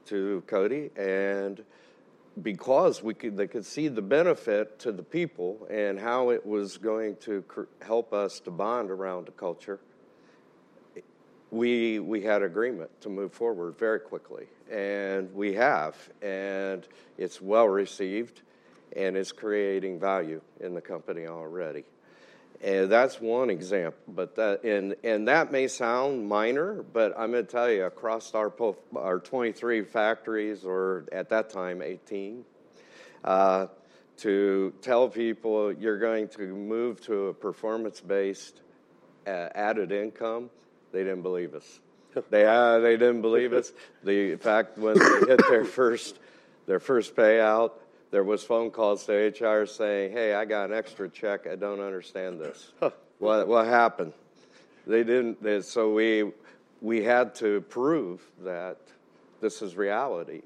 to CODI, and because they could see the benefit to the people and how it was going to help us to bond around the culture, we had agreement to move forward very quickly. We have. It's well received. It's creating value in the company already. That's one example. That may sound minor, but I'm going to tell you, across our 23 factories, or at that time 18, to tell people you're going to move to a performance-based added income, they didn't believe us. They didn't believe us. In fact, when they hit their first payout, there were phone calls to HR saying, hey, I got an extra check. I don't understand this. What happened? So we had to prove that this is reality.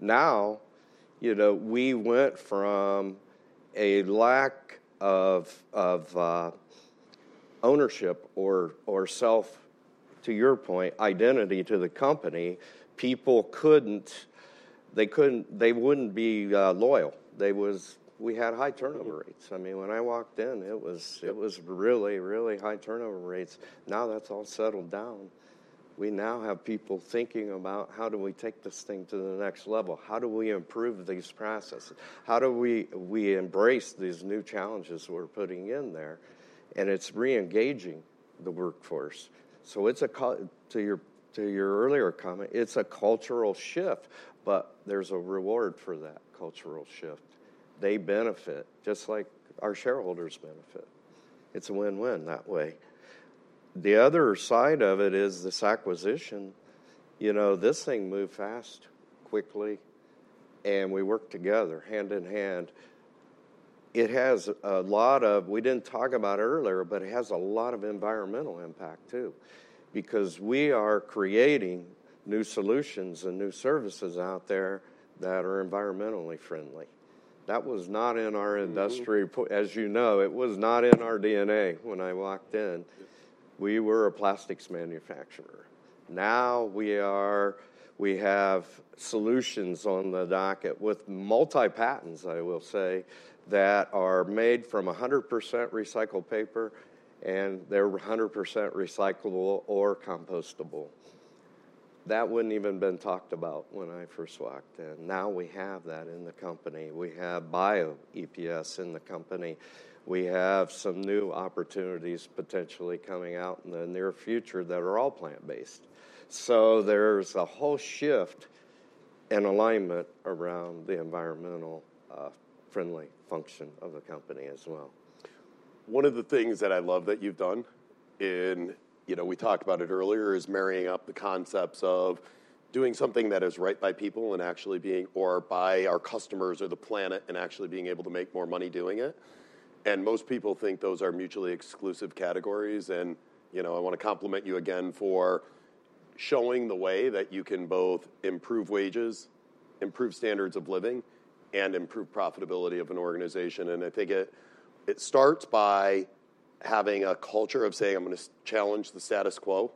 Now we went from a lack of ownership or self, to your point, identity to the company, people couldn't, they wouldn't be loyal. We had high turnover rates. I mean, when I walked in, it was really, really high turnover rates. Now that's all settled down. We now have people thinking about how do we take this thing to the next level? How do we improve these processes? How do we embrace these new challenges we're putting in there? And it's re-engaging the workforce. So to your earlier comment, it's a cultural shift. But there's a reward for that cultural shift. They benefit just like our shareholders benefit. It's a win-win that way. The other side of it is this acquisition. This thing moved fast, quickly. And we worked together hand in hand. It has a lot of, we didn't talk about earlier, but it has a lot of environmental impact too because we are creating new solutions and new services out there that are environmentally friendly. That was not in our industry. As you know, it was not in our DNA when I walked in. We were a plastics manufacturer. Now we have solutions on the docket with multiple patents, I will say, that are made from 100% recycled paper, and they're 100% recyclable or compostable. That wouldn't even have been talked about when I first walked in. Now we have that in the company. We have Bio-EPS in the company. We have some new opportunities potentially coming out in the near future that are all plant-based, so there's a whole shift and alignment around the environmentally friendly function of the company as well. One of the things that I love that you've done, and we talked about it earlier, is marrying up the concepts of doing something that is right by people and actually being or by our customers or the planet and actually being able to make more money doing it. And most people think those are mutually exclusive categories. And I want to compliment you again for showing the way that you can both improve wages, improve standards of living, and improve profitability of an organization. And I think it starts by having a culture of saying, "I'm going to challenge the status quo."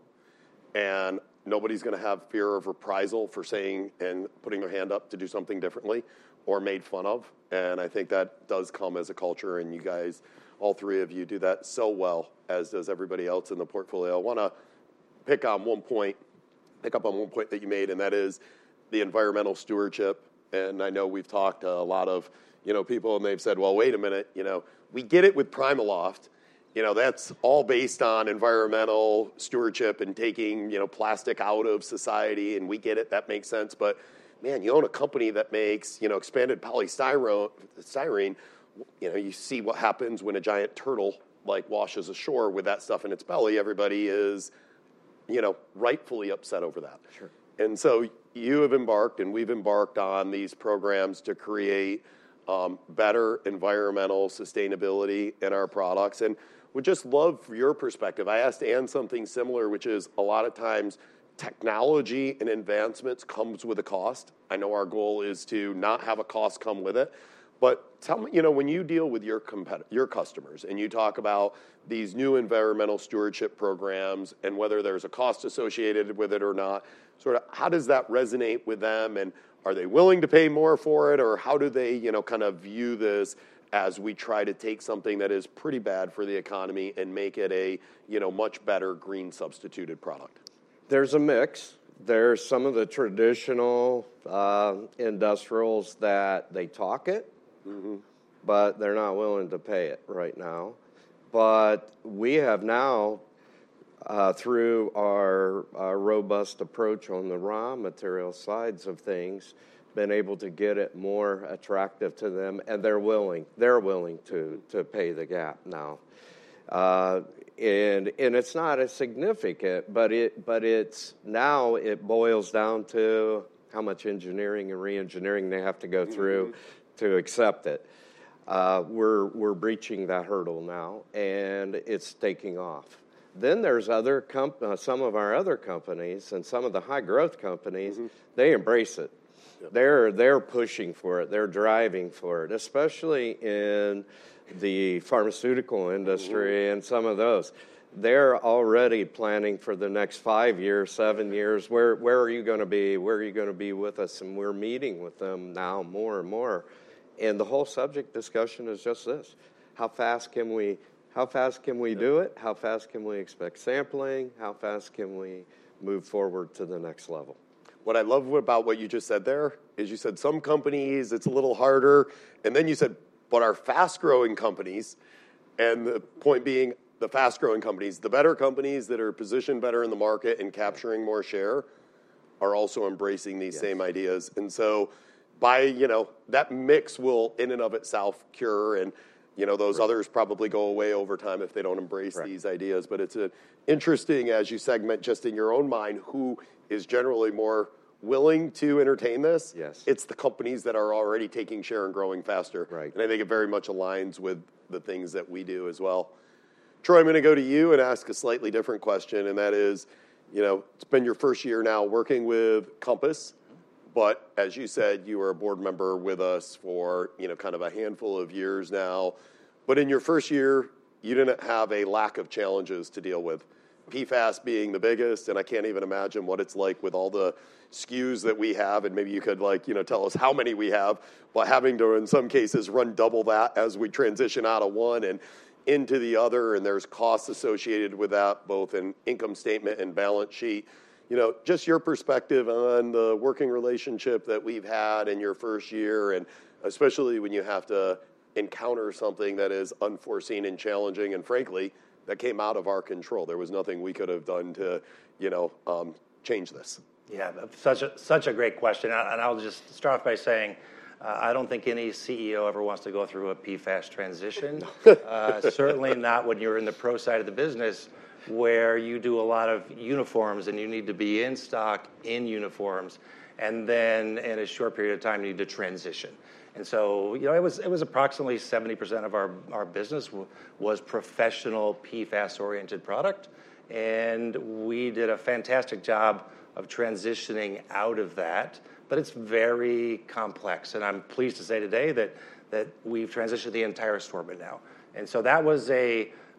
And nobody's going to have fear of reprisal for saying and putting their hand up to do something differently or made fun of. And I think that does come as a culture. And you guys, all three of you do that so well, as does everybody else in the portfolio. I want to pick on one point, pick up on one point that you made. And that is the environmental stewardship. And I know we've talked to a lot of people. And they've said, well, wait a minute. We get it with PrimaLoft. That's all based on environmental stewardship and taking plastic out of society. And we get it. That makes sense. But man, you own a company that makes expanded polystyrene. You see what happens when a giant turtle washes ashore with that stuff in its belly. Everybody is rightfully upset over that. And so you have embarked, and we've embarked on these programs to create better environmental sustainability in our products. And would just love your perspective. I asked Anne something similar, which is a lot of times technology and advancements come with a cost. I know our goal is to not have a cost come with it. But when you deal with your customers and you talk about these new environmental stewardship programs and whether there's a cost associated with it or not, how does that resonate with them? And are they willing to pay more for it? Or how do they kind of view this as we try to take something that is pretty bad for the economy and make it a much better green substituted product? There's a mix. There's some of the traditional industrials that they talk it, but they're not willing to pay it right now, but we have now, through our robust approach on the raw material sides of things, been able to get it more attractive to them, and they're willing to pay the gap now, and it's not as significant, but now it boils down to how much engineering and re-engineering they have to go through to accept it. We're breaching that hurdle now, and it's taking off, then there's some of our other companies and some of the high-growth companies, they embrace it. They're pushing for it. They're driving for it, especially in the pharmaceutical industry and some of those. They're already planning for the next five years, seven years. Where are you going to be? Where are you going to be with us? We're meeting with them now more and more. The whole subject discussion is just this. How fast can we do it? How fast can we expect sampling? How fast can we move forward to the next level? What I love about what you just said there is you said some companies, it's a little harder. And then you said, but our fast-growing companies, and the point being, the fast-growing companies, the better companies that are positioned better in the market and capturing more share are also embracing these same ideas. And so that mix will in and of itself cure. And those others probably go away over time if they don't embrace these ideas. But it's interesting, as you segment just in your own mind, who is generally more willing to entertain this. It's the companies that are already taking share and growing faster. And I think it very much aligns with the things that we do as well. Troy, I'm going to go to you and ask a slightly different question. And that is, it's been your first year now working with Compass. But as you said, you were a board member with us for kind of a handful of years now. But in your first year, you didn't have a lack of challenges to deal with, PFAS being the biggest. And I can't even imagine what it's like with all the SKUs that we have. And maybe you could tell us how many we have by having to, in some cases, run double that as we transition out of one and into the other. And there's costs associated with that, both in income statement and balance sheet. Just your perspective on the working relationship that we've had in your first year, and especially when you have to encounter something that is unforeseen and challenging and frankly, that came out of our control. There was nothing we could have done to change this. Yeah, such a great question. And I'll just start off by saying I don't think any CEO ever wants to go through a PFAS transition, certainly not when you're in the pro side of the business where you do a lot of uniforms and you need to be in stock in uniforms. And then in a short period of time, you need to transition. And so it was approximately 70% of our business was professional PFAS-oriented product. And we did a fantastic job of transitioning out of that. But it's very complex. And I'm pleased to say today that we've transitioned the entire store now. And so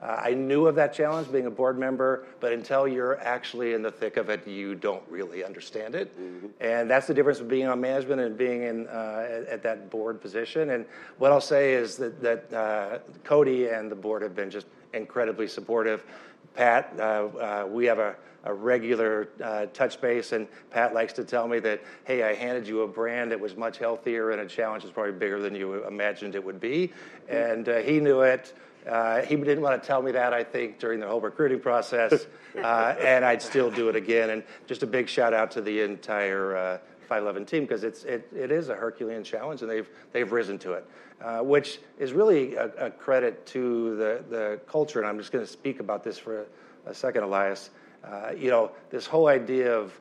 I knew of that challenge being a board member. But until you're actually in the thick of it, you don't really understand it. And that's the difference of being on management and being at that board position. And what I'll say is that CODI and the board have been just incredibly supportive. Pat, we have a regular touch base. And Pat likes to tell me that, hey, I handed you a brand that was much healthier and a challenge that's probably bigger than you imagined it would be. And he knew it. He didn't want to tell me that, I think, during the whole recruiting process. And I'd still do it again. And just a big shout out to the entire 5.11 team because it is a Herculean challenge. And they've risen to it, which is really a credit to the culture. And I'm just going to speak about this for a second, Elias. This whole idea of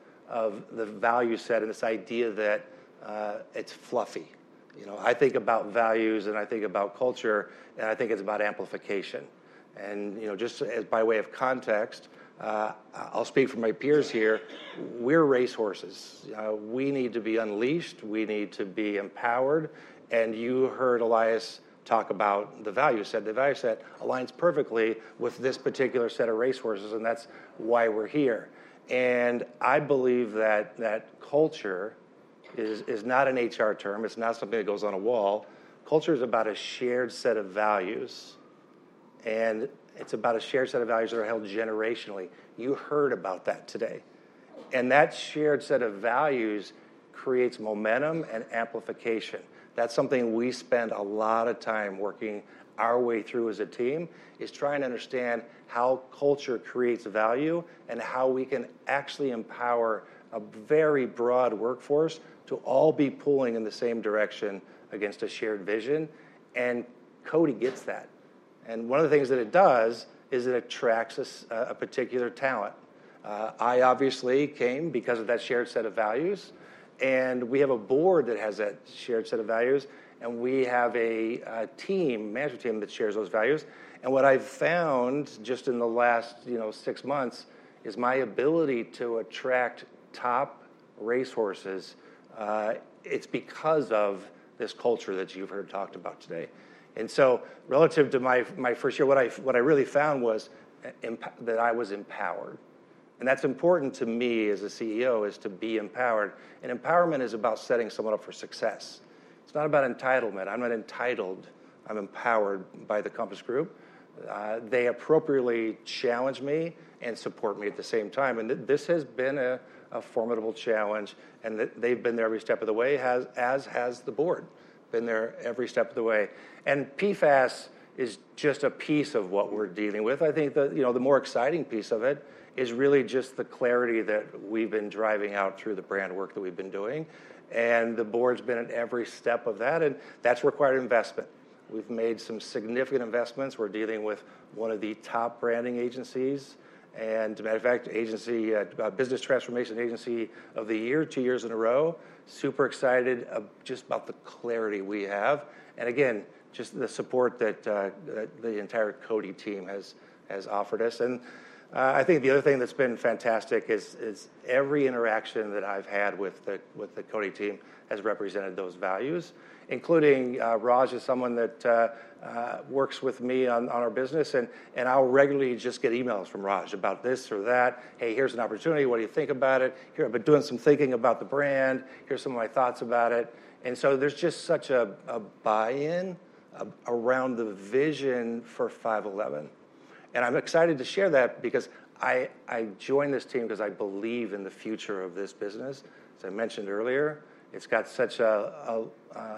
the value set and this idea that it's fluffy. I think about values. And I think about culture. And I think it's about amplification. Just by way of context, I'll speak for my peers here. We're racehorses. We need to be unleashed. We need to be empowered. You heard Elias talk about the value set. The value set aligns perfectly with this particular set of racehorses. That's why we're here. I believe that culture is not an HR term. It's not something that goes on a wall. Culture is about a shared set of values. It's about a shared set of values that are held generationally. You heard about that today. That shared set of values creates momentum and amplification. That's something we spend a lot of time working our way through as a team, is trying to understand how culture creates value and how we can actually empower a very broad workforce to all be pulling in the same direction against a shared vision. And CODI gets that. And one of the things that it does is it attracts a particular talent. I obviously came because of that shared set of values. And we have a board that has that shared set of values. And we have a team, management team that shares those values. And what I've found just in the last six months is my ability to attract top racehorses. It's because of this culture that you've heard talked about today. And so relative to my first year, what I really found was that I was empowered. And that's important to me as a CEO is to be empowered. And empowerment is about setting someone up for success. It's not about entitlement. I'm not entitled. I'm empowered by the Compass Diversified. They appropriately challenge me and support me at the same time. And this has been a formidable challenge. They've been there every step of the way, as has the board been there every step of the way. PFAS is just a piece of what we're dealing with. I think the more exciting piece of it is really just the clarity that we've been driving out through the brand work that we've been doing. The board's been at every step of that. That's required investment. We've made some significant investments. We're dealing with one of the top branding agencies and, as a matter of fact, business transformation agency of the year, two years in a row. Super excited just about the clarity we have. Again, just the support that the entire CODI team has offered us. And I think the other thing that's been fantastic is every interaction that I've had with the CODI team has represented those values, including Raj is someone that works with me on our business. And I'll regularly just get emails from Raj about this or that. Hey, here's an opportunity. What do you think about it? I've been doing some thinking about the brand. Here's some of my thoughts about it. And so there's just such a buy-in around the vision for 5.11. And I'm excited to share that because I joined this team because I believe in the future of this business. As I mentioned earlier, it's got such a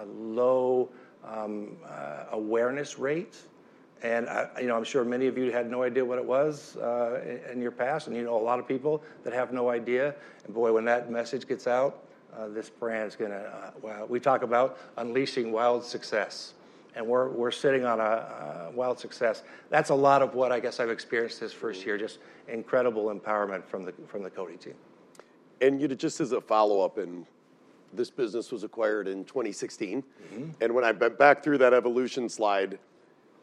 low awareness rate. And I'm sure many of you had no idea what it was in your past. And you know a lot of people that have no idea. Boy, when that message gets out, this brand is going to. We talk about unleashing wild success. We're sitting on a wild success. That's a lot of what I guess I've experienced this first year, just incredible empowerment from the CODI team. Just as a follow-up, this business was acquired in 2016. When I went back through that evolution slide,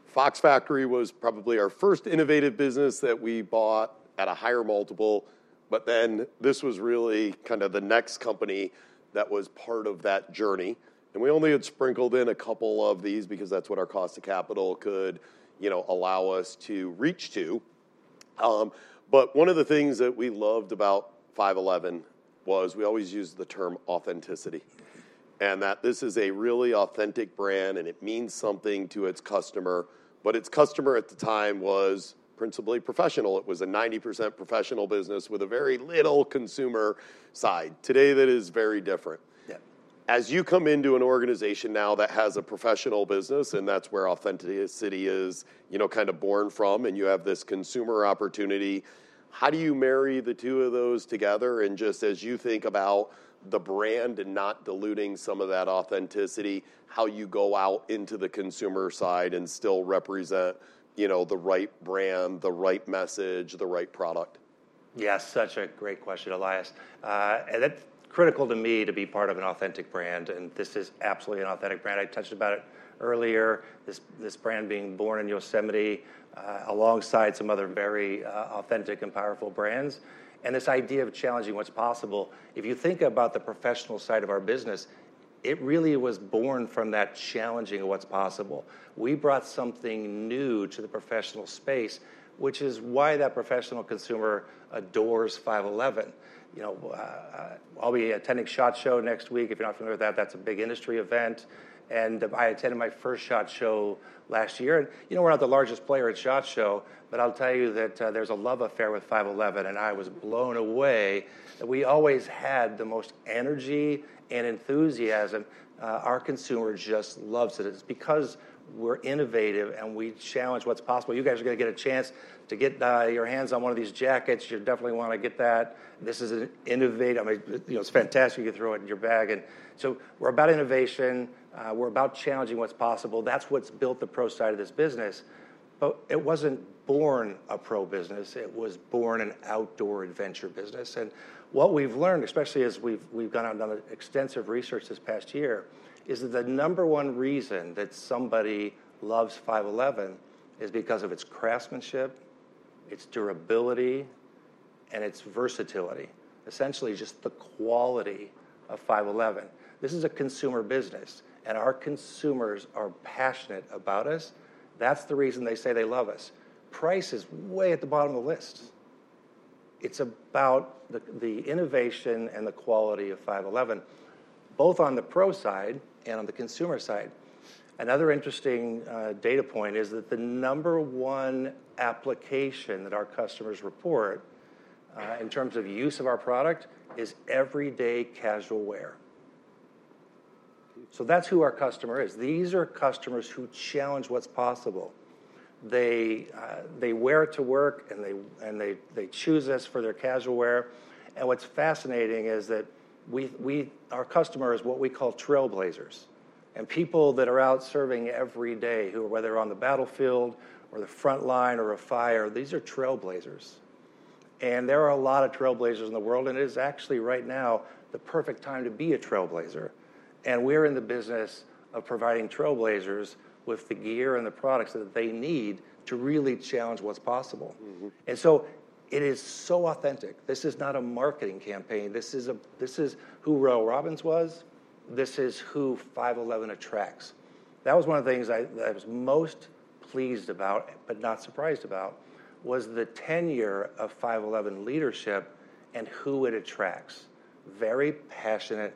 Fox Factory was probably our first innovative business that we bought at a higher multiple. But then this was really kind of the next company that was part of that journey. We only had sprinkled in a couple of these because that's what our cost of capital could allow us to reach to. One of the things that we loved about 5.11 was we always used the term authenticity and that this is a really authentic brand. It means something to its customer. Its customer at the time was principally professional. It was a 90% professional business with a very little consumer side. Today, that is very different. As you come into an organization now that has a professional business, and that's where authenticity is kind of born from, and you have this consumer opportunity, how do you marry the two of those together? And just as you think about the brand and not diluting some of that authenticity, how you go out into the consumer side and still represent the right brand, the right message, the right product? Yeah, such a great question, Elias. It's critical to me to be part of an authentic brand. This is absolutely an authentic brand. I touched about it earlier, this brand being born in Yosemite alongside some other very authentic and powerful brands. This idea of challenging what's possible, if you think about the professional side of our business, it really was born from that challenging of what's possible. We brought something new to the professional space, which is why that professional consumer adores 5.11. I'll be attending SHOT Show next week. If you're not familiar with that, that's a big industry event. I attended my first SHOT Show last year. We're not the largest player at SHOT Show. I'll tell you that there's a love affair with 5.11. I was blown away that we always had the most energy and enthusiasm. Our consumer just loves it. It's because we're innovative and we challenge what's possible. You guys are going to get a chance to get your hands on one of these jackets. You definitely want to get that. This is innovative. It's fantastic. You can throw it in your bag, and so we're about innovation. We're about challenging what's possible. That's what's built the pro side of this business, but it wasn't born a pro business. It was born an outdoor adventure business, and what we've learned, especially as we've gone out and done extensive research this past year, is that the number one reason that somebody loves 5.11 is because of its craftsmanship, its durability, and its versatility, essentially just the quality of 5.11. This is a consumer business, and our consumers are passionate about us. That's the reason they say they love us. Price is way at the bottom of the list. It's about the innovation and the quality of 5.11, both on the pro side and on the consumer side. Another interesting data point is that the number one application that our customers report in terms of use of our product is everyday casual wear. So that's who our customer is. These are customers who challenge what's possible. They wear it to work. And they choose us for their casual wear. And what's fascinating is that our customer is what we call trailblazers. And people that are out serving every day, whether they're on the battlefield or the front line or a fire, these are trailblazers. And there are a lot of trailblazers in the world. And it is actually right now the perfect time to be a trailblazer. And we're in the business of providing trailblazers with the gear and the products that they need to really challenge what's possible. And so it is so authentic. This is not a marketing campaign. This is who Royal Robbins was. This is who 5.11 attracts. That was one of the things I was most pleased about, but not surprised about, was the tenure of 5.11 leadership and who it attracts. Very passionate,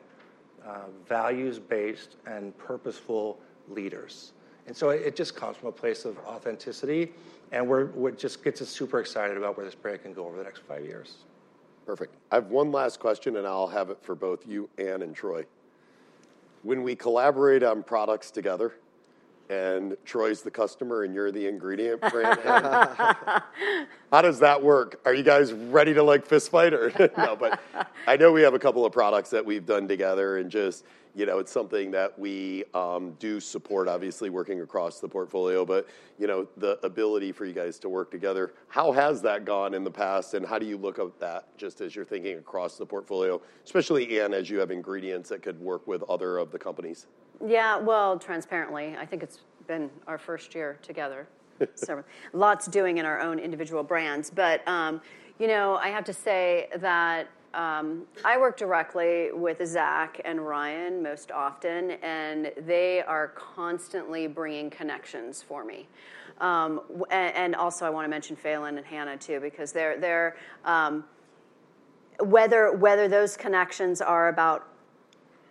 values-based, and purposeful leaders. And so it just comes from a place of authenticity. And we're just getting super excited about where this brand can go over the next five years. Perfect. I have one last question. And I'll have it for both you, Anne, and Troy. When we collaborate on products together, and Troy's the customer and you're the ingredient brand, how does that work? Are you guys ready to fist fight? I know we have a couple of products that we've done together. And it's something that we do support, obviously, working across the portfolio. But the ability for you guys to work together, how has that gone in the past? And how do you look at that just as you're thinking across the portfolio, especially, Anne, as you have ingredients that could work with other of the companies? Yeah, well, transparently, I think it's been our first year together. Lots doing in our own individual brands. But I have to say that I work directly with Zach and Ryan most often. And they are constantly bringing connections for me. And also, I want to mention Phelan and Hannah too because whether those connections are about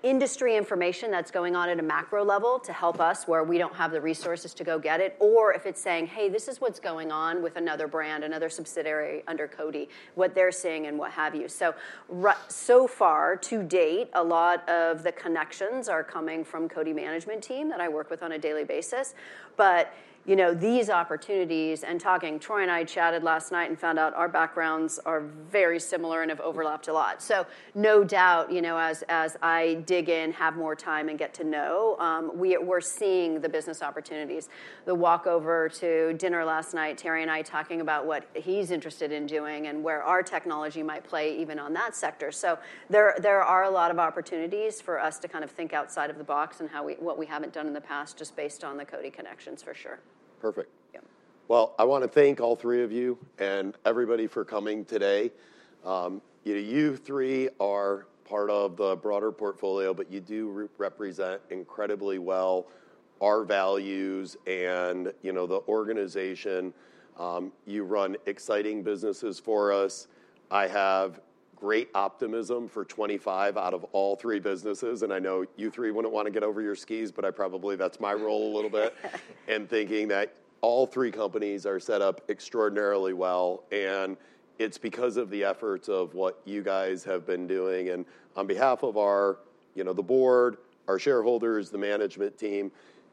industry information that's going on at a macro level to help us where we don't have the resources to go get it, or if it's saying, hey, this is what's going on with another brand, another subsidiary under CODI, what they're seeing and what have you. So far, to date, a lot of the connections are coming from CODI management team that I work with on a daily basis. But these opportunities and talking, Troy and I chatted last night and found out our backgrounds are very similar and have overlapped a lot. So, no doubt, as I dig in, have more time and get to know, we're seeing the business opportunities. The walk over to dinner last night, Terry and I talking about what he's interested in doing and where our technology might play even on that sector. So, there are a lot of opportunities for us to kind of think outside of the box and what we haven't done in the past just based on the CODI connections for sure. Perfect. I want to thank all three of you and everybody for coming today. You three are part of the broader portfolio. But you do represent incredibly well our values and the organization. You run exciting businesses for us. I have great optimism for 2025 out of all three businesses. I know you three wouldn't want to get over your skis, but probably that's my role a little bit in thinking that all three companies are set up extraordinarily well. It's because of the efforts of what you guys have been doing. On behalf of the board, our shareholders, the management team,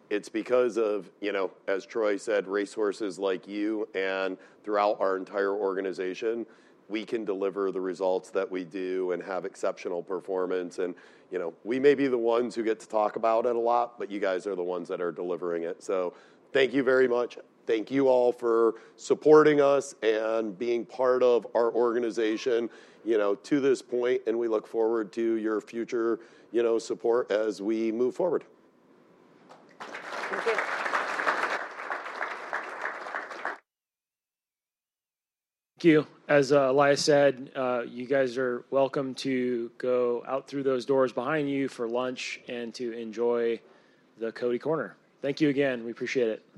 it's because of, as Troy said, resources like you and throughout our entire organization, we can deliver the results that we do and have exceptional performance. We may be the ones who get to talk about it a lot, but you guys are the ones that are delivering it. Thank you very much. Thank you all for supporting us and being part of our organization to this point. We look forward to your future support as we move forward. Thank you. Thank you. As Elias said, you guys are welcome to go out through those doors behind you for lunch and to enjoy the CODI Corner. Thank you again. We appreciate it.